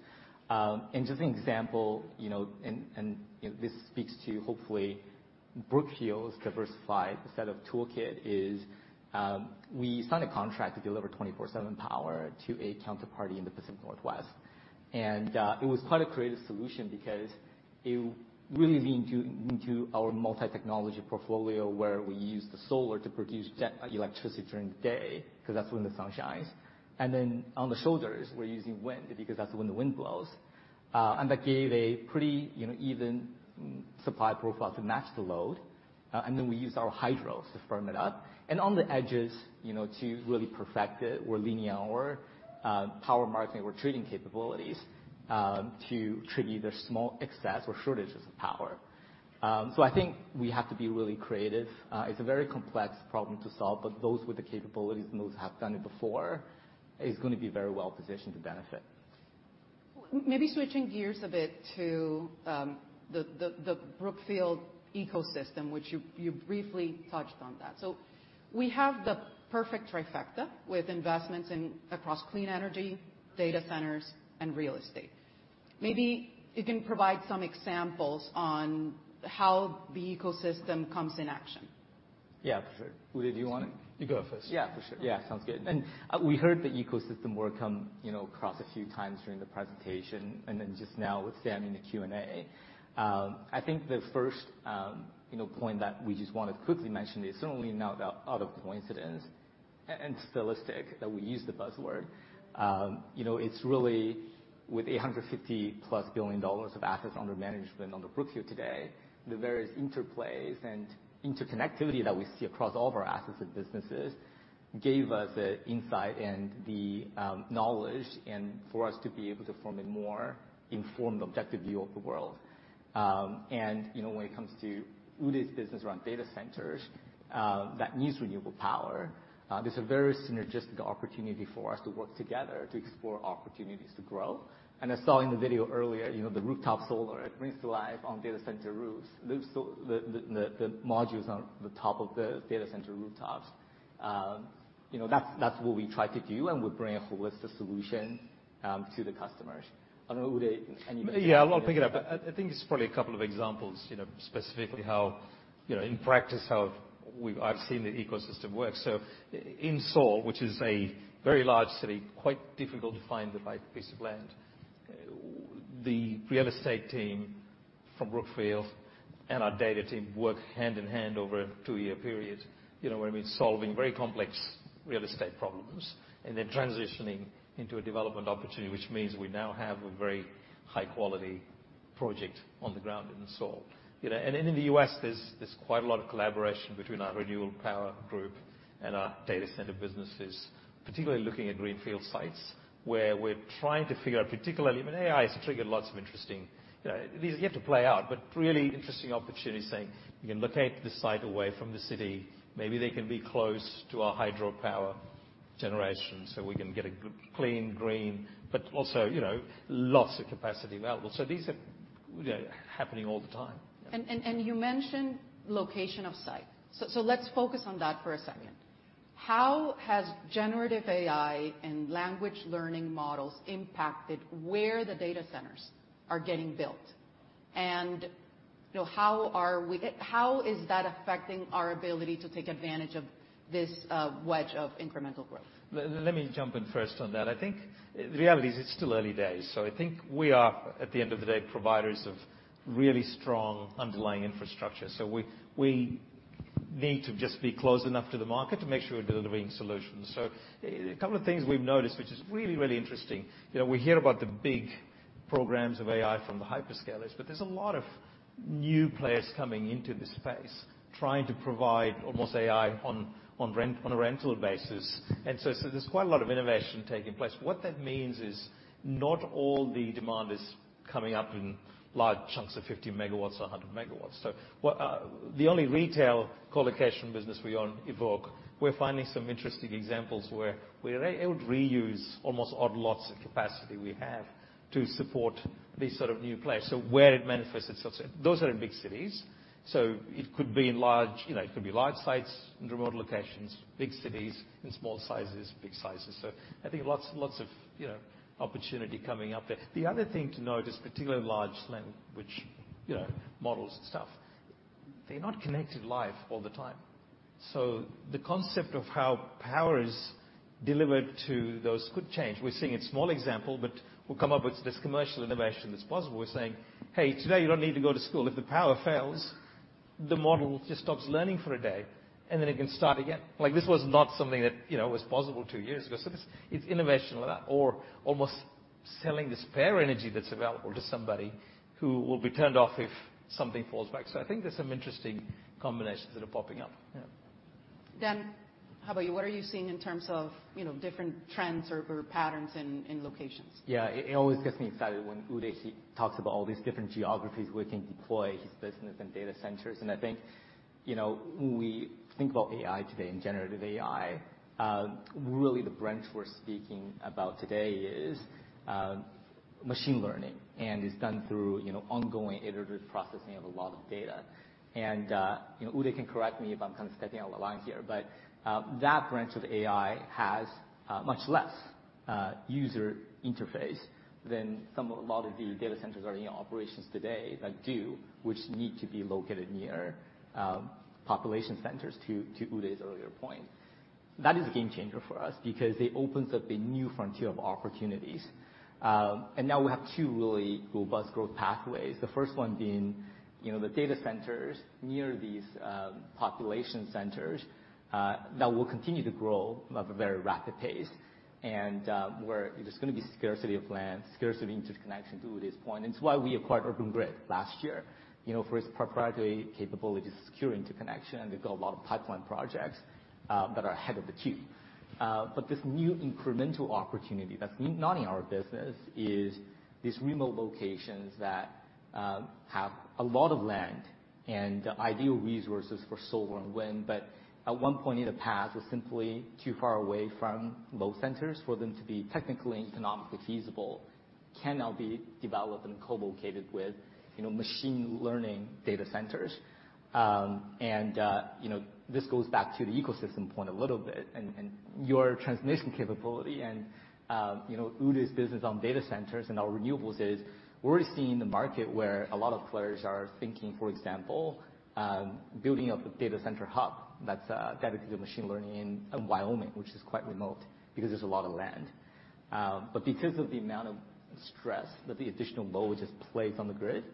And just an example, you know, and this speaks to, hopefully, Brookfield's diversified set of toolkit is, we signed a contract to deliver 24/7 power to a counterparty in the Pacific Northwest. And it was quite a creative solution because it really leaned into our multi-technology portfolio, where we used the solar to produce green electricity during the day, 'cause that's when the sun shines. And then on the shoulders, we're using wind, because that's when the wind blows. And that gave a pretty, you know, even supply profile to match the load. And then we used our hydros to firm it up. And on the edges, you know, to really perfect it, we're leaning on our power marketing or trading capabilities to trade either small excess or shortages of power. So I think we have to be really creative. It's a very complex problem to solve, but those with the capabilities and those have done it before is gonna be very well positioned to benefit. Maybe switching gears a bit to the Brookfield ecosystem, which you briefly touched on that. So we have the perfect trifecta, with investments in across clean energy, data centers, and real estate. Maybe you can provide some examples on how the ecosystem comes in action. Yeah, for sure. Udhay, do you want to-- You go first. Yeah, for sure. Yeah, sounds good. And we heard the ecosystem word come, you know, across a few times during the presentation and then just now with Sam in the Q&A. I think the first, you know, point that we just want to quickly mention is certainly not a out of coincidence and stylistic that we use the buzzword. You know, it's really with $850 billion+ of assets under management under Brookfield today, the various interplays and interconnectivity that we see across all of our assets and businesses, gave us the insight and the knowledge and for us to be able to form a more informed, objective view of the world. and, you know, when it comes to Udhay's business around data centers, that needs renewable power, there's a very synergistic opportunity for us to work together to explore opportunities to grow. And I saw in the video earlier, you know, the rooftop solar, it brings to life on data center roofs. Those, the modules on the top of the data center rooftops. You know, that's what we try to do, and we bring a holistic solution to the customers. I don't know, Udhay, anything-- Yeah, I'll pick it up. I think it's probably a couple of examples, you know, specifically how, you know, in practice, how we've-- I've seen the ecosystem work. So in Seoul, which is a very large city, quite difficult to find the right piece of land, the real estate team from Brookfield and our data team worked hand in hand over a two-year period. You know what I mean? Solving very complex real estate problems and then transitioning into a development opportunity, which means we now have a very high-quality project on the ground in Seoul. You know, and in the U.S., there's quite a lot of collaboration between our renewable power group and our data center businesses, particularly looking at greenfield sites, where we're trying to figure out, particularly when AI has triggered lots of interesting, you know, these yet to play out, but really interesting opportunities, saying, "You can locate the site away from the city. Maybe they can be close to our hydropower generation, so we can get a good, clean, green, but also, you know, lots of capacity available." So these are, you know, happening all the time. And you mentioned location of site. So let's focus on that for a second. How has generative AI and large language models impacted where the data centers are getting built? And, you know, how is that affecting our ability to take advantage of this wedge of incremental growth? Let me jump in first on that. I think the reality is it's still early days, so I think we are, at the end of the day, providers of really strong underlying infrastructure. So we, we need to just be close enough to the market to make sure we're delivering solutions. So a couple of things we've noticed, which is really, really interesting. You know, we hear about the big programs of AI from the hyperscalers, but there's a lot of new players coming into this space, trying to provide almost AI on, on rent, on a rental basis. And so, so there's quite a lot of innovation taking place. What that means is not all the demand is coming up in large chunks of 50 MW or 100 MW. So what, the only retail colocation business we own, Evoque, we're finding some interesting examples where we are able to reuse almost odd lots of capacity we have to support these sort of new players. So where it manifests itself, those are in big cities, so it could be in large, you know, it could be large sites in remote locations, big cities, in small sizes, big sizes. So I think lots and lots of, you know, opportunity coming up there. The other thing to note is particularly large land, which, you know, models and stuff, they're not connected live all the time, so the concept of how power is delivered to those could change. We're seeing a small example, but we'll come up with this commercial innovation that's possible. We're saying, "Hey, today you don't need to go to school. If the power fails, the model just stops learning for a day, and then it can start again." Like, this was not something that, you know, was possible two years ago, so this is innovation or almost selling the spare energy that's available to somebody who will be turned off if something falls back. So I think there's some interesting combinations that are popping up. Yeah. Dan, how about you? What are you seeing in terms of, you know, different trends or, or patterns in, in locations? Yeah, it always gets me excited when Udhay, he talks about all these different geographies we can deploy his business and data centers. And I think, you know, when we think about AI today and generative AI, really the branch we're speaking about today is, machine learning, and it's done through, you know, ongoing iterative processing of a lot of data. And, you know, Udhay can correct me if I'm kind of stepping out of line here, but, that branch of AI has, much less, user interface than some of a lot of the data centers that are in operations today that do, which need to be located near, population centers, to, to Udhay's earlier point. That is a game changer for us because it opens up a new frontier of opportunities. And now we have two really robust growth pathways. The first one being, you know, the data centers near these population centers that will continue to grow at a very rapid pace, and where there's gonna be scarcity of land, scarcity of interconnection to this point. It's why we acquired Urban Grid last year, you know, for its proprietary capability to secure interconnection, and they've got a lot of pipeline projects that are ahead of the curve. But this new incremental opportunity that's not in our business is these remote locations that have a lot of land and ideal resources for solar and wind, but at one point in the past, was simply too far away from load centers for them to be technically and economically feasible, can now be developed and co-located with, you know, machine learning data centers. And, you know, this goes back to the ecosystem point a little bit and your transmission capability and, you know, Udhay's business on data centers and our renewables is we're seeing the market where a lot of players are thinking, for example, building up a data center hub that's dedicated to machine learning in Wyoming, which is quite remote, because there's a lot of land. But because of the amount of stress that the additional load just plays on the grid,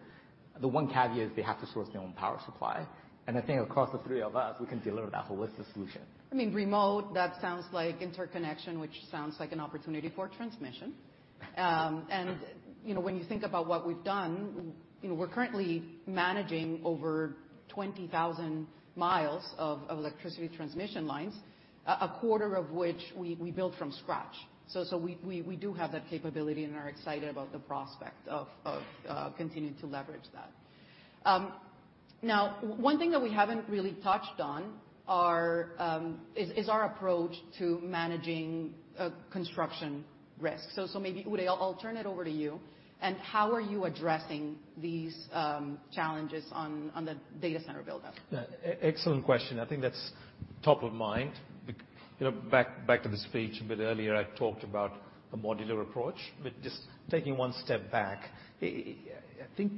the one caveat is they have to source their own power supply, and I think across the three of us, we can deliver that holistic solution. I mean, remote, that sounds like interconnection, which sounds like an opportunity for transmission. And, you know, when you think about what we've done, you know, we're currently managing over 20,000 miles of electricity transmission lines, a quarter of which we built from scratch. So we do have that capability and are excited about the prospect of continuing to leverage that. Now one thing that we haven't really touched on is our approach to managing construction risk. So maybe, Udhay, I'll turn it over to you, and how are you addressing these challenges on the data center buildup? Yeah, excellent question. I think that's top of mind. You know, back to the speech a bit earlier, I talked about a modular approach, but just taking one step back, I think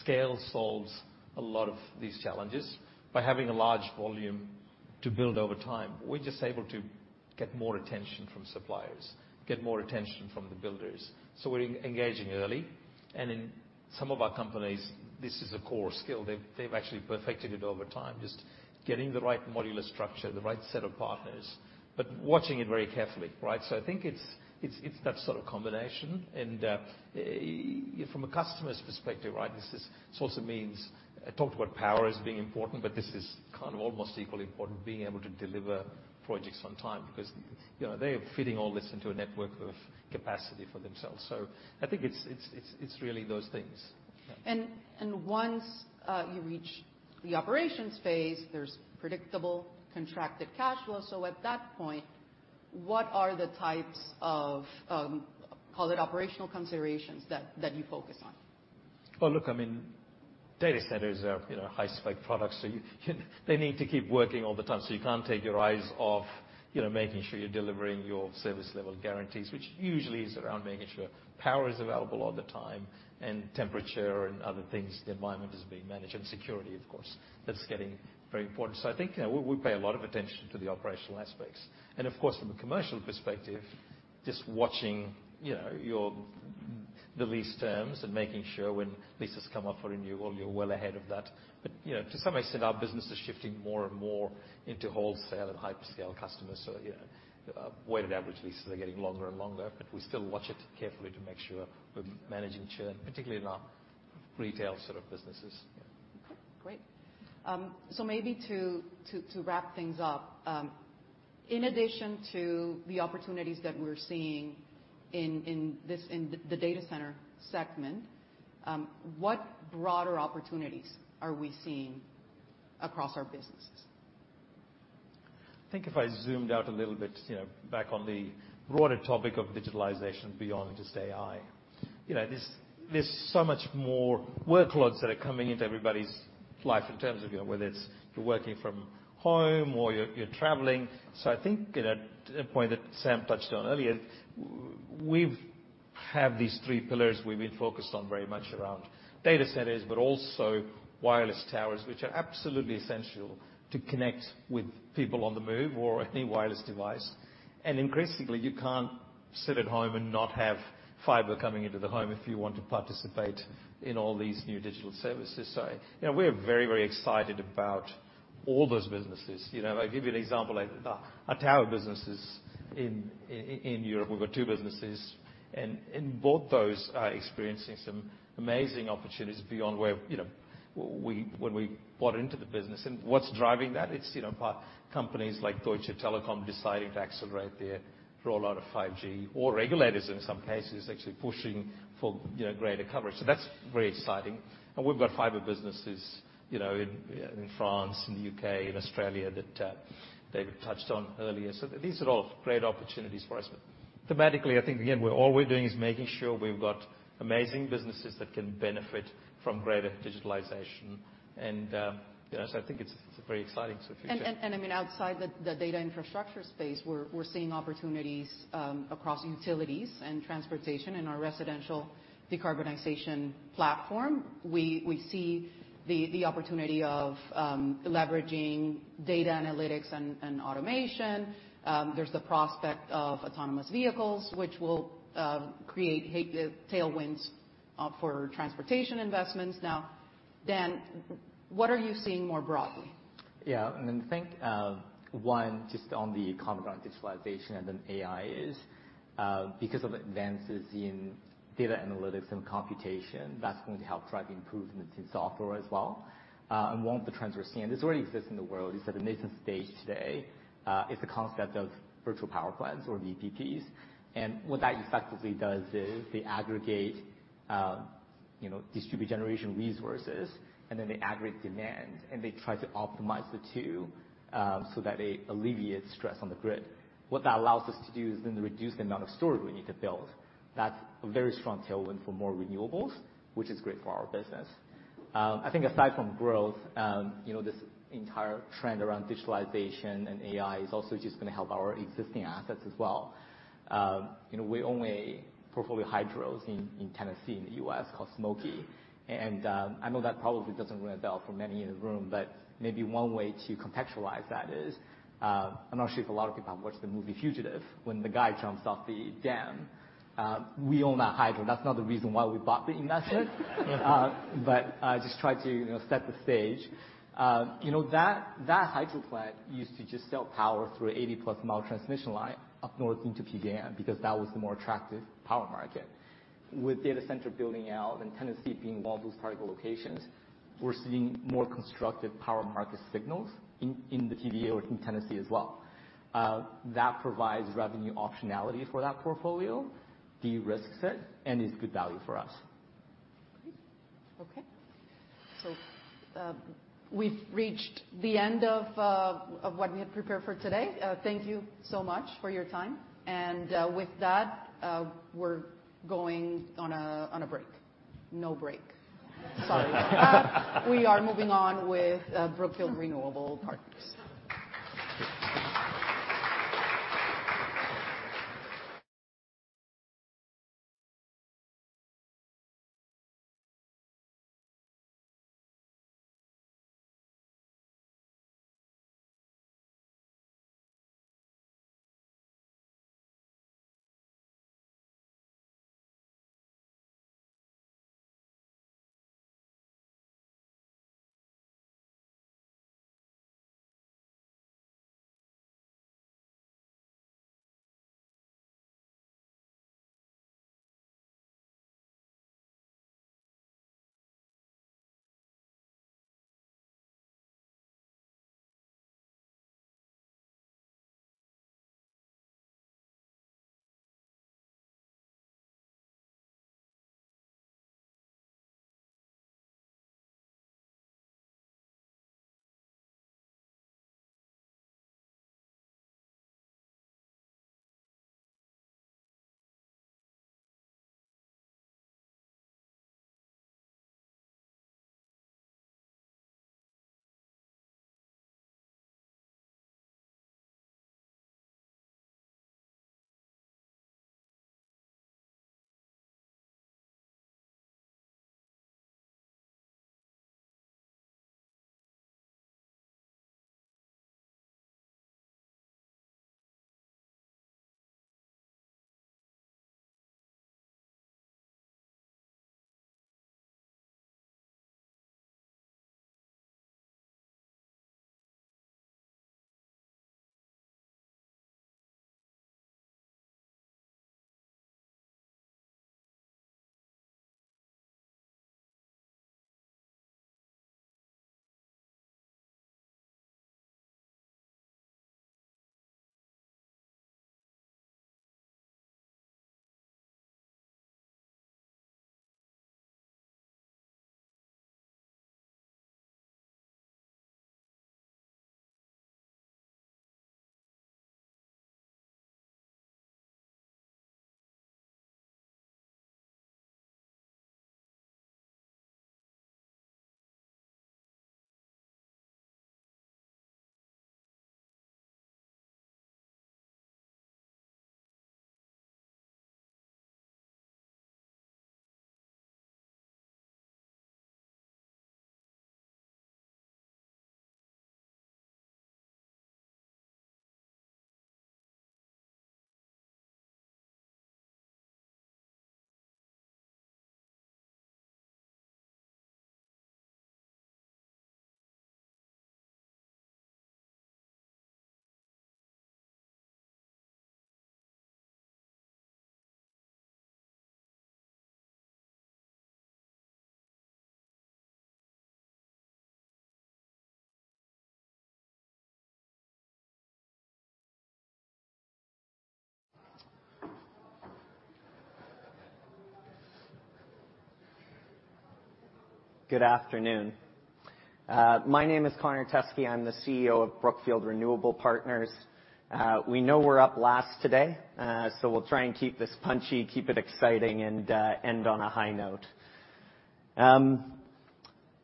scale solves a lot of these challenges. By having a large volume to build over time, we're just able to get more attention from suppliers, get more attention from the builders, so we're engaging early. And in some of our companies, this is a core skill. They've actually perfected it over time, just getting the right modular structure, the right set of partners, but watching it very carefully, right? So I think it's that sort of combination, and from a customer's perspective, right, this is-- This also means I talked about power as being important, but this is kind of almost equally important, being able to deliver projects on time, because, you know, they are fitting all this into a network of capacity for themselves. So I think it's really those things. Once you reach the operations phase, there's predictable contracted cash flow, so at that point, what are the types of, call it, operational considerations that you focus on? Well, look, I mean, data centers are, you know, high-spec products, so they need to keep working all the time, so you can't take your eyes off, you know, making sure you're delivering your service-level guarantees, which usually is around making sure power is available all the time, and temperature and other things, the environment is being managed, and security, of course. That's getting very important. So I think, you know, we pay a lot of attention to the operational aspects. And of course, from a commercial perspective, just watching, you know, your-- the lease terms and making sure when leases come up for renewal, you're well ahead of that. But, you know, to some extent, our business is shifting more and more into wholesale and hyperscale customers, so, you know, weighted average leases are getting longer and longer, but we still watch it carefully to make sure we're managing churn, particularly in our retail sort of businesses. Yeah. Great. So maybe to wrap things up, in addition to the opportunities that we're seeing in this data center segment, what broader opportunities are we seeing across our businesses? I think if I zoomed out a little bit, you know, back on the broader topic of digitalization beyond just AI, you know, there's so much more workloads that are coming into everybody's life in terms of, you know, whether it's you're working from home or you're traveling. So I think, you know, to the point that Sam touched on earlier, we have these three pillars we've been focused on very much around data centers, but also wireless towers, which are absolutely essential to connect with people on the move or any wireless device. And increasingly, you can't sit at home and not have fiber coming into the home if you want to participate in all these new digital services. So, you know, we're very, very excited about all those businesses. You know, I'll give you an example, like, our tower businesses in Europe, we've got two businesses, and both those are experiencing some amazing opportunities beyond where, you know, we bought into the business. And what's driving that? It's, you know, partners like Deutsche Telekom deciding to accelerate their rollout of 5G, or regulators, in some cases, actually pushing for, you know, greater coverage. So that's very exciting. And we've got fiber businesses, you know, in France, in the U.K., in Australia, that David touched on earlier. So these are all great opportunities for us. But thematically, I think, again, we're all we're doing is making sure we've got amazing businesses that can benefit from greater digitalization. And, you know, so I think it's a very exciting future. I mean, outside the data infrastructure space, we're seeing opportunities across utilities and transportation in our residential decarbonization platform. We see the opportunity of leveraging data analytics and automation. There's the prospect of autonomous vehicles, which will create tailwinds for transportation investments. Now, Dan, what are you seeing more broadly? Yeah, I mean, think, one, just on the common ground, digitalization and then AI is, because of advances in data analytics and computation, that's going to help drive improvements in software as well. And one of the trends we're seeing, this already exists in the world, it's at a nascent stage today, is the concept of virtual power plants or VPPs. And what that effectively does is they aggregate, you know, distributed generation resources, and then they aggregate demand, and they try to optimize the two, so that they alleviate stress on the grid. What that allows us to do is then reduce the amount of storage we need to build. That's a very strong tailwind for more renewables, which is great for our business. I think aside from growth, you know, this entire trend around digitalization and AI is also just gonna help our existing assets as well. You know, we own a portfolio of hydros in Tennessee, in the U.S., called Smoky. And I know that probably doesn't ring a bell for many in the room, but maybe one way to contextualize that is, I'm not sure if a lot of people have watched the movie Fugitive, when the guy jumps off the dam. We own that hydro. That's not the reason why we bought the investment. But just try to, you know, set the stage. You know, that hydro plant used to just sell power through +80 mile transmission line up north into PJM, because that was the more attractive power market. With data center building out and Tennessee being one of those critical locations, we're seeing more constructive power market signals in the TVA or in Tennessee as well. That provides revenue optionality for that portfolio, derisks it, and is good value for us. Great. Okay. So, we've reached the end of what we had prepared for today. Thank you so much for your time, and, with that, we're going on a break. No break. Sorry. We are moving on with Brookfield Renewable Partners. Good afternoon. My name is Connor Teskey. I'm the CEO of Brookfield Renewable Partners. We know we're up last today, so we'll try and keep this punchy, keep it exciting, and end on a high note.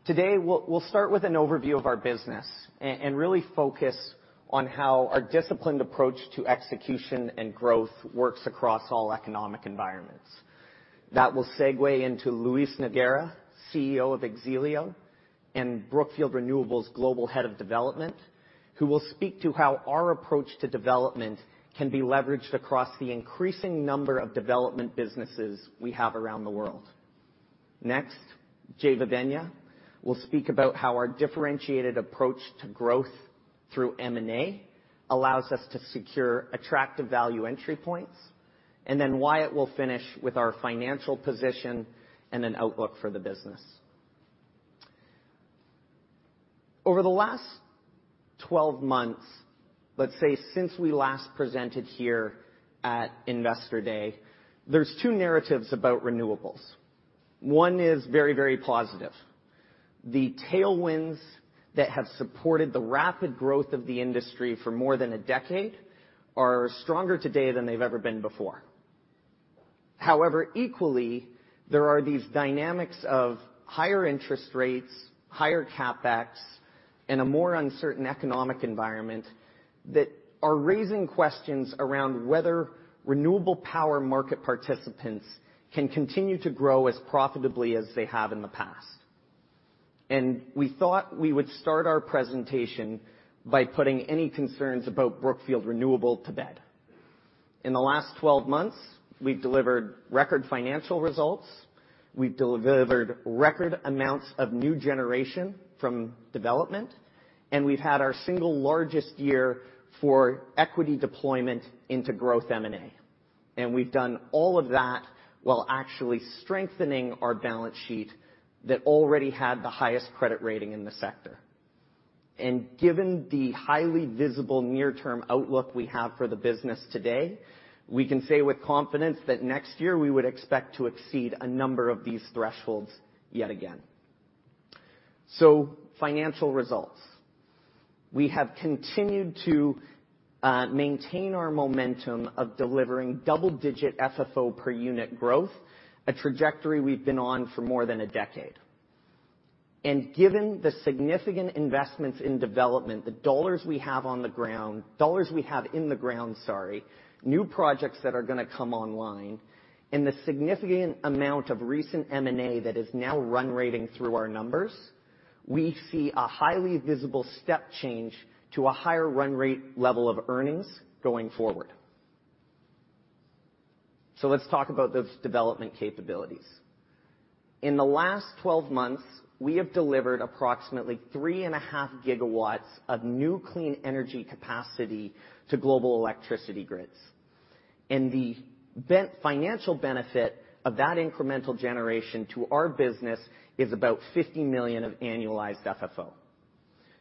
Today, we'll start with an overview of our business and really focus on how our disciplined approach to execution and growth works across all economic environments. That will segue into Lluís Noguera, CEO of X-Elio and Brookfield Renewable's Global Head of Development, who will speak to how our approach to development can be leveraged across the increasing number of development businesses we have around the world. Next, Jeh Vevaina will speak about how our differentiated approach to growth through M&A allows us to secure attractive value entry points, and then Wyatt will finish with our financial position and an outlook for the business. Over the last 12 months, let's say, since we last presented here at Investor Day, there's two narratives about renewables. One is very, very positive. The tailwinds that have supported the rapid growth of the industry for more than a decade are stronger today than they've ever been before. However, equally, there are these dynamics of higher interest rates, higher CapEx, and a more uncertain economic environment, that are raising questions around whether renewable power market participants can continue to grow as profitably as they have in the past. And we thought we would start our presentation by putting any concerns about Brookfield Renewable to bed. In the last 12 months, we've delivered record financial results, we've delivered record amounts of new generation from development, and we've had our single largest year for equity deployment into growth M&A. We've done all of that while actually strengthening our balance sheet that already had the highest credit rating in the sector. Given the highly visible near-term outlook we have for the business today, we can say with confidence that next year we would expect to exceed a number of these thresholds yet again. Financial results. We have continued to maintain our momentum of delivering double-digit FFO per unit growth, a trajectory we've been on for more than a decade. Given the significant investments in development, the dollars we have in the ground, sorry, new projects that are gonna come online, and the significant amount of recent M&A that is now run rating through our numbers, we see a highly visible step change to a higher run rate level of earnings going forward. Let's talk about those development capabilities. In the last 12 months, we have delivered approximately 3.5 GW of new clean energy capacity to global electricity grids. The financial benefit of that incremental generation to our business is about $50 million of annualized FFO.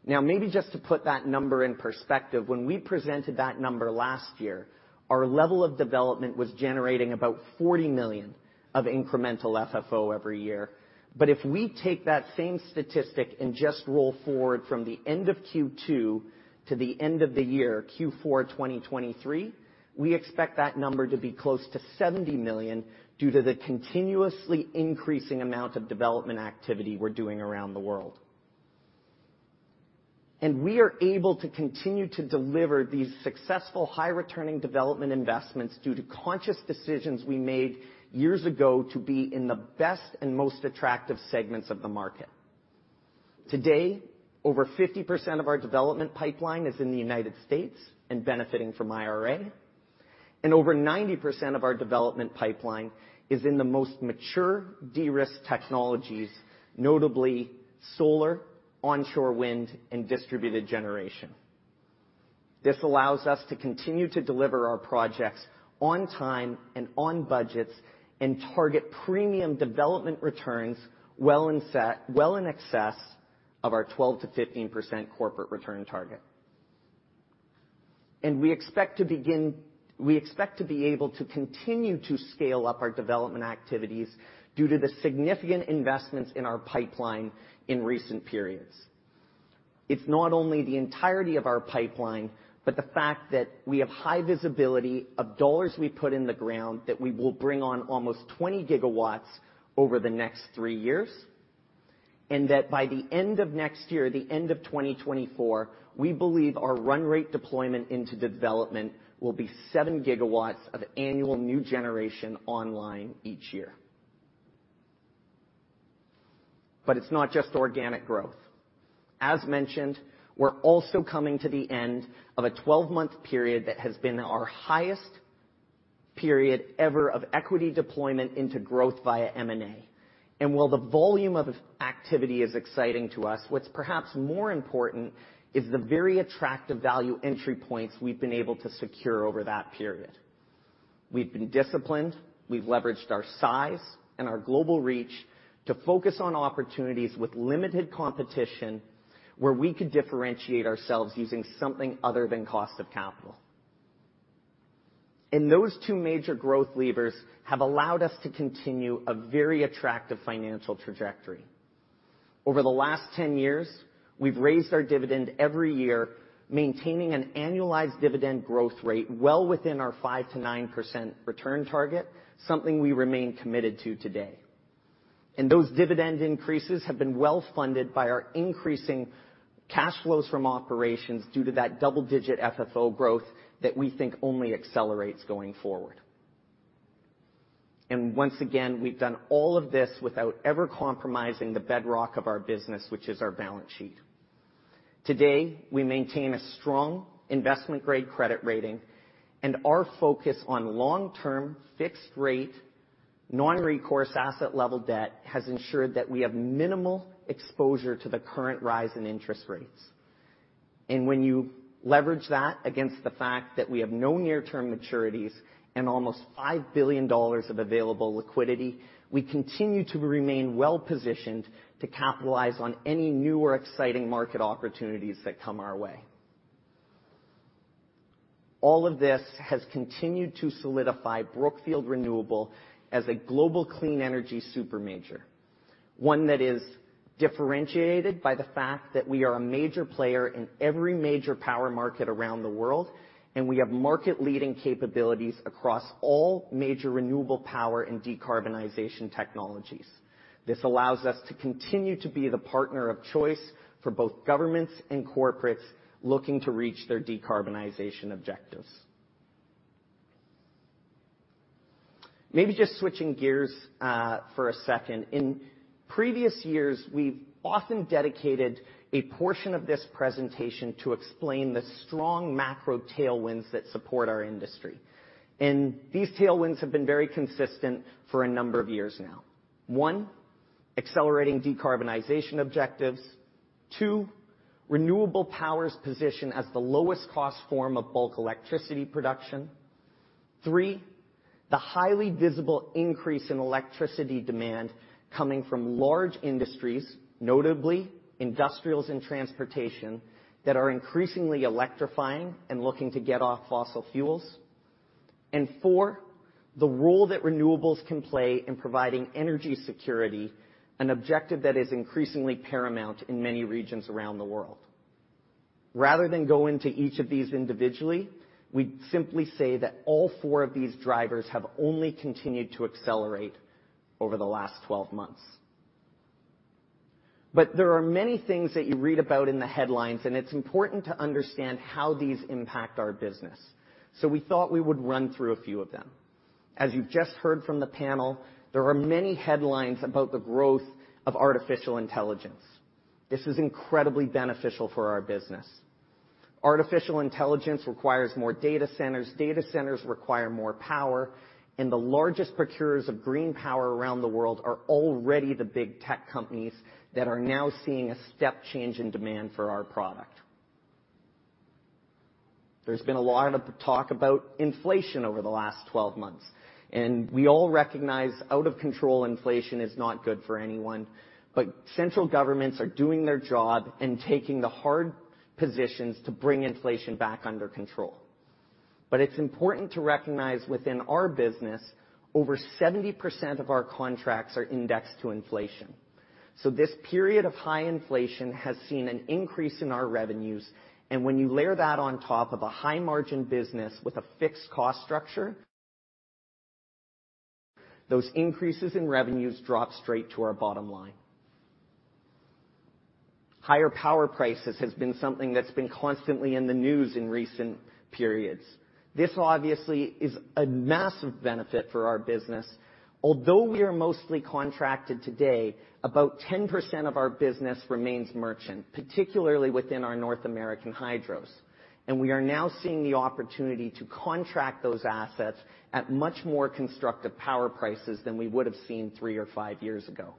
Now, maybe just to put that number in perspective, when we presented that number last year, our level of development was generating about $40 million of incremental FFO every year. If we take that same statistic and just roll forward from the end of Q2 to the end of the year, Q4 2023, we expect that number to be close to $70 million due to the continuously increasing amount of development activity we're doing around the world. We are able to continue to deliver these successful, high-returning development investments due to conscious decisions we made years ago to be in the best and most attractive segments of the market. Today, over 50% of our development pipeline is in the United States and benefiting from IRA, and over 90% of our development pipeline is in the most mature, de-risked technologies, notably solar, onshore wind, and distributed generation. This allows us to continue to deliver our projects on time and on budgets, and target premium development returns well in excess of our 12%-15% corporate return target. We expect to be able to continue to scale up our development activities due to the significant investments in our pipeline in recent periods. It's not only the entirety of our pipeline, but the fact that we have high visibility of dollars we put in the ground, that we will bring on almost 20 GW over the next three years, and that by the end of next year, the end of 2024, we believe our run rate deployment into development will be 7 GW of annual new generation online each year. It's not just organic growth. As mentioned, we're also coming to the end of a 12-month period that has been our highest period ever of equity deployment into growth via M&A. While the volume of activity is exciting to us, what's perhaps more important is the very attractive value entry points we've been able to secure over that period. We've been disciplined, we've leveraged our size and our global reach to focus on opportunities with limited competition, where we could differentiate ourselves using something other than cost of capital. Those two major growth levers have allowed us to continue a very attractive financial trajectory. Over the last 10 years, we've raised our dividend every year, maintaining an annualized dividend growth rate well within our 5%-9% return target, something we remain committed to today. Those dividend increases have been well-funded by our increasing cash flows from operations due to that double-digit FFO growth that we think only accelerates going forward. Once again, we've done all of this without ever compromising the bedrock of our business, which is our balance sheet. Today, we maintain a strong investment-grade credit rating, and our focus on long-term, fixed-rate, non-recourse asset level debt has ensured that we have minimal exposure to the current rise in interest rates. When you leverage that against the fact that we have no near-term maturities and almost $5 billion of available liquidity, we continue to remain well-positioned to capitalize on any new or exciting market opportunities that come our way. All of this has continued to solidify Brookfield Renewable as a global clean energy super major, one that is differentiated by the fact that we are a major player in every major power market around the world, and we have market-leading capabilities across all major renewable power and decarbonization technologies. This allows us to continue to be the partner of choice for both governments and corporates looking to reach their decarbonization objectives. Maybe just switching gears for a second. In previous years, we've often dedicated a portion of this presentation to explain the strong macro tailwinds that support our industry. These tailwinds have been very consistent for a number of years now. One, accelerating decarbonization objectives. Two, renewable power's position as the lowest cost form of bulk electricity production. Three, the highly visible increase in electricity demand coming from large industries, notably industrials and transportation, that are increasingly electrifying and looking to get off fossil fuels. And four, the role that renewables can play in providing energy security, an objective that is increasingly paramount in many regions around the world. Rather than go into each of these individually, we'd simply say that all four of these drivers have only continued to accelerate over the last 12 months. But there are many things that you read about in the headlines, and it's important to understand how these impact our business, so we thought we would run through a few of them. As you've just heard from the panel, there are many headlines about the growth of artificial intelligence. This is incredibly beneficial for our business. Artificial intelligence requires more data centers, data centers require more power, and the largest procurers of green power around the world are already the big tech companies that are now seeing a step change in demand for our product. There's been a lot of talk about inflation over the last 12 months, and we all recognize out-of-control inflation is not good for anyone, but central governments are doing their job and taking the hard positions to bring inflation back under control. It's important to recognize within our business, over 70% of our contracts are indexed to inflation. So this period of high inflation has seen an increase in our revenues, and when you layer that on top of a high-margin business with a fixed cost structure, those increases in revenues drop straight to our bottom line. Higher power prices has been something that's been constantly in the news in recent periods. This obviously is a massive benefit for our business. Although we are mostly contracted today, about 10% of our business remains merchant, particularly within our North American hydros, and we are now seeing the opportunity to contract those assets at much more constructive power prices than we would have seen three or five years ago.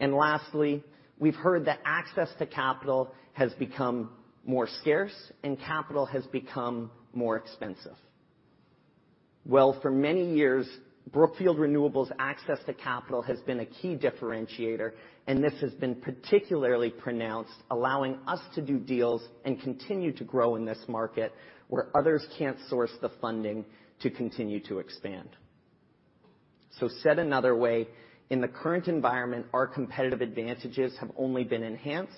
And lastly, we've heard that access to capital has become more scarce and capital has become more expensive. Well, for many years, Brookfield Renewable's access to capital has been a key differentiator, and this has been particularly pronounced, allowing us to do deals and continue to grow in this market, where others can't source the funding to continue to expand. So said another way, in the current environment, our competitive advantages have only been enhanced,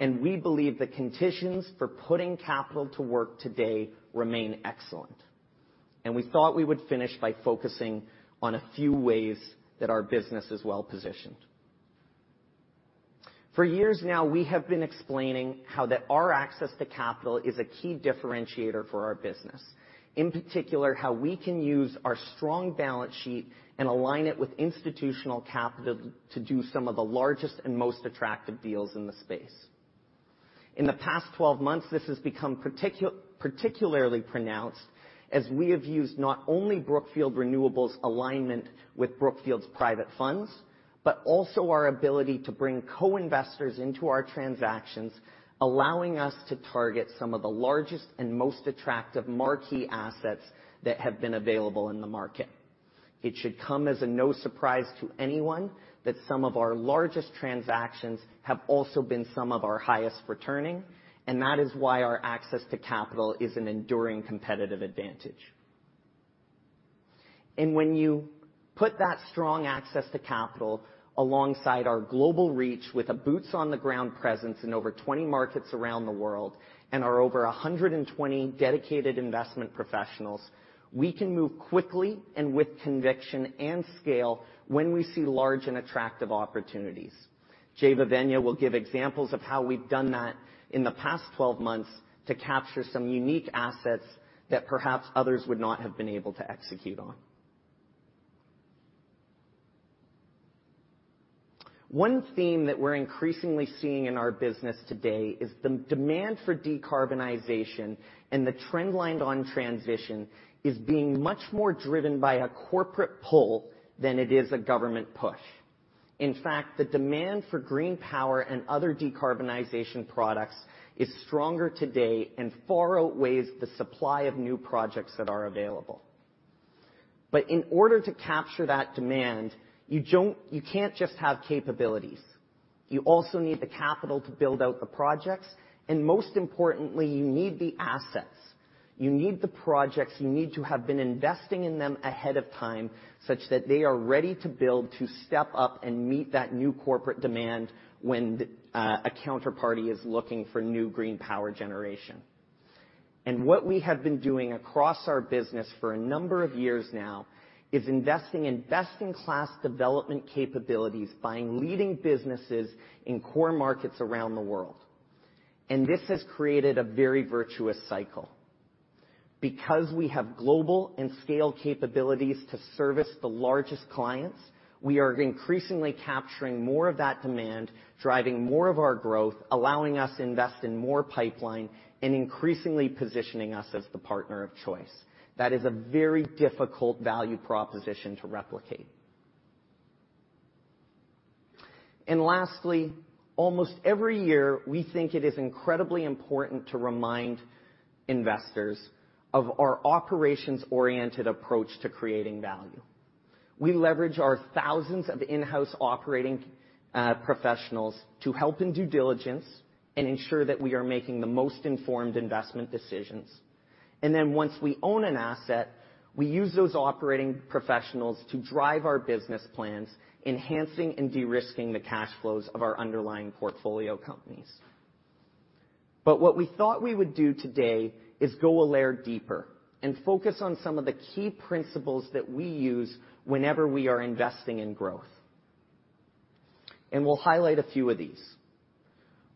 and we believe the conditions for putting capital to work today remain excellent. We thought we would finish by focusing on a few ways that our business is well-positioned. For years now, we have been explaining how our access to capital is a key differentiator for our business. In particular, how we can use our strong balance sheet and align it with institutional capital to do some of the largest and most attractive deals in the space. In the past 12 months, this has become particularly pronounced, as we have used not only Brookfield Renewable's alignment with Brookfield's private funds, but also our ability to bring co-investors into our transactions, allowing us to target some of the largest and most attractive marquee assets that have been available in the market. It should come as no surprise to anyone that some of our largest transactions have also been some of our highest returning, and that is why our access to capital is an enduring competitive advantage. When you put that strong access to capital alongside our global reach, with a boots-on-the-ground presence in over 20 markets around the world, and our over 120 dedicated investment professionals, we can move quickly and with conviction and scale when we see large and attractive opportunities. Jeh Vevaina will give examples of how we've done that in the past 12 months to capture some unique assets that perhaps others would not have been able to execute on. One theme that we're increasingly seeing in our business today is the demand for decarbonization, and the trend line on transition is being much more driven by a corporate pull than it is a government push. In fact, the demand for green power and other decarbonization products is stronger today and far outweighs the supply of new projects that are available. But in order to capture that demand, you can't just have capabilities. You also need the capital to build out the projects, and most importantly, you need the assets. You need the projects. You need to have been investing in them ahead of time, such that they are ready to build, to step up and meet that new corporate demand when a counterparty is looking for new green power generation. What we have been doing across our business for a number of years now is investing in best-in-class development capabilities, buying leading businesses in core markets around the world. This has created a very virtuous cycle. Because we have global and scale capabilities to service the largest clients, we are increasingly capturing more of that demand, driving more of our growth, allowing us to invest in more pipeline, and increasingly positioning us as the partner of choice. That is a very difficult value proposition to replicate. Lastly, almost every year, we think it is incredibly important to remind investors of our operations-oriented approach to creating value. We leverage our thousands of in-house operating professionals to help in due diligence and ensure that we are making the most informed investment decisions. And then once we own an asset, we use those operating professionals to drive our business plans, enhancing and de-risking the cash flows of our underlying portfolio companies. But what we thought we would do today is go a layer deeper and focus on some of the key principles that we use whenever we are investing in growth. And we'll highlight a few of these.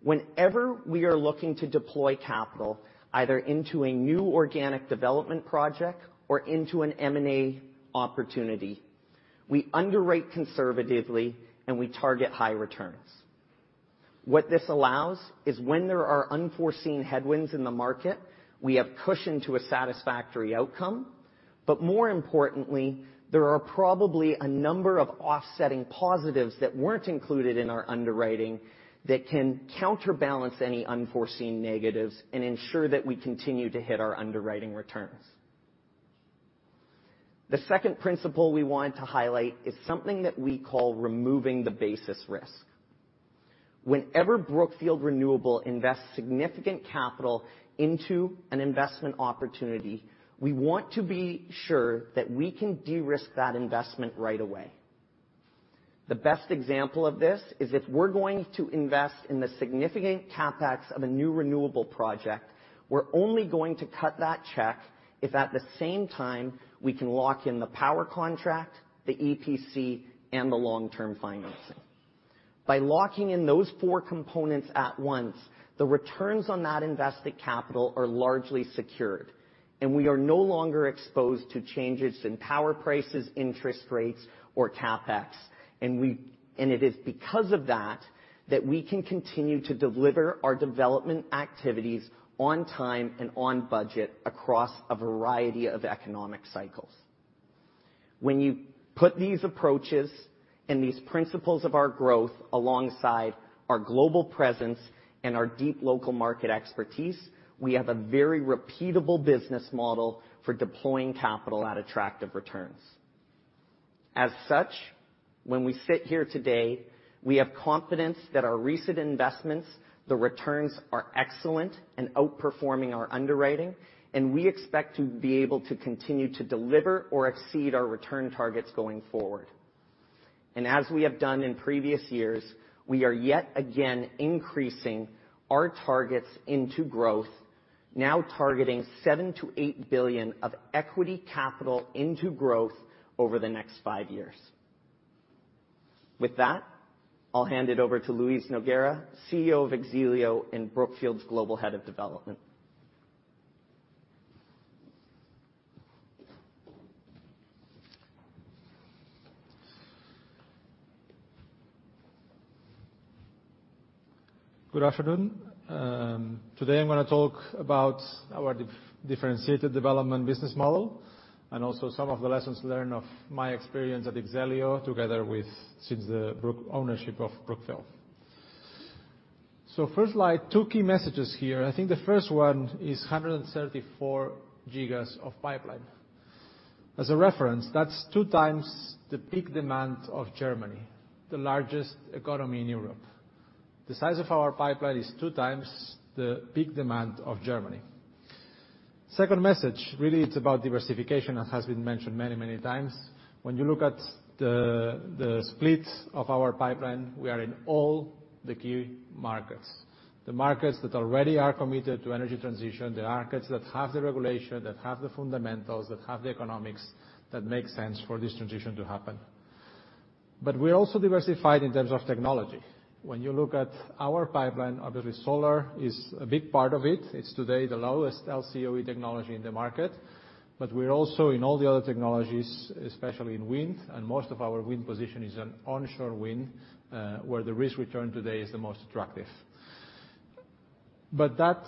Whenever we are looking to deploy capital, either into a new organic development project or into an M&A opportunity, we underwrite conservatively, and we target high returns. What this allows is, when there are unforeseen headwinds in the market, we have cushion to a satisfactory outcome, but more importantly, there are probably a number of offsetting positives that weren't included in our underwriting that can counterbalance any unforeseen negatives and ensure that we continue to hit our underwriting returns. The second principle we wanted to highlight is something that we call removing the basis risk. Whenever Brookfield Renewable invests significant capital into an investment opportunity, we want to be sure that we can de-risk that investment right away. The best example of this is, if we're going to invest in the significant CapEx of a new renewable project, we're only going to cut that check if at the same time we can lock in the power contract, the EPC, and the long-term financing. By locking in those four components at once, the returns on that invested capital are largely secured, and we are no longer exposed to changes in power prices, interest rates, or CapEx. And it is because of that that we can continue to deliver our development activities on time and on budget across a variety of economic cycles. When you put these approaches and these principles of our growth alongside our global presence and our deep local market expertise, we have a very repeatable business model for deploying capital at attractive returns. As such, when we sit here today, we have confidence that our recent investments, the returns are excellent and outperforming our underwriting, and we expect to be able to continue to deliver or exceed our return targets going forward. As we have done in previous years, we are yet again increasing our targets into growth, now targeting $7 billion-$8 billion of equity capital into growth over the next five years. With that, I'll hand it over to Lluís Noguera, CEO of X-Elio and Brookfield's Global Head of Development. Good afternoon. Today I'm gonna talk about our differentiated development business model, and also some of the lessons learned of my experience at X-Elio, together with, since the ownership of Brookfield. So first slide, two key messages here. I think the first one is 134 GW of pipeline. As a reference, that's 2x the peak demand of Germany, the largest economy in Europe. The size of our pipeline is 2x the peak demand of Germany. Second message, really, it's about diversification, as has been mentioned many, many times. When you look at the splits of our pipeline, we are in all the key markets, the markets that already are committed to energy transition, the markets that have the regulation, that have the fundamentals, that have the economics, that make sense for this transition to happen. But we're also diversified in terms of technology. When you look at our pipeline, obviously, solar is a big part of it. It's today the lowest LCOE technology in the market, but we're also in all the other technologies, especially in wind, and most of our wind position is on onshore wind, where the risk-return today is the most attractive. But that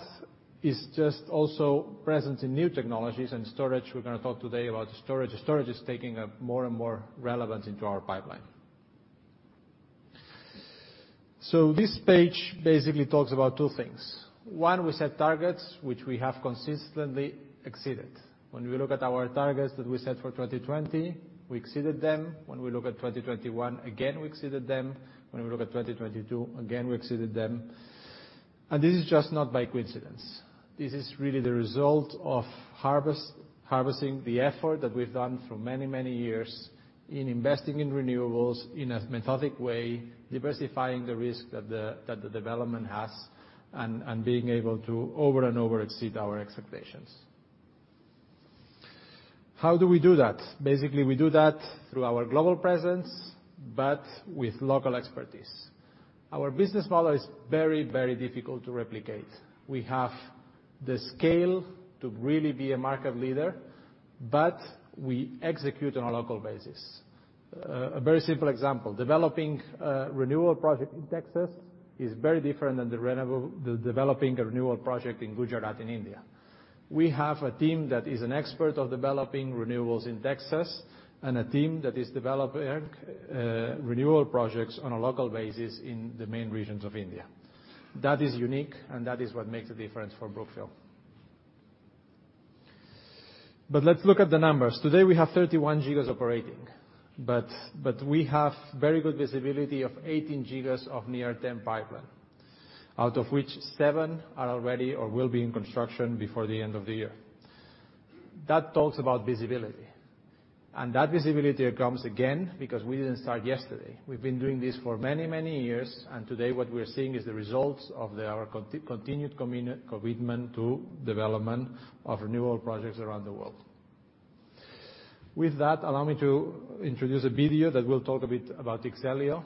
is just also present in new technologies and storage. We're gonna talk today about storage. Storage is taking a more and more relevance into our pipeline. So this page basically talks about two things. One, we set targets, which we have consistently exceeded. When we look at our targets that we set for 2020, we exceeded them. When we look at 2021, again, we exceeded them. When we look at 2022, again, we exceeded them. And this is just not by coincidence. This is really the result of harvesting the effort that we've done for many, many years in investing in renewables in a methodic way, diversifying the risk that the development has, and being able to over and over exceed our expectations. How do we do that? Basically, we do that through our global presence, but with local expertise. Our business model is very, very difficult to replicate. We have the scale to really be a market leader, but we execute on a local basis. A very simple example, developing a renewable project in Texas is very different than developing a renewable project in Gujarat, in India. We have a team that is an expert of developing renewables in Texas, and a team that is developing renewable projects on a local basis in the main regions of India. That is unique, and that is what makes a difference for Brookfield. But let's look at the numbers. Today, we have 31 GW operating, but we have very good visibility of 18 GW of near-term pipeline, out of which 7 are already or will be in construction before the end of the year. That talks about visibility, and that visibility comes, again, because we didn't start yesterday. We've been doing this for many, many years, and today what we are seeing is the results of our continued commitment to development of renewable projects around the world. With that, allow me to introduce a video that will talk a bit about X-Elio.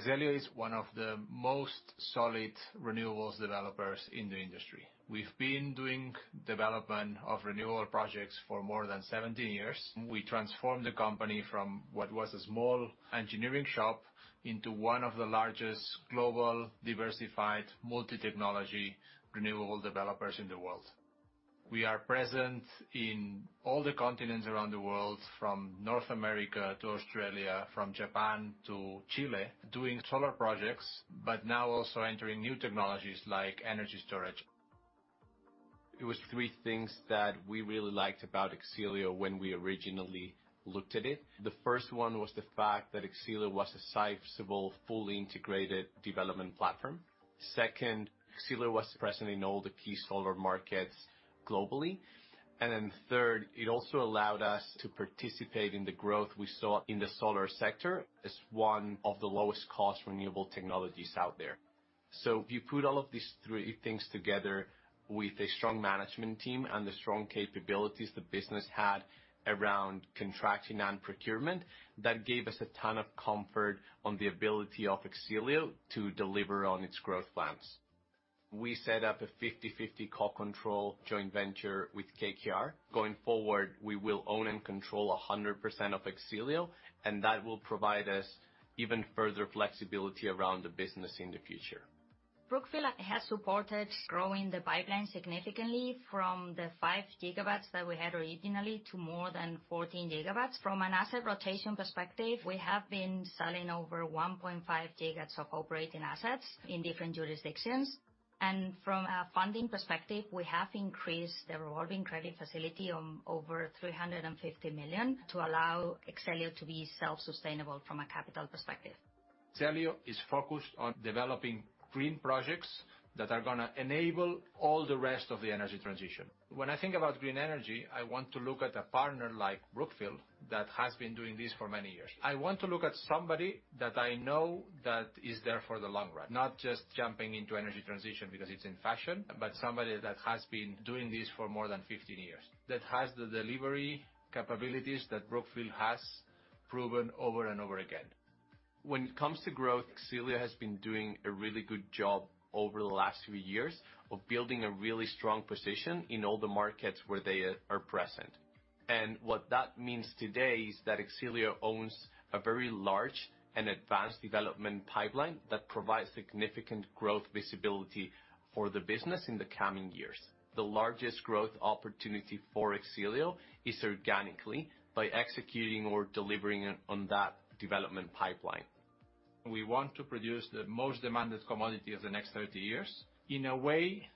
X-Elio is one of the most solid renewables developers in the industry. We've been doing development of renewable projects for more than 17 years. We transformed the company from what was a small engineering shop into one of the largest global, diversified, multi-technology, renewable developers in the world. We are present in all the continents around the world, from North America to Australia, from Japan to Chile, doing solar projects, but now also entering new technologies like energy storage. It was three things that we really liked about X-Elio when we originally looked at it. The first one was the fact that X-Elio was a sizable, fully integrated development platform. Second, X-Elio was present in all the key solar markets globally. And then third, it also allowed us to participate in the growth we saw in the solar sector as one of the lowest cost renewable technologies out there. So if you put all of these three things together with a strong management team and the strong capabilities the business had around contracting and procurement, that gave us a ton of comfort on the ability of X-Elio to deliver on its growth plans. We set up a 50/50 co-control joint venture with KKR. Going forward, we will own and control 100% of X-Elio, and that will provide us even further flexibility around the business in the future. Brookfield has supported growing the pipeline significantly from the 5 GW that we had originally to more than 14 GW. From an asset rotation perspective, we have been selling over 1.5 GW of operating assets in different jurisdictions. And from a funding perspective, we have increased the revolving credit facility on over $350 million to allow X-Elio to be self-sustainable from a capital perspective. X-Elio is focused on developing green projects that are gonna enable all the rest of the energy transition. When I think about green energy, I want to look at a partner like Brookfield, that has been doing this for many years. I want to look at somebody that I know that is there for the long run, not just jumping into energy transition because it's in fashion, but somebody that has been doing this for more than 15 years, that has the delivery capabilities that Brookfield has proven over and over again. When it comes to growth, X-Elio has been doing a really good job over the last few years of building a really strong position in all the markets where they are present. What that means today is that X-Elio owns a very large and advanced development pipeline that provides significant growth visibility for the business in the coming years. The largest growth opportunity for X-Elio is organically by executing or delivering on that development pipeline. We want to produce the most demanded commodity of the next 30 years in a way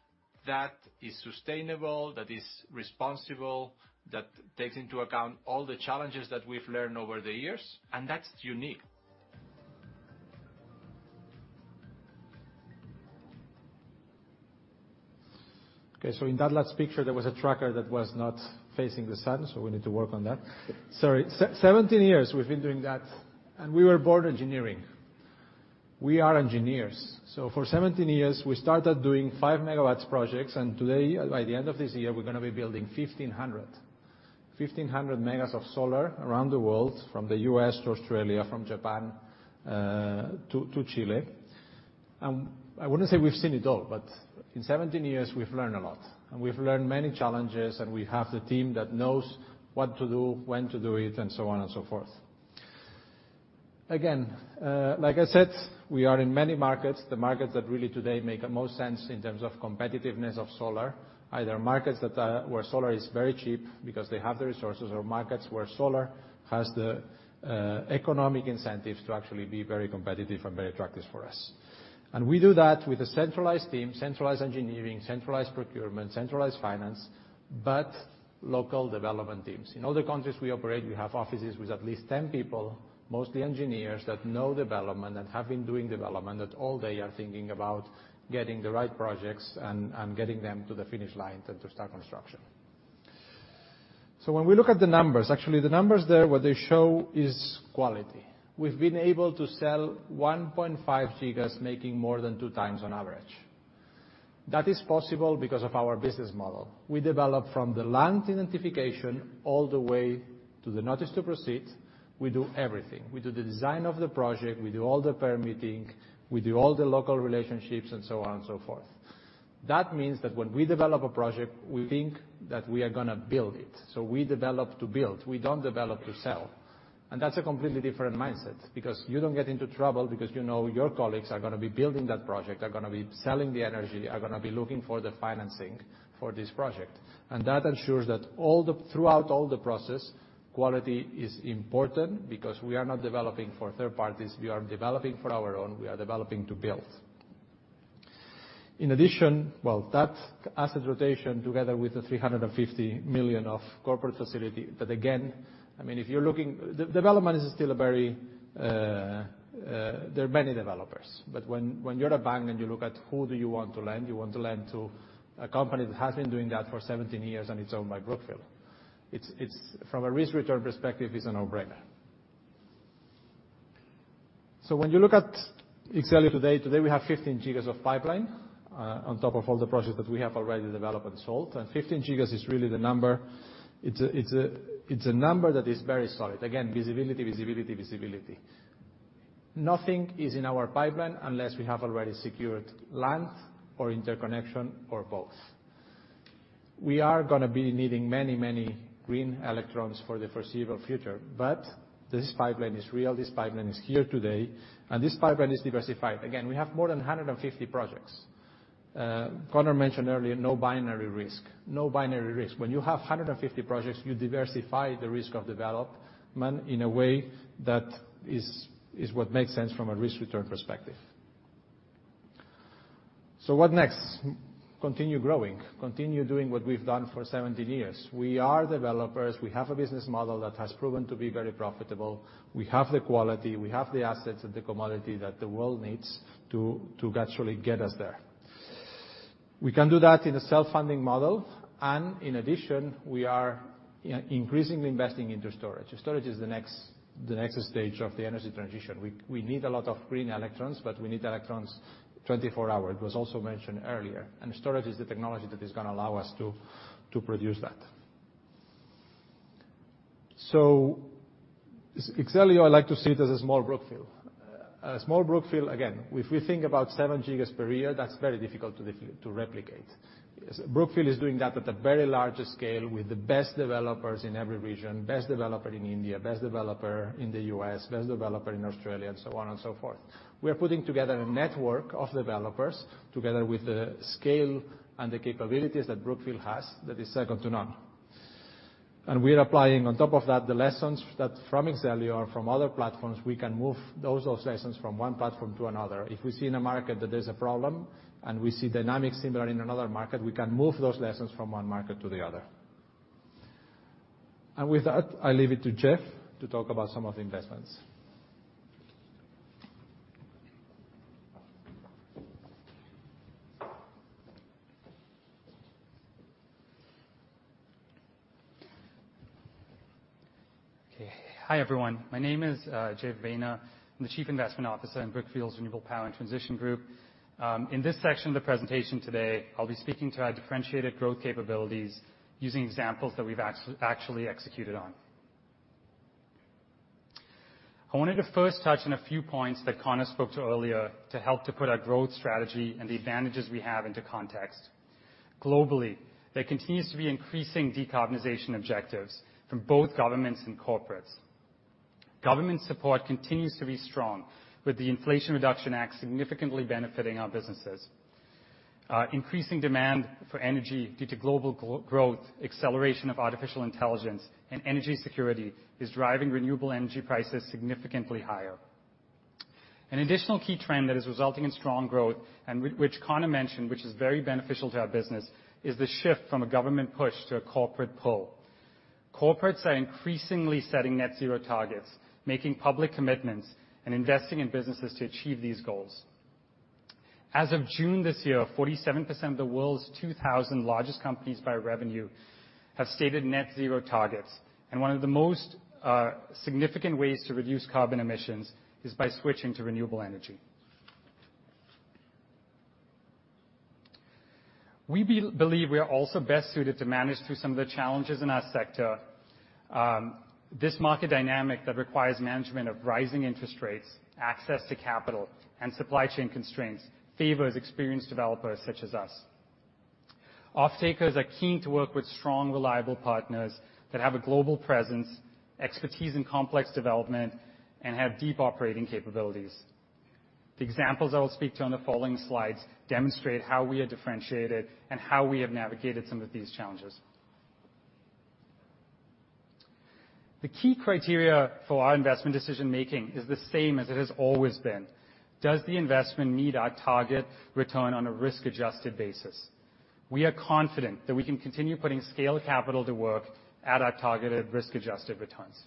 that is sustainable, that is responsible, that takes into account all the challenges that we've learned over the years, and that's unique. Okay, so in that last picture, there was a tracker that was not facing the sun, so we need to work on that. Sorry. 17 years we've been doing that, and we were born engineering. We are engineers. So for 17 years, we started doing 5 MW projects, and today, by the end of this year, we're gonna be building 1,500. 1,500 MW of solar around the world, from the U.S. to Australia, from Japan to Chile. I wouldn't say we've seen it all, but in 17 years we've learned a lot, and we've learned many challenges, and we have the team that knows what to do, when to do it, and so on and so forth. Again, like I said, we are in many markets, the markets that really today make the most sense in terms of competitiveness of solar. Either markets that where solar is very cheap because they have the resources, or markets where solar has the economic incentive to actually be very competitive and very attractive for us. And we do that with a centralized team, centralized engineering, centralized procurement, centralized finance, but local development teams. In all the countries we operate, we have offices with at least 10 people, mostly engineers, that know development and have been doing development, that all day are thinking about getting the right projects and, and getting them to the finish line and to start construction. So when we look at the numbers, actually, the numbers there, what they show is quality. We've been able to sell 1.5 GW, making more than 2x on average. That is possible because of our business model. We develop from the land identification all the way to the notice to proceed. We do everything. We do the design of the project, we do all the permitting, we do all the local relationships, and so on and so forth. That means that when we develop a project, we think that we are gonna build it. So we develop to build, we don't develop to sell. That's a completely different mindset, because you don't get into trouble because you know your colleagues are gonna be building that project, are gonna be selling the energy, are gonna be looking for the financing for this project. That ensures that all the throughout all the process, quality is important because we are not developing for third parties, we are developing for our own, we are developing to build. In addition, well, that asset rotation, together with the $350 million of corporate facility-- But again, I mean, if you're looking. The development is still a very-- There are many developers, but when you're a bank and you look at who do you want to lend, you want to lend to a company that has been doing that for 17 years and it's owned by Brookfield. It's from a risk-return perspective, it's a no-brainer. So when you look at X-Elio today, we have 15 GW of pipeline on top of all the projects that we have already developed and sold, and 15 GW is really the number. It's a number that is very solid. Again, visibility, visibility, visibility. Nothing is in our pipeline unless we have already secured land or interconnection or both. We are gonna be needing many, many green electrons for the foreseeable future, but this pipeline is real, this pipeline is here today, and this pipeline is diversified. Again, we have more than 150 projects. Connor mentioned earlier, no binary risk. No binary risk. When you have 150 projects, you diversify the risk of development in a way that is what makes sense from a risk-return perspective. So what next? Continue growing, continue doing what we've done for 17 years. We are developers. We have a business model that has proven to be very profitable. We have the quality, we have the assets and the commodity that the world needs to actually get us there. We can do that in a self-funding model, and in addition, we are increasingly investing into storage. Storage is the next stage of the energy transition. We need a lot of green electrons, but we need electrons 24 hours. It was also mentioned earlier, and storage is the technology that is gonna allow us to, to produce that. So, X-Elio, I like to see it as a small Brookfield. A small Brookfield, again, if we think about 7 GW per year, that's very difficult to replicate. Brookfield is doing that at a very large scale with the best developers in every region, best developer in India, best developer in the U.S., best developer in Australia, and so on and so forth. We are putting together a network of developers, together with the scale and the capabilities that Brookfield has, that is second to none. And we are applying, on top of that, the lessons that from X-Elio or from other platforms, we can move those, those lessons from one platform to another. If we see in a market that there's a problem, and we see dynamics similar in another market, we can move those lessons from one market to the other. With that, I leave it to Jeh to talk about some of the investments. Okay. Hi, everyone. My name is Jeh Vevaina. I'm the Chief Investment Officer in Brookfield's Renewable Power and Transition Group. In this section of the presentation today, I'll be speaking to our differentiated growth capabilities using examples that we've actually executed on. I wanted to first touch on a few points that Connor spoke to earlier to help to put our growth strategy and the advantages we have into context. Globally, there continues to be increasing decarbonization objectives from both governments and corporates. Government support continues to be strong, with the Inflation Reduction Act significantly benefiting our businesses. Increasing demand for energy due to global growth, acceleration of artificial intelligence, and energy security is driving renewable energy prices significantly higher. An additional key trend that is resulting in strong growth, and which Connor mentioned, which is very beneficial to our business, is the shift from a government push to a corporate pull. Corporates are increasingly setting net zero targets, making public commitments, and investing in businesses to achieve these goals. As of June this year, 47% of the world's 2,000 largest companies by revenue have stated net zero targets, and one of the most significant ways to reduce carbon emissions is by switching to renewable energy. We believe we are also best suited to manage through some of the challenges in our sector. This market dynamic that requires management of rising interest rates, access to capital, and supply chain constraints, favors experienced developers such as us. Off-takers are keen to work with strong, reliable partners that have a global presence, expertise in complex development, and have deep operating capabilities. The examples I will speak to on the following slides demonstrate how we are differentiated and how we have navigated some of these challenges. The key criteria for our investment decision-making is the same as it has always been: Does the investment meet our target return on a risk-adjusted basis? We are confident that we can continue putting scale capital to work at our targeted risk-adjusted returns.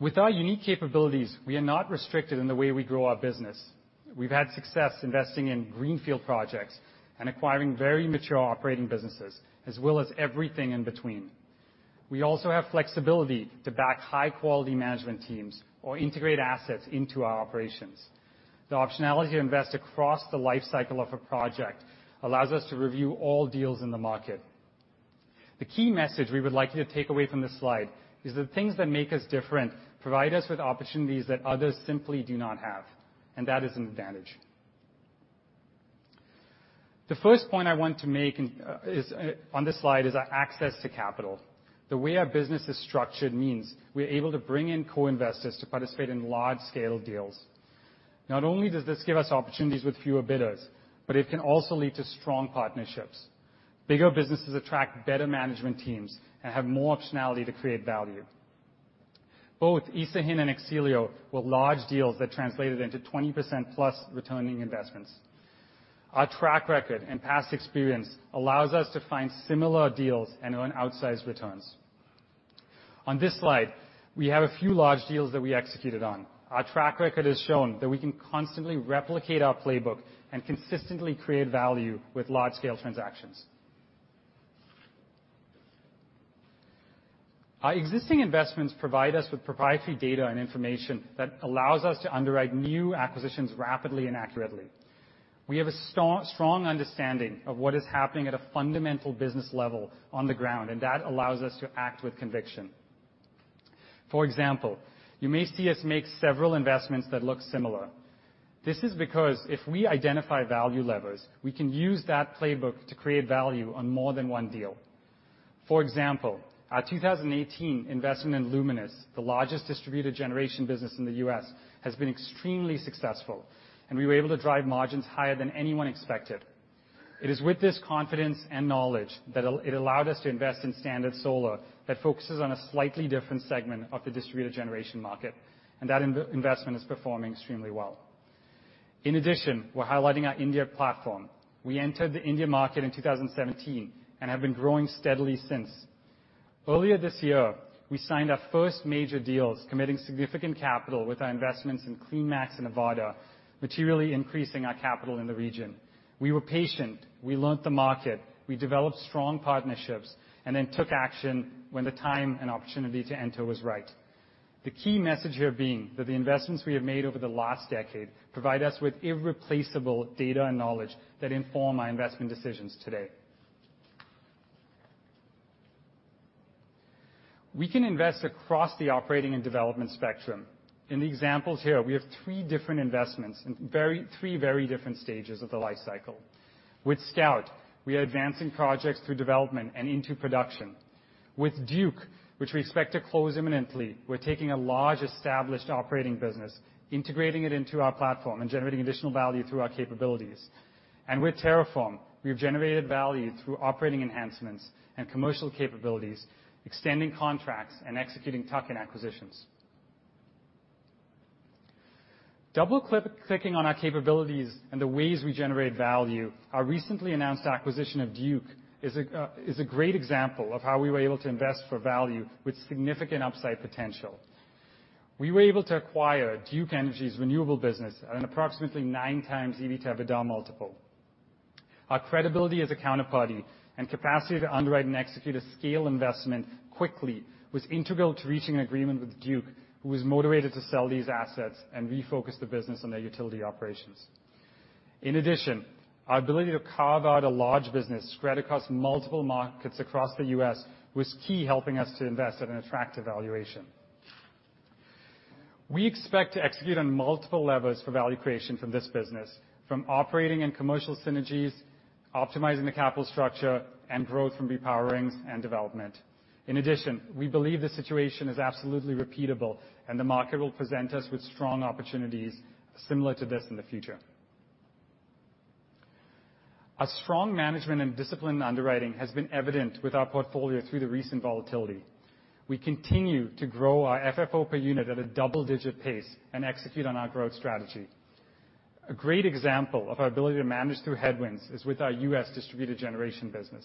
With our unique capabilities, we are not restricted in the way we grow our business. We've had success investing in greenfield projects and acquiring very mature operating businesses, as well as everything in between. We also have flexibility to back high-quality management teams or integrate assets into our operations. The optionality to invest across the lifecycle of a project allows us to review all deals in the market. The key message we would like you to take away from this slide is that things that make us different provide us with opportunities that others simply do not have, and that is an advantage. The first point I want to make on this slide is our access to capital. The way our business is structured means we are able to bring in co-investors to participate in large-scale deals. Not only does this give us opportunities with fewer bidders, but it can also lead to strong partnerships. Bigger businesses attract better management teams and have more optionality to create value. Both Ascenty and X-Elio were large deals that translated into 20%+ returning investments. Our track record and past experience allows us to find similar deals and earn outsized returns. On this slide, we have a few large deals that we executed on. Our track record has shown that we can constantly replicate our playbook and consistently create value with large-scale transactions. Our existing investments provide us with proprietary data and information that allows us to underwrite new acquisitions rapidly and accurately. We have a strong understanding of what is happening at a fundamental business level on the ground, and that allows us to act with conviction. For example, you may see us make several investments that look similar. This is because if we identify value levers, we can use that playbook to create value on more than one deal. For example, our 2018 investment in Luminace, the largest distributed generation business in the U.S., has been extremely successful, and we were able to drive margins higher than anyone expected. It is with this confidence and knowledge that it, it allowed us to invest in Standard Solar, that focuses on a slightly different segment of the distributed generation market, and that investment is performing extremely well. In addition, we're highlighting our India platform. We entered the India market in 2017, and have been growing steadily since. Earlier this year, we signed our first major deals, committing significant capital with our investments in CleanMax and Avaada, materially increasing our capital in the region. We were patient, we learned the market, we developed strong partnerships, and then took action when the time and opportunity to enter was right. The key message here being that the investments we have made over the last decade provide us with irreplaceable data and knowledge that inform our investment decisions today. We can invest across the operating and development spectrum. In the examples here, we have three different investments in three very different stages of the life cycle. With Scout, we are advancing projects through development and into production. With Duke, which we expect to close imminently, we're taking a large, established operating business, integrating it into our platform, and generating additional value through our capabilities. And with TerraForm, we have generated value through operating enhancements and commercial capabilities, extending contracts, and executing tuck-in acquisitions. Double-clicking on our capabilities and the ways we generate value, our recently announced acquisition of Duke is a great example of how we were able to invest for value with significant upside potential. We were able to acquire Duke Energy's renewable business at an approximately 9x EBITDA multiple. Our credibility as a counterparty and capacity to underwrite and execute a scale investment quickly was integral to reaching an agreement with Duke, who was motivated to sell these assets and refocus the business on their utility operations. In addition, our ability to carve out a large business spread across multiple markets across the U.S. was key helping us to invest at an attractive valuation. We expect to execute on multiple levers for value creation from this business, from operating and commercial synergies, optimizing the capital structure, and growth from repowerings and development. In addition, we believe the situation is absolutely repeatable, and the market will present us with strong opportunities similar to this in the future. A strong management and disciplined underwriting has been evident with our portfolio through the recent volatility. We continue to grow our FFO per unit at a double-digit pace and execute on our growth strategy. A great example of our ability to manage through headwinds is with our U.S. distributed generation business.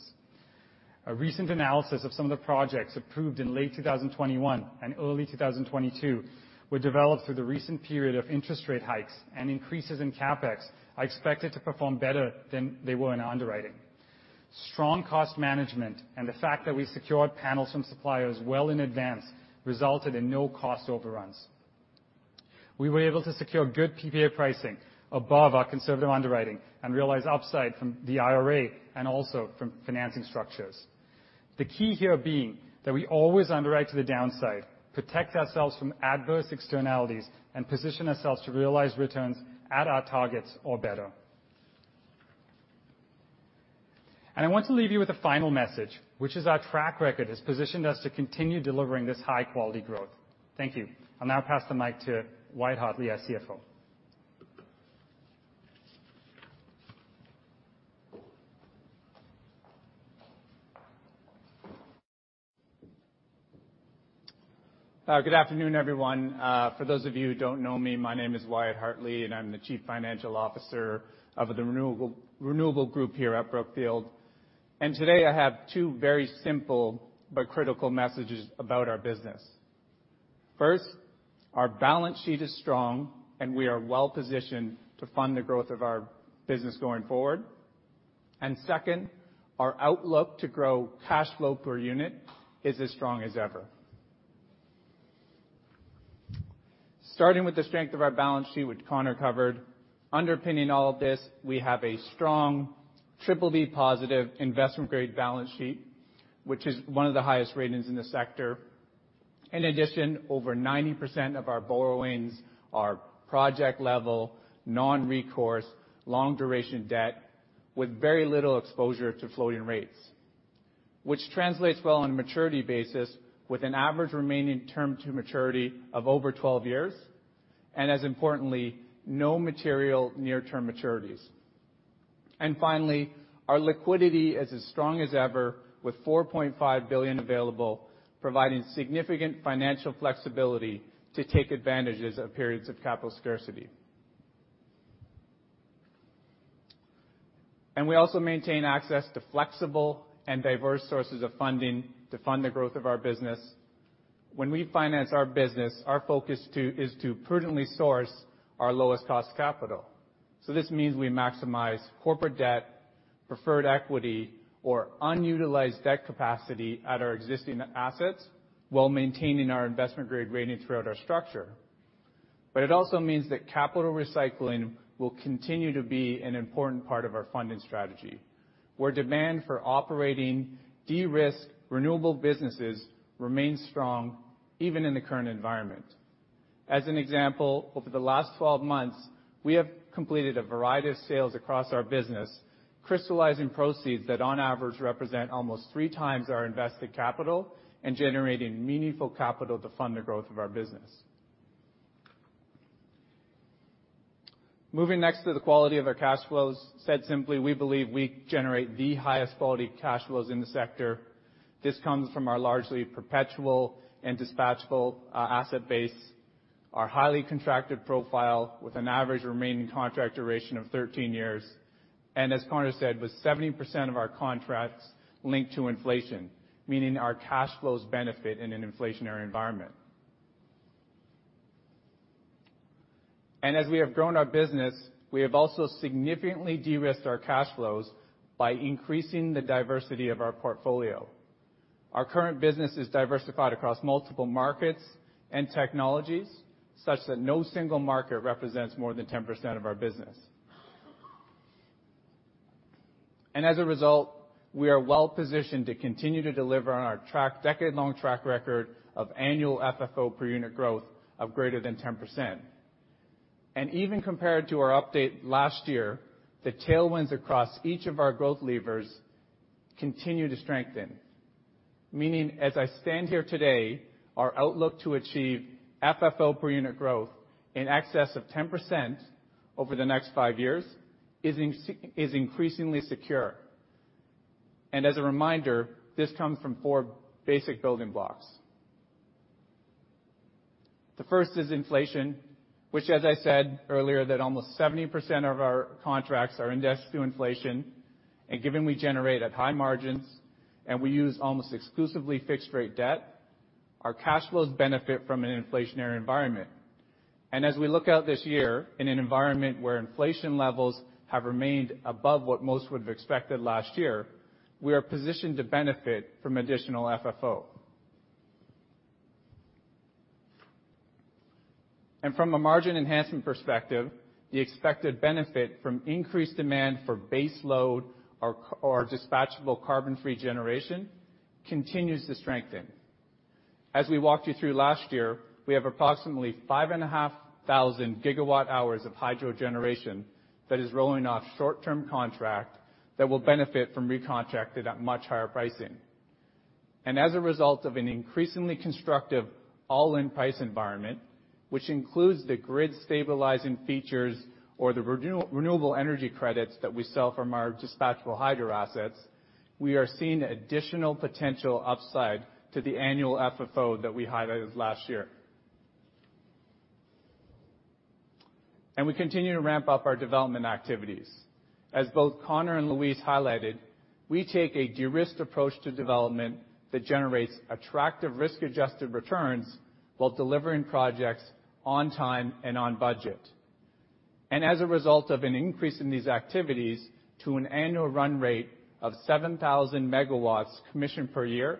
A recent analysis of some of the projects approved in late 2021 and early 2022 were developed through the recent period of interest rate hikes and increases in CapEx are expected to perform better than they were in underwriting. Strong cost management and the fact that we secured panels from suppliers well in advance resulted in no cost overruns. We were able to secure good PPA pricing above our conservative underwriting and realize upside from the IRA and also from financing structures. The key here being that we always underwrite to the downside, protect ourselves from adverse externalities, and position ourselves to realize returns at our targets or better. I want to leave you with a final message, which is our track record has positioned us to continue delivering this high-quality growth. Thank you. I'll now pass the mic to Wyatt Hartley, our CFO. Good afternoon, everyone. For those of you who don't know me, my name is Wyatt Hartley, and I'm the Chief Financial Officer of the Renewable Group here at Brookfield. Today, I have two very simple but critical messages about our business. First, our balance sheet is strong, and we are well-positioned to fund the growth of our business going forward. Second, our outlook to grow cash flow per unit is as strong as ever. Starting with the strength of our balance sheet, which Connor covered, underpinning all of this, we have a strong BBB positive investment-grade balance sheet, which is one of the highest ratings in the sector. In addition, over 90% of our borrowings are project-level, non-recourse, long-duration debt with very little exposure to floating rates, which translates well on a maturity basis with an average remaining term to maturity of over 12 years, and as importantly, no material near-term maturities. And finally, our liquidity is as strong as ever, with $4.5 billion available, providing significant financial flexibility to take advantages of periods of capital scarcity. And we also maintain access to flexible and diverse sources of funding to fund the growth of our business. When we finance our business, our focus to, is to prudently source our lowest-cost capital. So this means we maximize corporate debt, preferred equity, or unutilized debt capacity at our existing assets while maintaining our investment-grade rating throughout our structure. But it also means that capital recycling will continue to be an important part of our funding strategy, where demand for operating, de-risked, renewable businesses remains strong, even in the current environment. As an example, over the last 12 months, we have completed a variety of sales across our business, crystallizing proceeds that on average, represent almost 3x our invested capital and generating meaningful capital to fund the growth of our business. Moving next to the quality of our cash flows. Said simply, we believe we generate the highest quality cash flows in the sector. This comes from our largely perpetual and dispatchable asset base, our highly contracted profile with an average remaining contract duration of 13 years, and as Connor said, with 70% of our contracts linked to inflation, meaning our cash flows benefit in an inflationary environment. As we have grown our business, we have also significantly de-risked our cash flows by increasing the diversity of our portfolio. Our current business is diversified across multiple markets and technologies, such that no single market represents more than 10% of our business. As a result, we are well positioned to continue to deliver on our decade-long track record of annual FFO per unit growth of greater than 10%. Even compared to our update last year, the tailwinds across each of our growth levers continue to strengthen. Meaning, as I stand here today, our outlook to achieve FFO per unit growth in excess of 10% over the next five years is increasingly secure. As a reminder, this comes from four basic building blocks. The first is inflation, which, as I said earlier, that almost 70% of our contracts are indexed to inflation, and given we generate at high margins, and we use almost exclusively fixed rate debt, our cash flows benefit from an inflationary environment. And as we look out this year, in an environment where inflation levels have remained above what most would have expected last year, we are positioned to benefit from additional FFO. And from a margin enhancement perspective, the expected benefit from increased demand for baseload or dispatchable carbon-free generation continues to strengthen. As we walked you through last year, we have approximately 5,500 GWh of hydro generation that is rolling off short-term contract that will benefit from recontracted at much higher pricing. As a result of an increasingly constructive all-in price environment, which includes the grid stabilizing features or the renewable energy credits that we sell from our dispatchable hydro assets, we are seeing additional potential upside to the annual FFO that we highlighted last year. We continue to ramp up our development activities. As both Connor and Lluís highlighted, we take a de-risked approach to development that generates attractive risk-adjusted returns, while delivering projects on time and on budget. As a result of an increase in these activities to an annual run rate of 7,000 MW commissioned per year,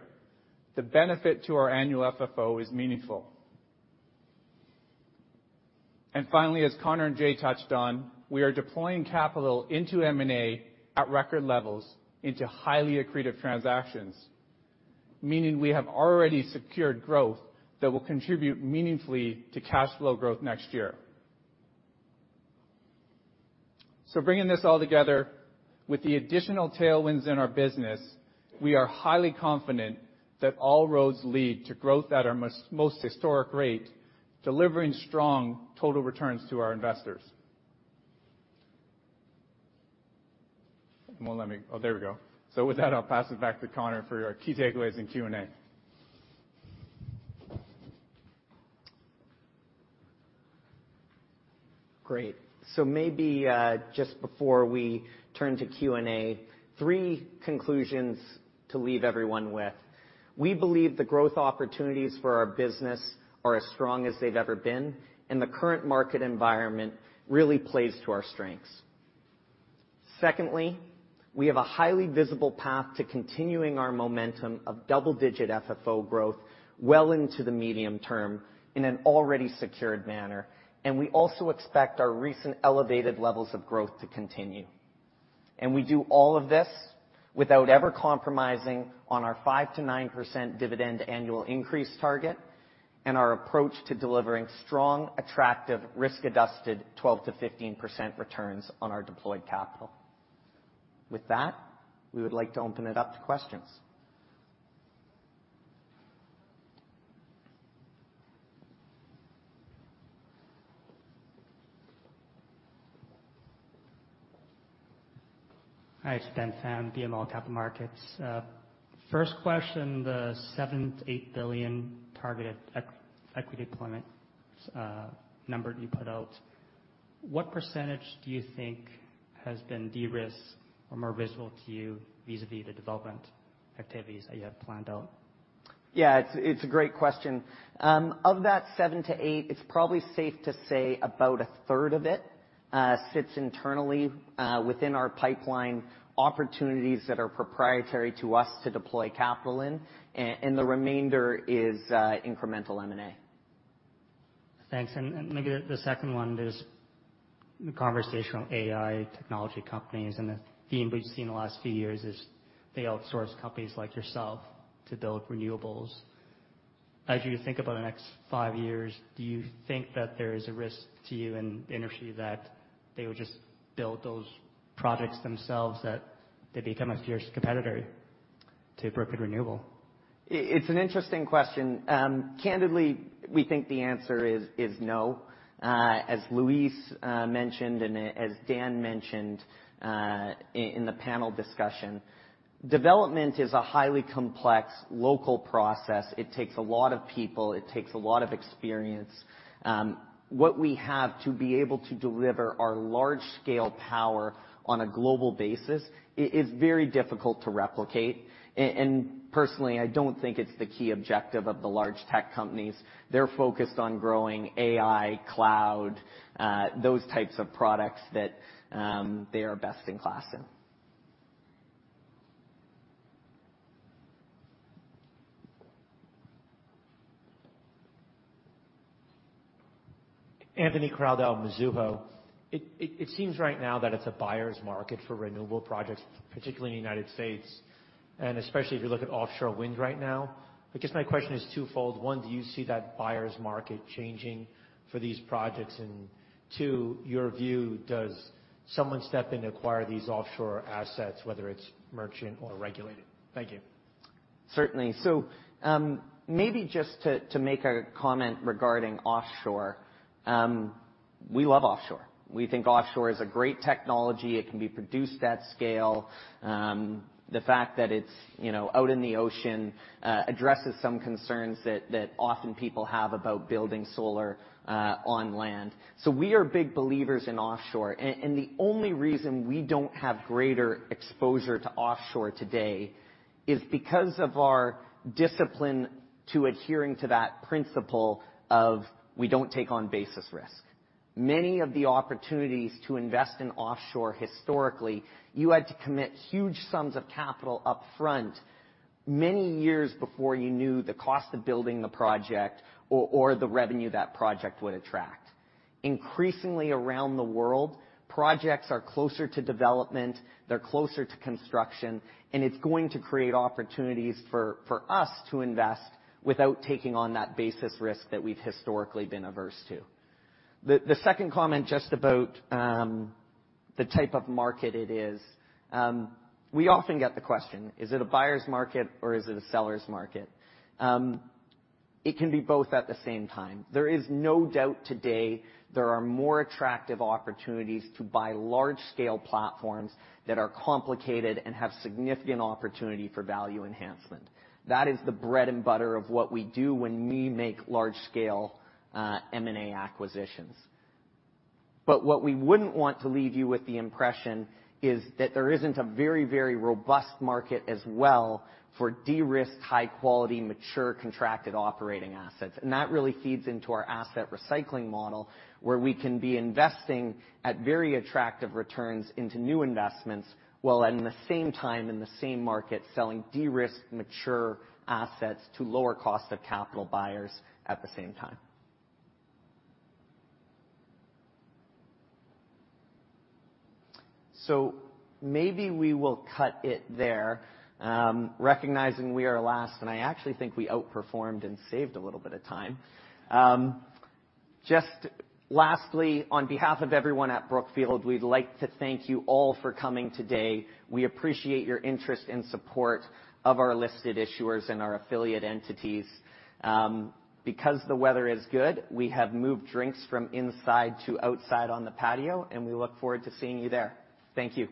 the benefit to our annual FFO is meaningful. Finally, as Connor and Jeh touched on, we are deploying capital into M&A at record levels into highly accretive transactions, meaning we have already secured growth that will contribute meaningfully to cash flow growth next year. So bringing this all together, with the additional tailwinds in our business, we are highly confident that all roads lead to growth at our most historic rate, delivering strong total returns to our investors. Won't let me. Oh, there we go. So with that, I'll pass it back to Connor for our key takeaways and Q&A. Great. So maybe, just before we turn to Q&A, three conclusions to leave everyone with. We believe the growth opportunities for our business are as strong as they've ever been, and the current market environment really plays to our strengths. Secondly, we have a highly visible path to continuing our momentum of double-digit FFO growth well into the medium term in an already secured manner, and we also expect our recent elevated levels of growth to continue. And we do all of this without ever compromising on our 5%-9% dividend annual increase target, and our approach to delivering strong, attractive, risk-adjusted, 12%-15% returns on our deployed capital. With that, we would like to open it up to questions. Hi, it's Ben Pham, BMO Capital Markets. First question, the $7 billion-$8 billion targeted equity deployment number you put out, what percentage do you think has been de-risked or more visible to you vis-a-vis the development activities that you have planned out? Yeah, it's a great question. Of that $7 billion-$8 billion, it's probably safe to say about a third of it sits internally within our pipeline opportunities that are proprietary to us to deploy capital in, and the remainder is incremental M&A. Thanks. And maybe the second one is the conversation on AI technology companies, and the theme we've seen in the last few years is they outsource companies like yourself to build renewables. As you think about the next five years, do you think that there is a risk to you in the industry that they would just build those products themselves, that they become a fierce competitor to Brookfield Renewable? It's an interesting question. Candidly, we think the answer is no. As Lluís mentioned, and as Dan mentioned, in the panel discussion, development is a highly complex local process. It takes a lot of people. It takes a lot of experience. What we have to be able to deliver our large-scale power on a global basis is very difficult to replicate. And personally, I don't think it's the key objective of the large tech companies. They're focused on growing AI, cloud, those types of products that they are best in class in. Anthony Crowdell, Mizuho. It seems right now that it's a buyer's market for renewable projects, particularly in the United States, and especially if you look at offshore wind right now. I guess my question is twofold. One, do you see that buyer's market changing for these projects? And two, your view, does someone step in and acquire these offshore assets, whether it's merchant or regulated? Thank you. Certainly. So, maybe just to make a comment regarding offshore. We love offshore. We think offshore is a great technology. It can be produced at scale. The fact that it's, you know, out in the ocean, addresses some concerns that often people have about building solar on land. So we are big believers in offshore, and the only reason we don't have greater exposure to offshore today is because of our discipline to adhering to that principle of we don't take on basis risk. Many of the opportunities to invest in offshore historically, you had to commit huge sums of capital upfront many years before you knew the cost of building the project or the revenue that project would attract. Increasingly, around the world, projects are closer to development, they're closer to construction, and it's going to create opportunities for us to invest without taking on that basis risk that we've historically been averse to. The second comment, just about the type of market it is. We often get the question, "Is it a buyer's market or is it a seller's market?" It can be both at the same time. There is no doubt today there are more attractive opportunities to buy large-scale platforms that are complicated and have significant opportunity for value enhancement. That is the bread and butter of what we do when we make large-scale M&A acquisitions. But what we wouldn't want to leave you with the impression is that there isn't a very, very robust market as well for de-risked, high quality, mature, contracted operating assets, and that really feeds into our asset recycling model, where we can be investing at very attractive returns into new investments, while at the same time, in the same market, selling de-risked, mature assets to lower cost of capital buyers at the same time. So maybe we will cut it there, recognizing we are last, and I actually think we outperformed and saved a little bit of time. Just lastly, on behalf of everyone at Brookfield, we'd like to thank you all for coming today. We appreciate your interest and support of our listed issuers and our affiliate entities. Because the weather is good, we have moved drinks from inside to outside on the patio, and we look forward to seeing you there. Thank you.